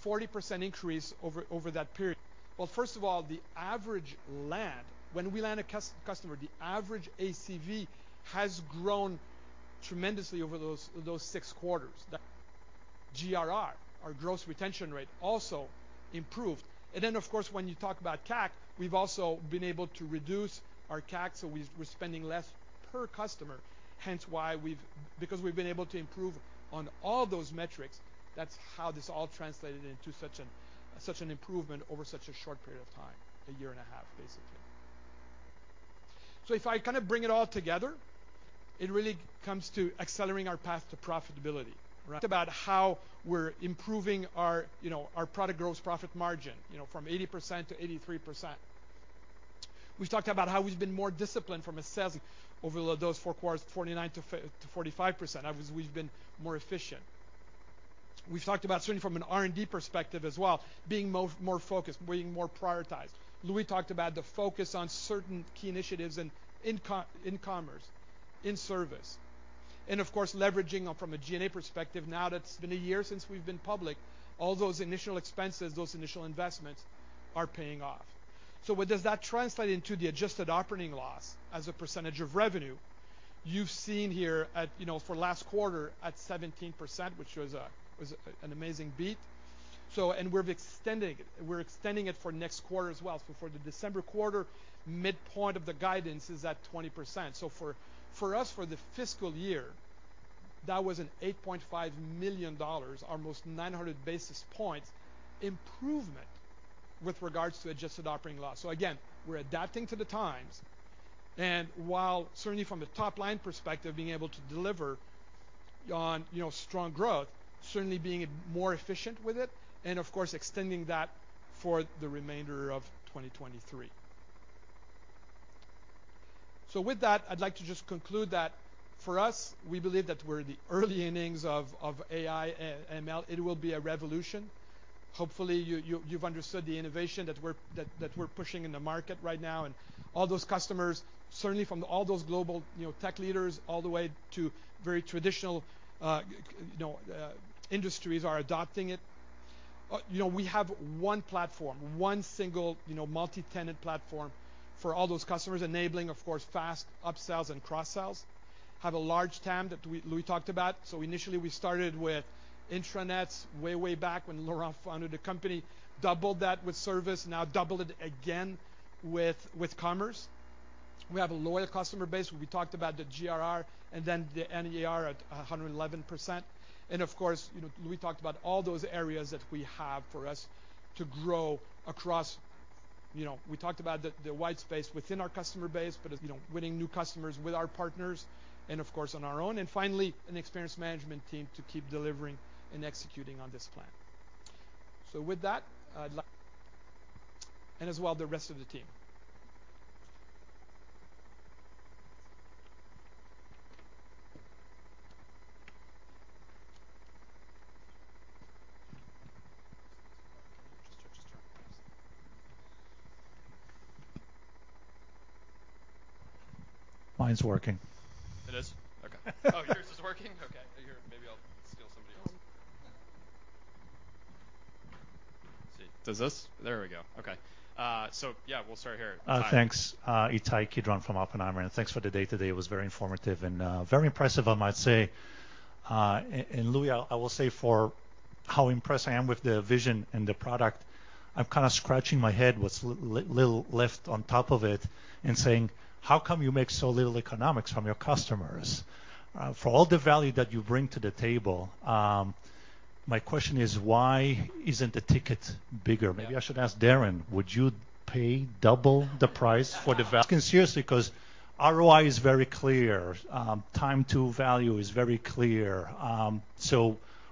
40% increase over that period. Well, first of all, the average land. When we land a customer, the average ACV has grown tremendously over those six quarters. The GRR, our gross retention rate, also improved. Of course, when you talk about CAC, we've also been able to reduce our CAC, so we're spending less per customer, hence why we've. Because we've been able to improve on all those metrics, that's how this all translated into such an improvement over such a short period of time, a year and a half, basically. If I kinda bring it all together, it really comes to accelerating our path to profitability, right? About how we're improving our, you know, our product gross profit margin, you know, from 80% to 83%. We've talked about how we've been more disciplined from a sales over those four quarters, 49%-45%, as we've been more efficient. We've talked about certainly from an R&D perspective as well, being more focused, being more prioritized. Louis talked about the focus on certain key initiatives in commerce, in service. Of course, leveraging from a G&A perspective, now that it's been a year since we've been public, all those initial expenses, those initial investments are paying off. What does that translate into the adjusted operating loss as a percentage of revenue? You've seen here, you know, for last quarter at 17%, which was an amazing beat. We're extending it. We're extending it for next quarter as well. For the December quarter, midpoint of the guidance is at 20%. For us, for the fiscal year, that was $8.5 million, almost 900 basis points improvement with regards to adjusted operating loss. Again, we're adapting to the times, and while certainly from a top-line perspective, being able to deliver on, you know, strong growth, certainly being more efficient with it, and of course, extending that for the remainder of 2023. With that, I'd like to just conclude that for us, we believe that we're in the early innings of AI and ML. It will be a revolution. Hopefully, you've understood the innovation that we're pushing in the market right now. All those customers, certainly from all those global, you know, tech leaders all the way to very traditional, you know, industries are adopting it. You know, we have one platform, one single, you know, multi-tenant platform for all those customers, enabling, of course, fast upsells and cross-sells. We have a large TAM that Louis talked about. Initially, we started with intranets way back when Laurent founded the company. Doubled that with service, now doubled it again with commerce. We have a loyal customer base. We talked about the GRR and then the NER at 111%. Of course, you know, Louis talked about all those areas that we have for us to grow across. You know, we talked about the white space within our customer base, but as, you know, winning new customers with our partners and of course, on our own. Finally, an experience management team to keep delivering and executing on this plan. With that, I'd like. As well, the rest of the team. Mine's working. It is? Okay. Oh, yours is working? Okay. Here, maybe I'll steal somebody else's. Let's see. Does this? There we go. Okay. yeah, we'll start here. Thanks. Ittai Kidron from Oppenheimer, thanks for the day today. It was very informative and very impressive, I might say. Louis, I will say for how impressed I am with the vision and the product, I'm kind of scratching my head what's little left on top of it and saying, "How come you make so little economics from your customers?" For all the value that you bring to the table, my question is, why isn't the ticket bigger? Yeah. Maybe I should ask Darren, would you pay double the price? I'm asking seriously 'cause ROI is very clear. Time to value is very clear.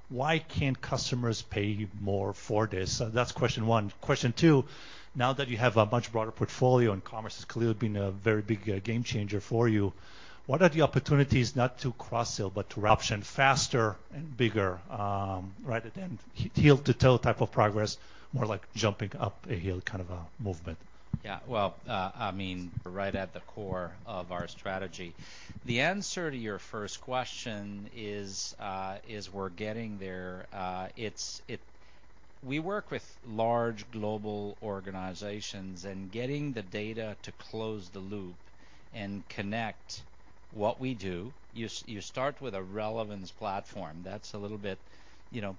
Why can't customers pay more for this? That's question one. Question two, now that you have a much broader portfolio, and commerce has clearly been a very big game changer for you, what are the opportunities not to cross-sell, but to up-sell faster and bigger, rather than heel to toe type of progress, more like jumping up a hill kind of a movement? Yeah. Well, I mean, right at the core of our strategy. The answer to your first question is we're getting there. We work with large global organizations, and getting the data to close the loop and connect what we do, you start with a relevance platform. That's a little bit, you know.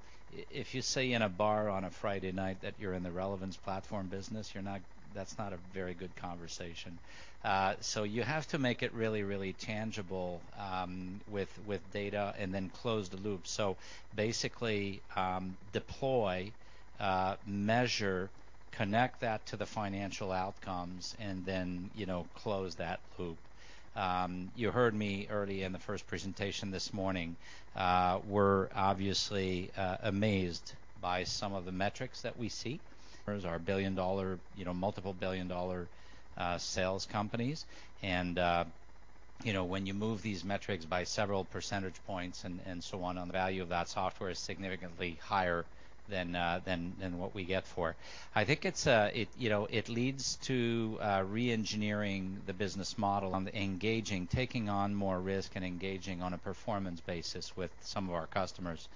If you say in a bar on a Friday night that you're in the relevance platform business, you're not. That's not a very good conversation. You have to make it really, really tangible, with data and then close the loop. Basically, deploy, measure, connect that to the financial outcomes and then, you know, close that loop. You heard me early in the first presentation this morning. We're obviously amazed by some of the metrics that we see. Customers are billion-dollar, you know, multiple billion-dollar sales companies. You know, when you move these metrics by several percentage points and so on, the value of that software is significantly higher than what we get for. I think it's, you know, it leads to re-engineering the business model and engaging, taking on more risk and engaging on a performance basis with some of our customers,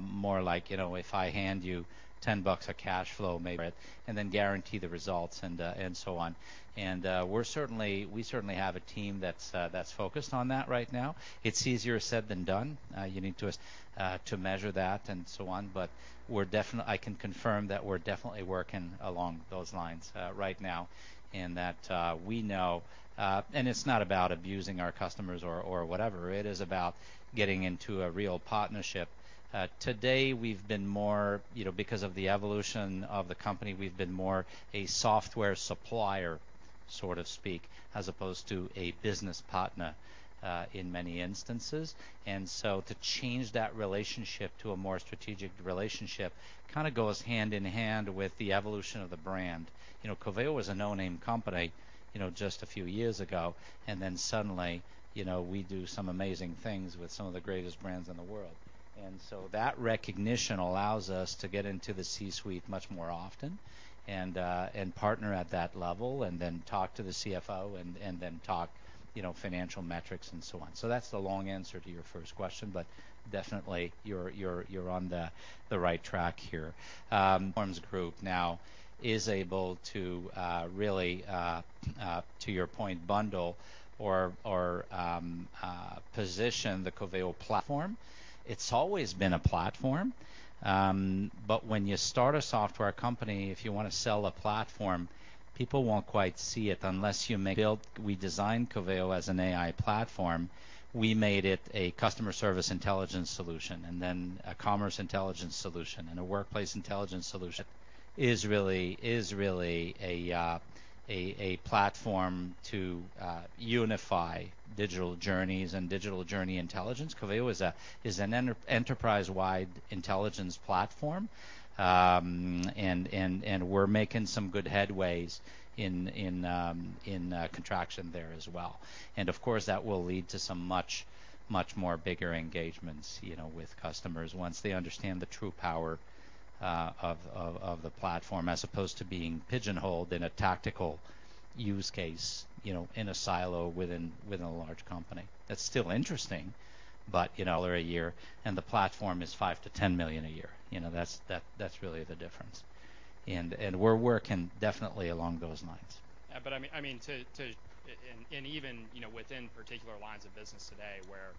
more like, you know, if I hand you 10 bucks of cash flow, maybe, and then guarantee the results and so on. We certainly have a team that's focused on that right now. It's easier said than done. You need to measure that and so on. We're definitely. I can confirm that we're definitely working along those lines, right now, and that, we know. It's not about abusing our customers or whatever. It is about getting into a real partnership. Today, we've been more, you know, because of the evolution of the company, we've been more a software supplier, so to speak, as opposed to a business partner, in many instances. To change that relationship to a more strategic relationship, kind of goes hand in hand with the evolution of the brand. You know, Coveo was a no-name company, you know, just a few years ago, and then suddenly, you know, we do some amazing things with some of the greatest brands in the world. That recognition allows us to get into the C-suite much more often and partner at that level and then talk to the CFO and then talk you know financial metrics and so on. That's the long answer to your first question, but definitely you're on the right track here. Performance Group now is able to really, to your point, bundle or position the Coveo platform. It's always been a platform. But when you start a software company, if you want to sell a platform, people won't quite see it unless you make. We designed Coveo as an AI platform. We made it a customer service intelligence solution and then a commerce intelligence solution and a workplace intelligence solution. It is really a platform to unify digital journeys and digital journey intelligence. Coveo is an enterprise-wide intelligence platform. We're making some good headway in traction there as well. Of course, that will lead to some much more bigger engagements, you know, with customers once they understand the true power of the platform, as opposed to being pigeonholed in a tactical use case, you know, in a silo within a large company. That's still interesting, but you know a year, and the platform is $5 million-$10 million a year. You know, that's really the difference. We're working definitely along those lines. Yeah, but I mean even, you know, within particular lines of business today where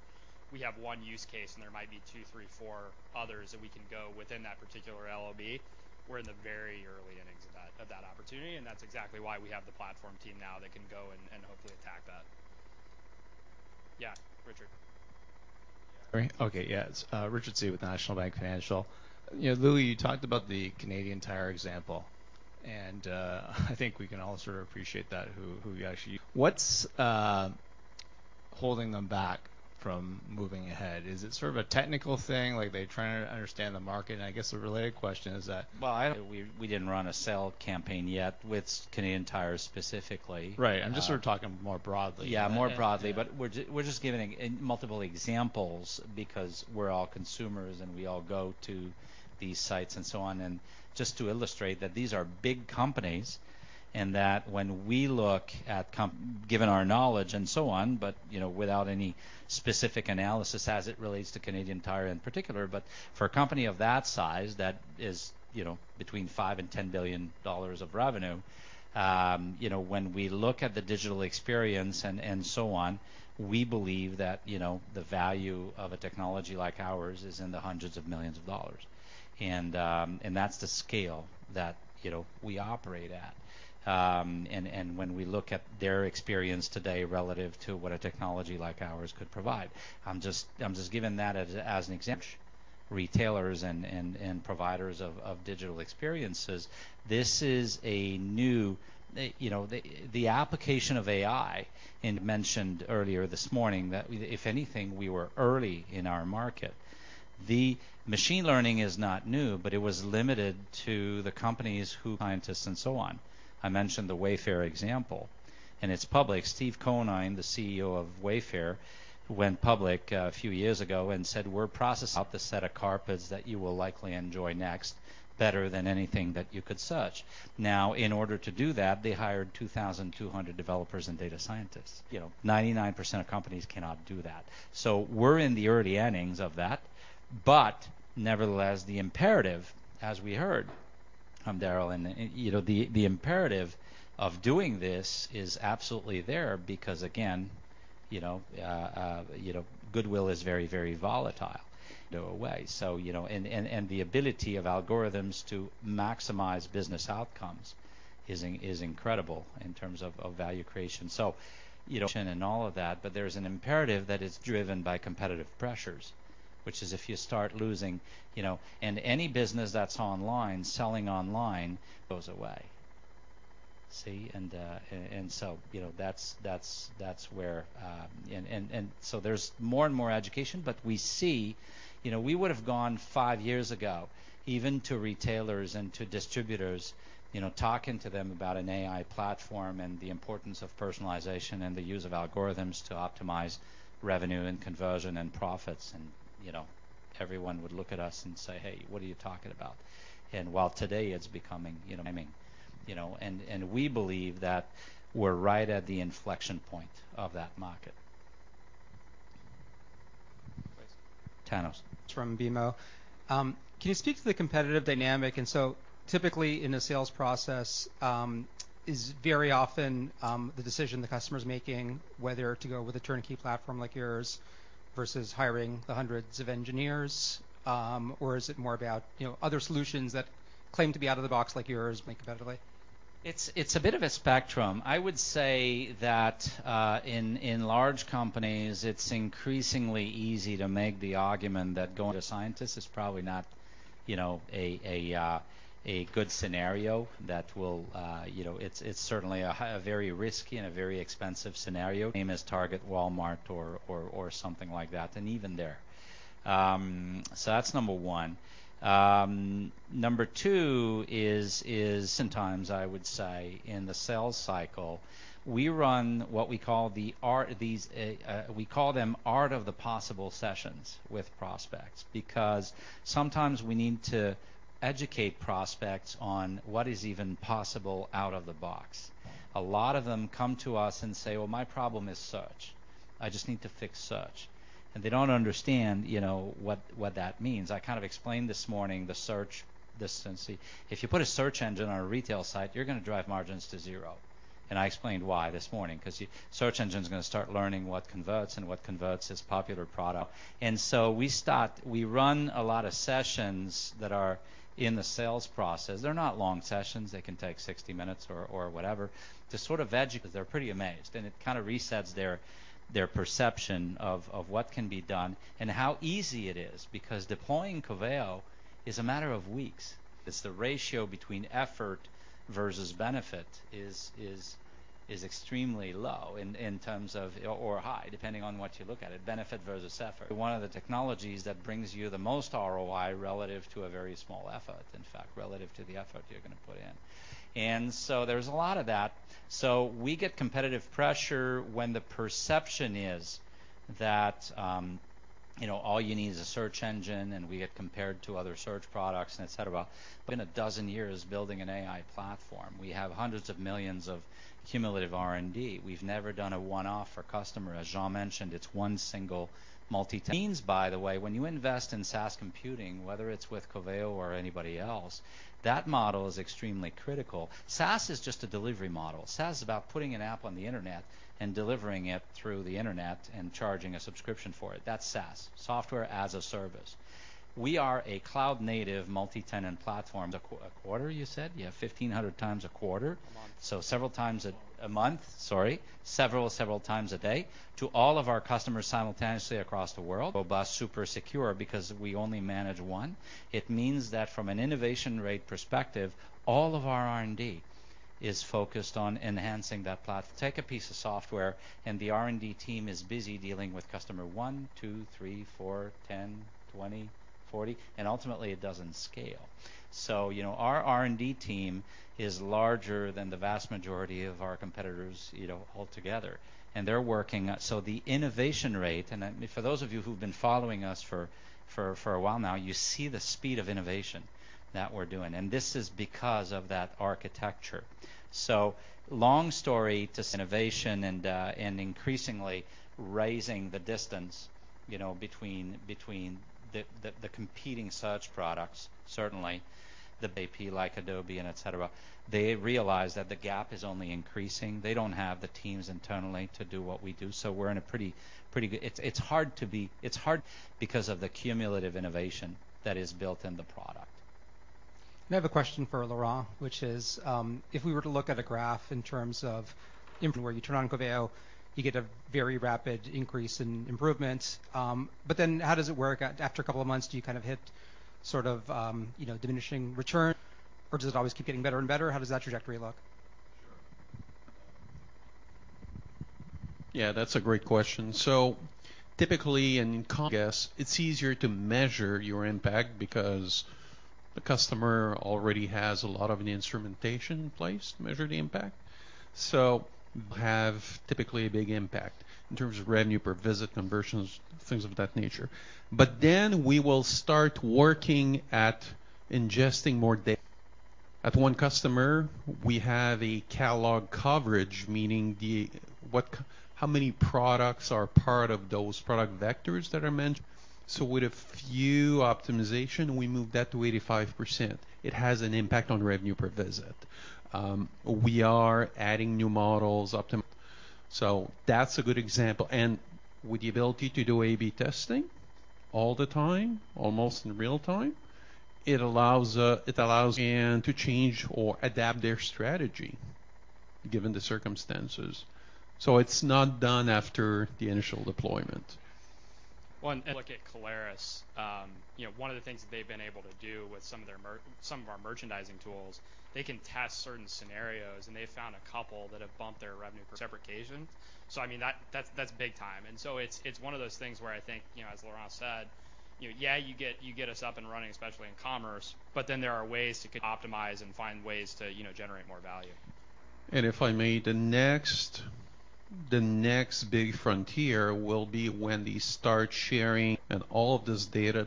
we have one use case and there might be two, three, four others that we can go within that particular LOB, we're in the very early innings of that opportunity and that's exactly why we have the platform team now that can go and hopefully attack that. Yeah, Richard. Sorry. Okay. Yeah. It's Richard Tse with National Bank Financial. You know, Louis Têtu, you talked about the Canadian Tire example, and I think we can all sort of appreciate that. What's holding them back from moving ahead? Is it sort of a technical thing like they're trying to understand the market? I guess a related question is that- Well, we didn't run a sale campaign yet with Canadian Tire specifically. Right. I'm just sort of talking more broadly. Yeah, more broadly. We're just giving multiple examples because we're all consumers and we all go to these sites and so on. Just to illustrate that these are big companies and that when we look at, given our knowledge and so on, you know, without any specific analysis as it relates to Canadian Tire in particular. For a company of that size, that is, you know, between $5 billion and $10 billion of revenue, you know, when we look at the digital experience and so on, we believe that, you know, the value of a technology like ours is in the hundreds of millions of dollars. And that's the scale that, you know, we operate at. When we look at their experience today relative to what a technology like ours could provide. I'm just giving that as an example. Retailers and providers of digital experiences. This is a new application of AI. I mentioned earlier this morning that if anything, we were early in our market. The machine learning is not new, but it was limited to the companies who had scientists and so on. I mentioned the Wayfair example, and it's public. Steve Conine, the CEO of Wayfair, went public a few years ago and said, "We're processing out the set of carpets that you will likely enjoy next better than anything that you could search." Now, in order to do that, they hired 2,200 developers and data scientists. 99% of companies cannot do that. We're in the early innings of that. Nevertheless, the imperative, as we heard from Daryl and, you know, the imperative of doing this is absolutely there because again, you know, goodwill is very volatile. No way. You know, and the ability of algorithms to maximize business outcomes is incredible in terms of value creation. You know. All of that, but there's an imperative that is driven by competitive pressures which is if you start losing, you know. Any business that's online, selling online goes away. See. And so, you know, that's where. And so there's more and more education, but we see. You know, we would have gone five years ago even to retailers and to distributors, you know, talking to them about an AI platform and the importance of personalization and the use of algorithms to optimize revenue and conversion and profits and, you know, everyone would look at us and say, "Hey, what are you talking about?" While today it's becoming, you know, mainstream, you know. We believe that we're right at the inflection point of that market. Thanos. Thanos from BMO. Can you speak to the competitive dynamic? Typically in a sales process, is very often the decision the customer's making whether to go with a turnkey platform like yours versus hiring the hundreds of engineers, or is it more about, you know, other solutions that claim to be out of the box like yours more competitively? It's a bit of a spectrum. I would say that in large companies, it's increasingly easy to make the argument that going to scientists is probably not, you know, a good scenario that will, you know. It's certainly a very high, very risky and very expensive scenario. Same as Target, Walmart or something like that, and even there. That's number one. Number two is sometimes I would say in the sales cycle, we run what we call the art of the possible sessions with prospects because sometimes we need to educate prospects on what is even possible out of the box. A lot of them come to us and say, "Well, my problem is search. I just need to fix search." They don't understand, you know, what that means. I kind of explained this morning the search. If you put a search engine on a retail site, you're gonna drive margins to zero. I explained why this morning, 'cause search engine's gonna start learning what converts and what converts is popular product. We run a lot of sessions that are in the sales process. They're not long sessions. They can take 60 minutes or whatever to sort of educate. They're pretty amazed, and it kind of resets their perception of what can be done and how easy it is because deploying Coveo is a matter of weeks. It's the ratio between effort versus benefit is extremely low in terms of, or high depending on how you look at it, benefit versus effort. One of the technologies that brings you the most ROI relative to a very small effort, in fact, relative to the effort you're gonna put in. There's a lot of that. We get competitive pressure when the perception is that, you know, all you need is a search engine, and we get compared to other search products and et cetera. In 12 years building an AI platform, we have hundreds of millions of cumulative R&D. We've never done a one-off for customer. As Jean mentioned, it's one single multi-tenant. By the way, when you invest in SaaS computing, whether it's with Coveo or anybody else, that model is extremely critical. SaaS is just a delivery model. SaaS is about putting an app on the Internet and delivering it through the Internet and charging a subscription for it. That's SaaS, software as a service. We are a cloud-native multi-tenant platform. A quarter you said? Yeah, 1,500 times a quarter. A month. Several times a day to all of our customers simultaneously across the world. Robust, super secure because we only manage one. It means that from an innovation rate perspective, all of our R&D is focused on enhancing that platform. Take a piece of software, and the R&D team is busy dealing with customer 1, 2, 3, 4, 10, 20, 40, and ultimately, it doesn't scale. You know, our R&D team is larger than the vast majority of our competitors, you know, altogether, and they're working. The innovation rate, and then for those of you who've been following us for a while now, you see the speed of innovation that we're doing, and this is because of that architecture. Long story short on innovation and increasingly raising the distance, you know, between the competing search products, certainly the likes of Adobe and et cetera. They realize that the gap is only increasing. They don't have the teams internally to do what we do, so we're in a pretty good. It's hard to beat because of the cumulative innovation that is built in the product. I have a question for Laurent Simoneau, which is, if we were to look at a graph in terms of improvement, where you turn on Coveo, you get a very rapid increase in improvements. How does it work after a couple of months? Do you kind of hit sort of, you know, diminishing return, or does it always keep getting better and better? How does that trajectory look? Sure. Yeah, that's a great question. Typically, it's easier to measure your impact because the customer already has a lot of the instrumentation in place. We typically have a big impact in terms of revenue per visit, conversions, things of that nature. But then we will start working at ingesting more data. At one customer, we have a catalog coverage, meaning how many products are part of those product vectors that are mentioned. With a few optimization, we moved that to 85%. It has an impact on revenue per visit. We are adding new models, so that's a good example. With the ability to do A/B testing all the time, almost in real time, it allows to change or adapt their strategy given the circumstances. It's not done after the initial deployment. Look at Caleres. You know, one of the things that they've been able to do with some of our merchandising tools, they can test certain scenarios, and they've found a couple that have bumped their revenue per separate occasion. I mean, that's big time. It's one of those things where I think, you know, as Laurent said, you know, you get us up and running, especially in commerce, but then there are ways to optimize and find ways to, you know, generate more value. If I may, the next big frontier will be when they start sharing, and all of this data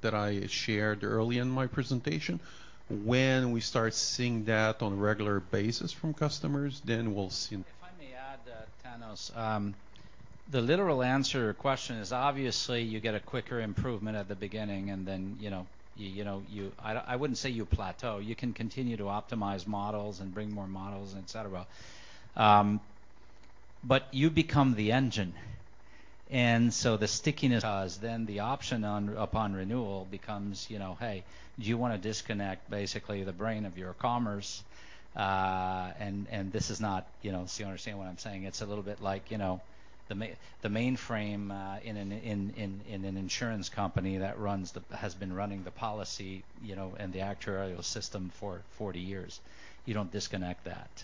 that I shared early in my presentation. When we start seeing that on a regular basis from customers, then we'll see. If I may add, Thanos, the literal answer to your question is, obviously, you get a quicker improvement at the beginning, and then, you know, you know you plateau. I don't, I wouldn't say you plateau. You can continue to optimize models and bring more models and et cetera. You become the engine. The stickiness is then the option on, upon renewal becomes, you know, "Hey, do you wanna disconnect basically the brain of your commerce?" This is not. You know, so you understand what I'm saying. It's a little bit like, you know, the mainframe in an insurance company that runs the, has been running the policy, you know, and the actuarial system for 40 years. You don't disconnect that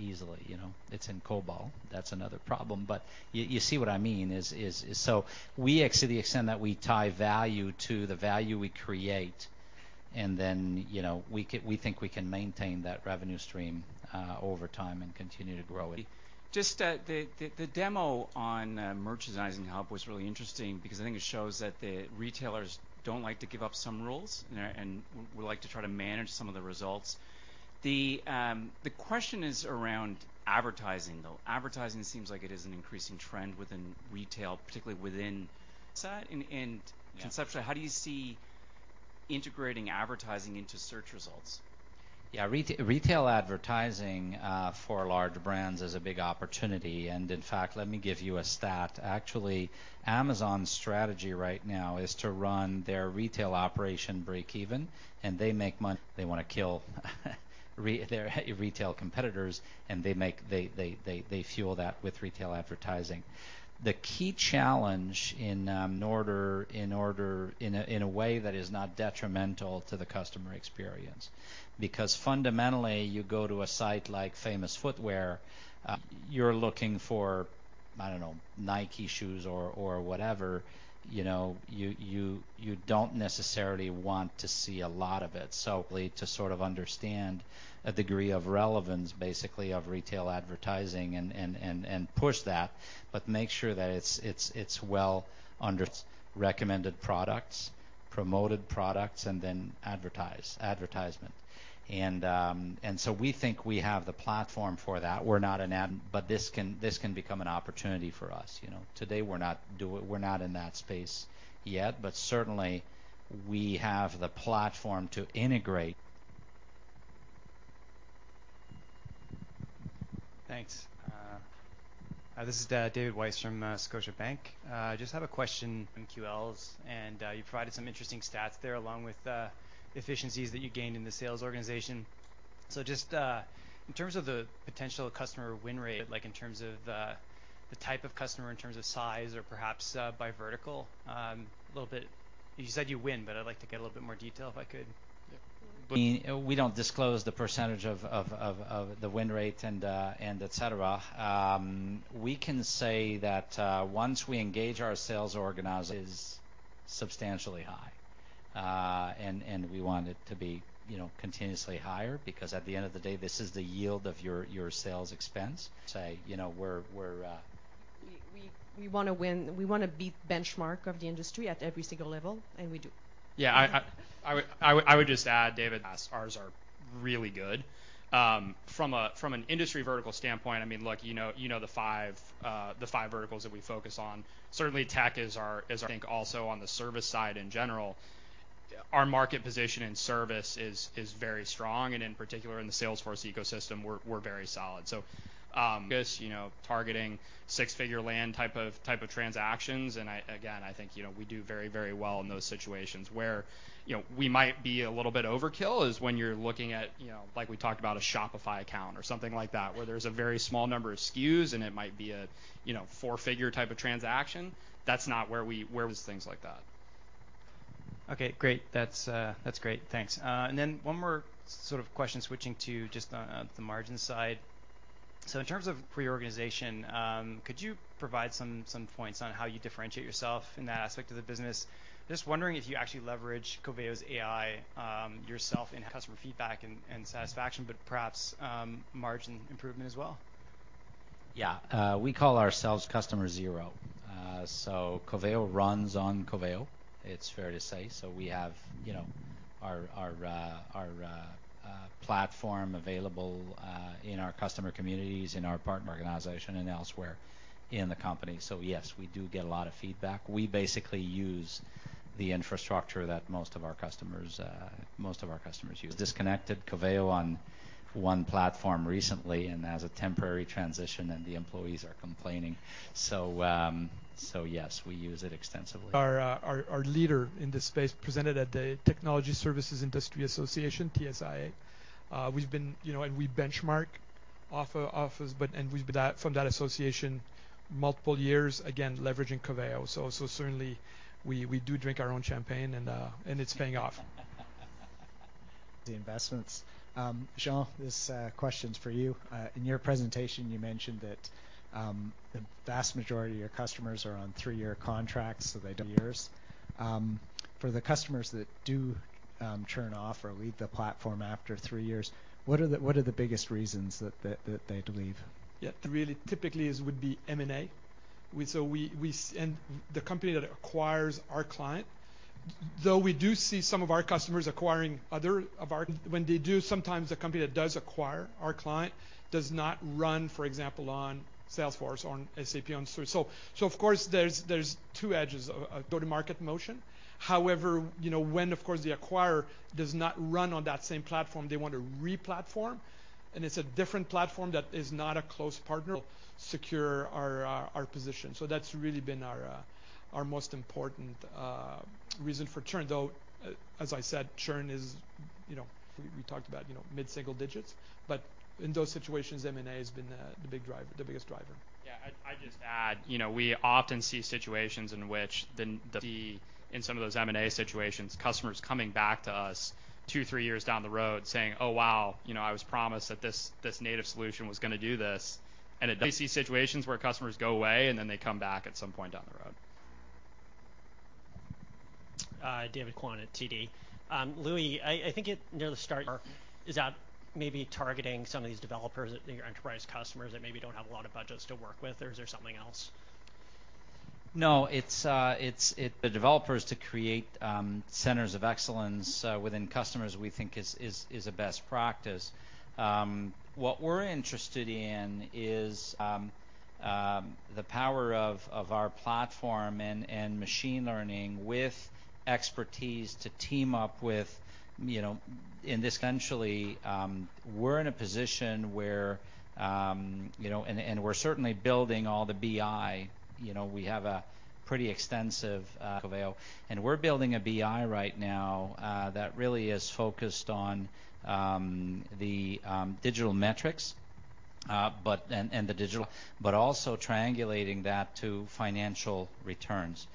easily, you know. It's in COBOL. That's another problem. You see what I mean is, to the extent that we tie value to the value we create, and then, you know, we can, we think we can maintain that revenue stream over time and continue to grow it. Just the demo on Merchandising Hub was really interesting because I think it shows that the retailers don't like to give up some rules and we like to try to manage some of the results. The question is around advertising, though. Advertising seems like it is an increasing trend within retail, particularly within. Site? And, and- Yeah. Conceptually, how do you see integrating advertising into search results? Yeah. Retail advertising for large brands is a big opportunity. In fact, let me give you a stat. Actually, Amazon's strategy right now is to run their retail operation breakeven, and they make money. They wanna kill their retail competitors, and they fuel that with retail advertising. The key challenge in a way that is not detrimental to the customer experience. Because fundamentally, you go to a site like Famous Footwear, you're looking for, I don't know, Nike shoes or whatever, you know, you don't necessarily want to see a lot of it. Really to sort of understand a degree of relevance, basically, of retail advertising and push that, but make sure that it's well under recommended products, promoted products, and then advertisement. We think we have the platform for that. This can become an opportunity for us, you know. Today, we're not in that space yet, but certainly, we have the platform to integrate. Thanks. This is David Weiss from Scotiabank. Just have a question on QLs, and you provided some interesting stats there, along with the efficiencies that you gained in the sales organization. In terms of the potential customer win rate, like in terms of the type of customer in terms of size or perhaps by vertical, a little bit. You said you win, but I'd like to get a little bit more detail if I could. Yeah. I mean, we don't disclose the percentage of the win rate and et cetera. We can say that once we engage our sales organization is substantially high. We want it to be, you know, continuously higher because at the end of the day, this is the yield of your sales expense. Say, you know, we're We wanna win. We wanna beat the benchmark of the industry at every single level, and we do. Yeah. I would just add, David, ours are really good. From an industry vertical standpoint, I mean, look, you know the five verticals that we focus on. Certainly, tech is our. I think also on the service side in general, our market position in service is very strong, and in particular in the Salesforce ecosystem, we're very solid. I guess, you know, targeting six-figure land-and-expand type of transactions, and again, I think, you know, we do very well in those situations. Where, you know, we might be a little bit overkill is when you're looking at, you know, like we talked about a Shopify account or something like that, where there's a very small number of SKUs, and it might be a, you know, four-figure type of transaction. That's not where we. Things like that. Okay. Great. That's great. Thanks. One more sort of question switching to just the margin side. In terms of personalization, could you provide some points on how you differentiate yourself in that aspect of the business? Just wondering if you actually leverage Coveo's AI yourself in customer feedback and satisfaction, but perhaps margin improvement as well. Yeah. We call ourselves customer zero. Coveo runs on Coveo, it's fair to say. We have, you know, our platform available in our customer communities, in our partner organization and elsewhere in the company. Yes, we do get a lot of feedback. We basically use the infrastructure that most of our customers use. Disconnected Coveo on one platform recently and as a temporary transition, and the employees are complaining. Yes, we use it extensively. Our leader in this space presented at the Technology & Services Industry Association, TSIA. We benchmark off his, but we've been at from that association multiple years, again, leveraging Coveo. Certainly, we do drink our own champagne, and it's paying off. The investments. Jean, this question's for you. In your presentation, you mentioned that the vast majority of your customers are on three-year contracts, so three years. For the customers that do churn or leave the platform after three years, what are the biggest reasons that they leave? Yeah. Really, typically it would be M&A. We so see some of our customers acquiring other of our. When they do, sometimes the company that does acquire our client does not run, for example, on Salesforce or on SAP Commerce Suite. So of course there's two edges of a go-to-market motion. However, you know, when, of course, the acquirer does not run on that same platform, they want to re-platform, and it's a different platform that is not a close partner. Secure our position. So that's really been our most important reason for churn. Though, as I said, churn is, you know, we talked about, you know, mid-single digits. In those situations, M&A has been the big driver, the biggest driver. Yeah. I'd just add, you know, we often see situations in which, in some of those M&A situations, customers coming back to us 2, 3 years down the road saying, "Oh, wow, you know, I was promised that this native solution was gonna do this, and it." We see situations where customers go away, and then they come back at some point down the road. David Kwan at TD. Louis, I think at near the start. Sure. Is that maybe targeting some of these developers, your enterprise customers that maybe don't have a lot of budgets to work with, or is there something else? No. It's the developers to create centers of excellence within customers, we think is a best practice. What we're interested in is the power of our platform and machine learning with expertise to team up with, you know. Eventually, we're in a position where, you know. We're certainly building all the BI. You know, we have a pretty extensive Coveo, and we're building a BI right now that really is focused on the digital metrics, but the digital, but also triangulating that to financial returns.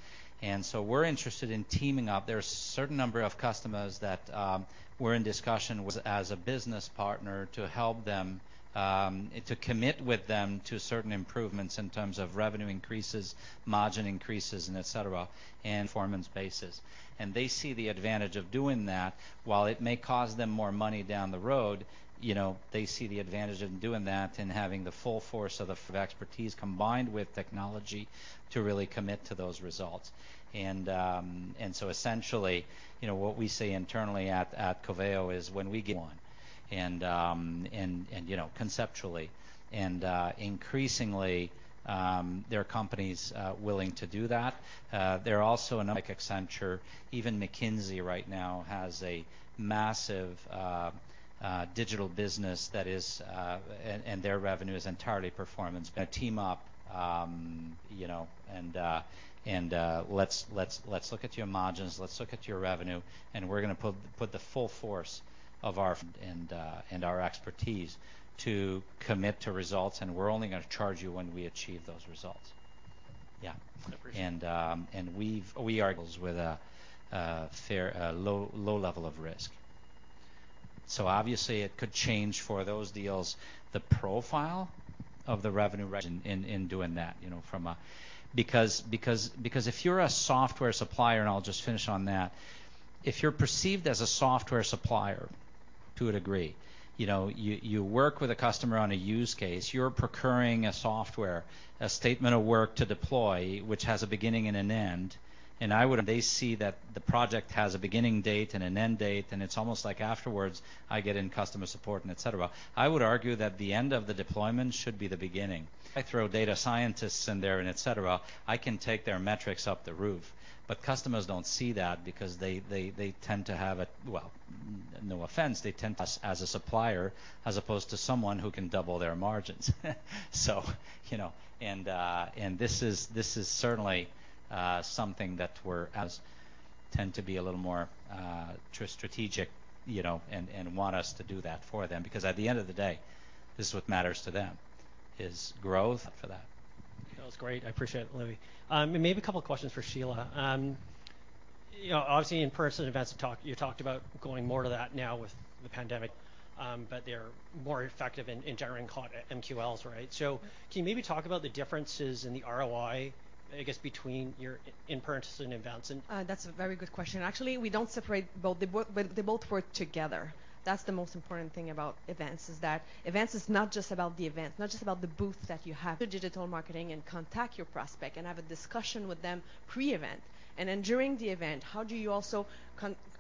We're interested in teaming up. There are a certain number of customers that we're in discussion with as a business partner to help them to commit with them to certain improvements in terms of revenue increases, margin increases, and et cetera, and performance basis. They see the advantage of doing that. While it may cost them more money down the road, you know, they see the advantage in doing that and having the full force of the expertise combined with technology to really commit to those results. Essentially, you know, what we say internally at Coveo is when we get one, conceptually. Increasingly, there are companies willing to do that. There are also like Accenture, even McKinsey right now has a massive digital business that is, and their revenue is entirely performance. Gonna team up, you know, and let's look at your margins, let's look at your revenue, and we're gonna put the full force of our expertise to commit to results, and we're only gonna charge you when we achieve those results. Yeah. I appreciate that. We are with a fairly low level of risk. Obviously it could change for those deals the profile of the revenue recognition in doing that, you know, from a. Because if you're a software supplier, and I'll just finish on that. If you're perceived as a software supplier to a degree, you know, you work with a customer on a use case, you're procuring a software, a statement of work to deploy, which has a beginning and an end. They see that the project has a beginning date and an end date, and it's almost like afterwards it's customer support and et cetera. I would argue that the end of the deployment should be the beginning. I throw data scientists in there and et cetera, I can take their metrics through the roof. Customers don't see that because they tend to have a, well, no offense, they tend to see us as a supplier as opposed to someone who can double their margins. You know, this is certainly something that we tend to be a little more strategic, you know, and want us to do that for them because at the end of the day, this is what matters to them is growth for that. That was great. I appreciate it, Olivier. Maybe a couple of questions for Sheila. You know, obviously in-person events you talked about going more to that now with the pandemic, but they're more effective in generating MQLs, right? Can you maybe talk about the differences in the ROI, I guess between your in-person events and- That's a very good question. Actually, we don't separate both. They both work together. That's the most important thing about events is that events is not just about the event, not just about the booth that you have. The digital marketing to contact your prospect and have a discussion with them pre-event. During the event, how do you also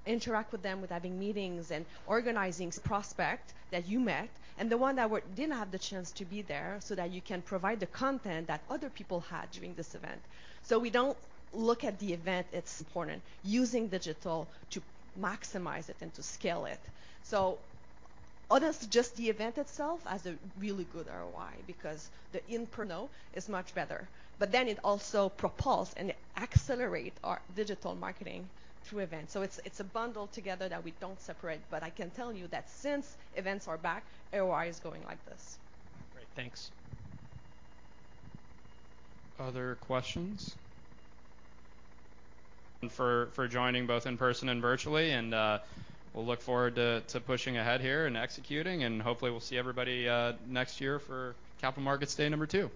interact with them with having meetings and organizing prospects that you met and the ones that didn't have the chance to be there so that you can provide the content that other people had during this event. We don't look at the event. It's important using digital to maximize it and to scale it. Others suggest the event itself as a really good ROI because the in-person is much better. It also propels and accelerates our digital marketing through events. It's a bundle together that we don't separate. I can tell you that since events are back, ROI is going like this. Great. Thanks. Other questions? For joining both in person and virtually, we'll look forward to pushing ahead here and executing, and hopefully we'll see everybody next year for Capital Markets Day number two.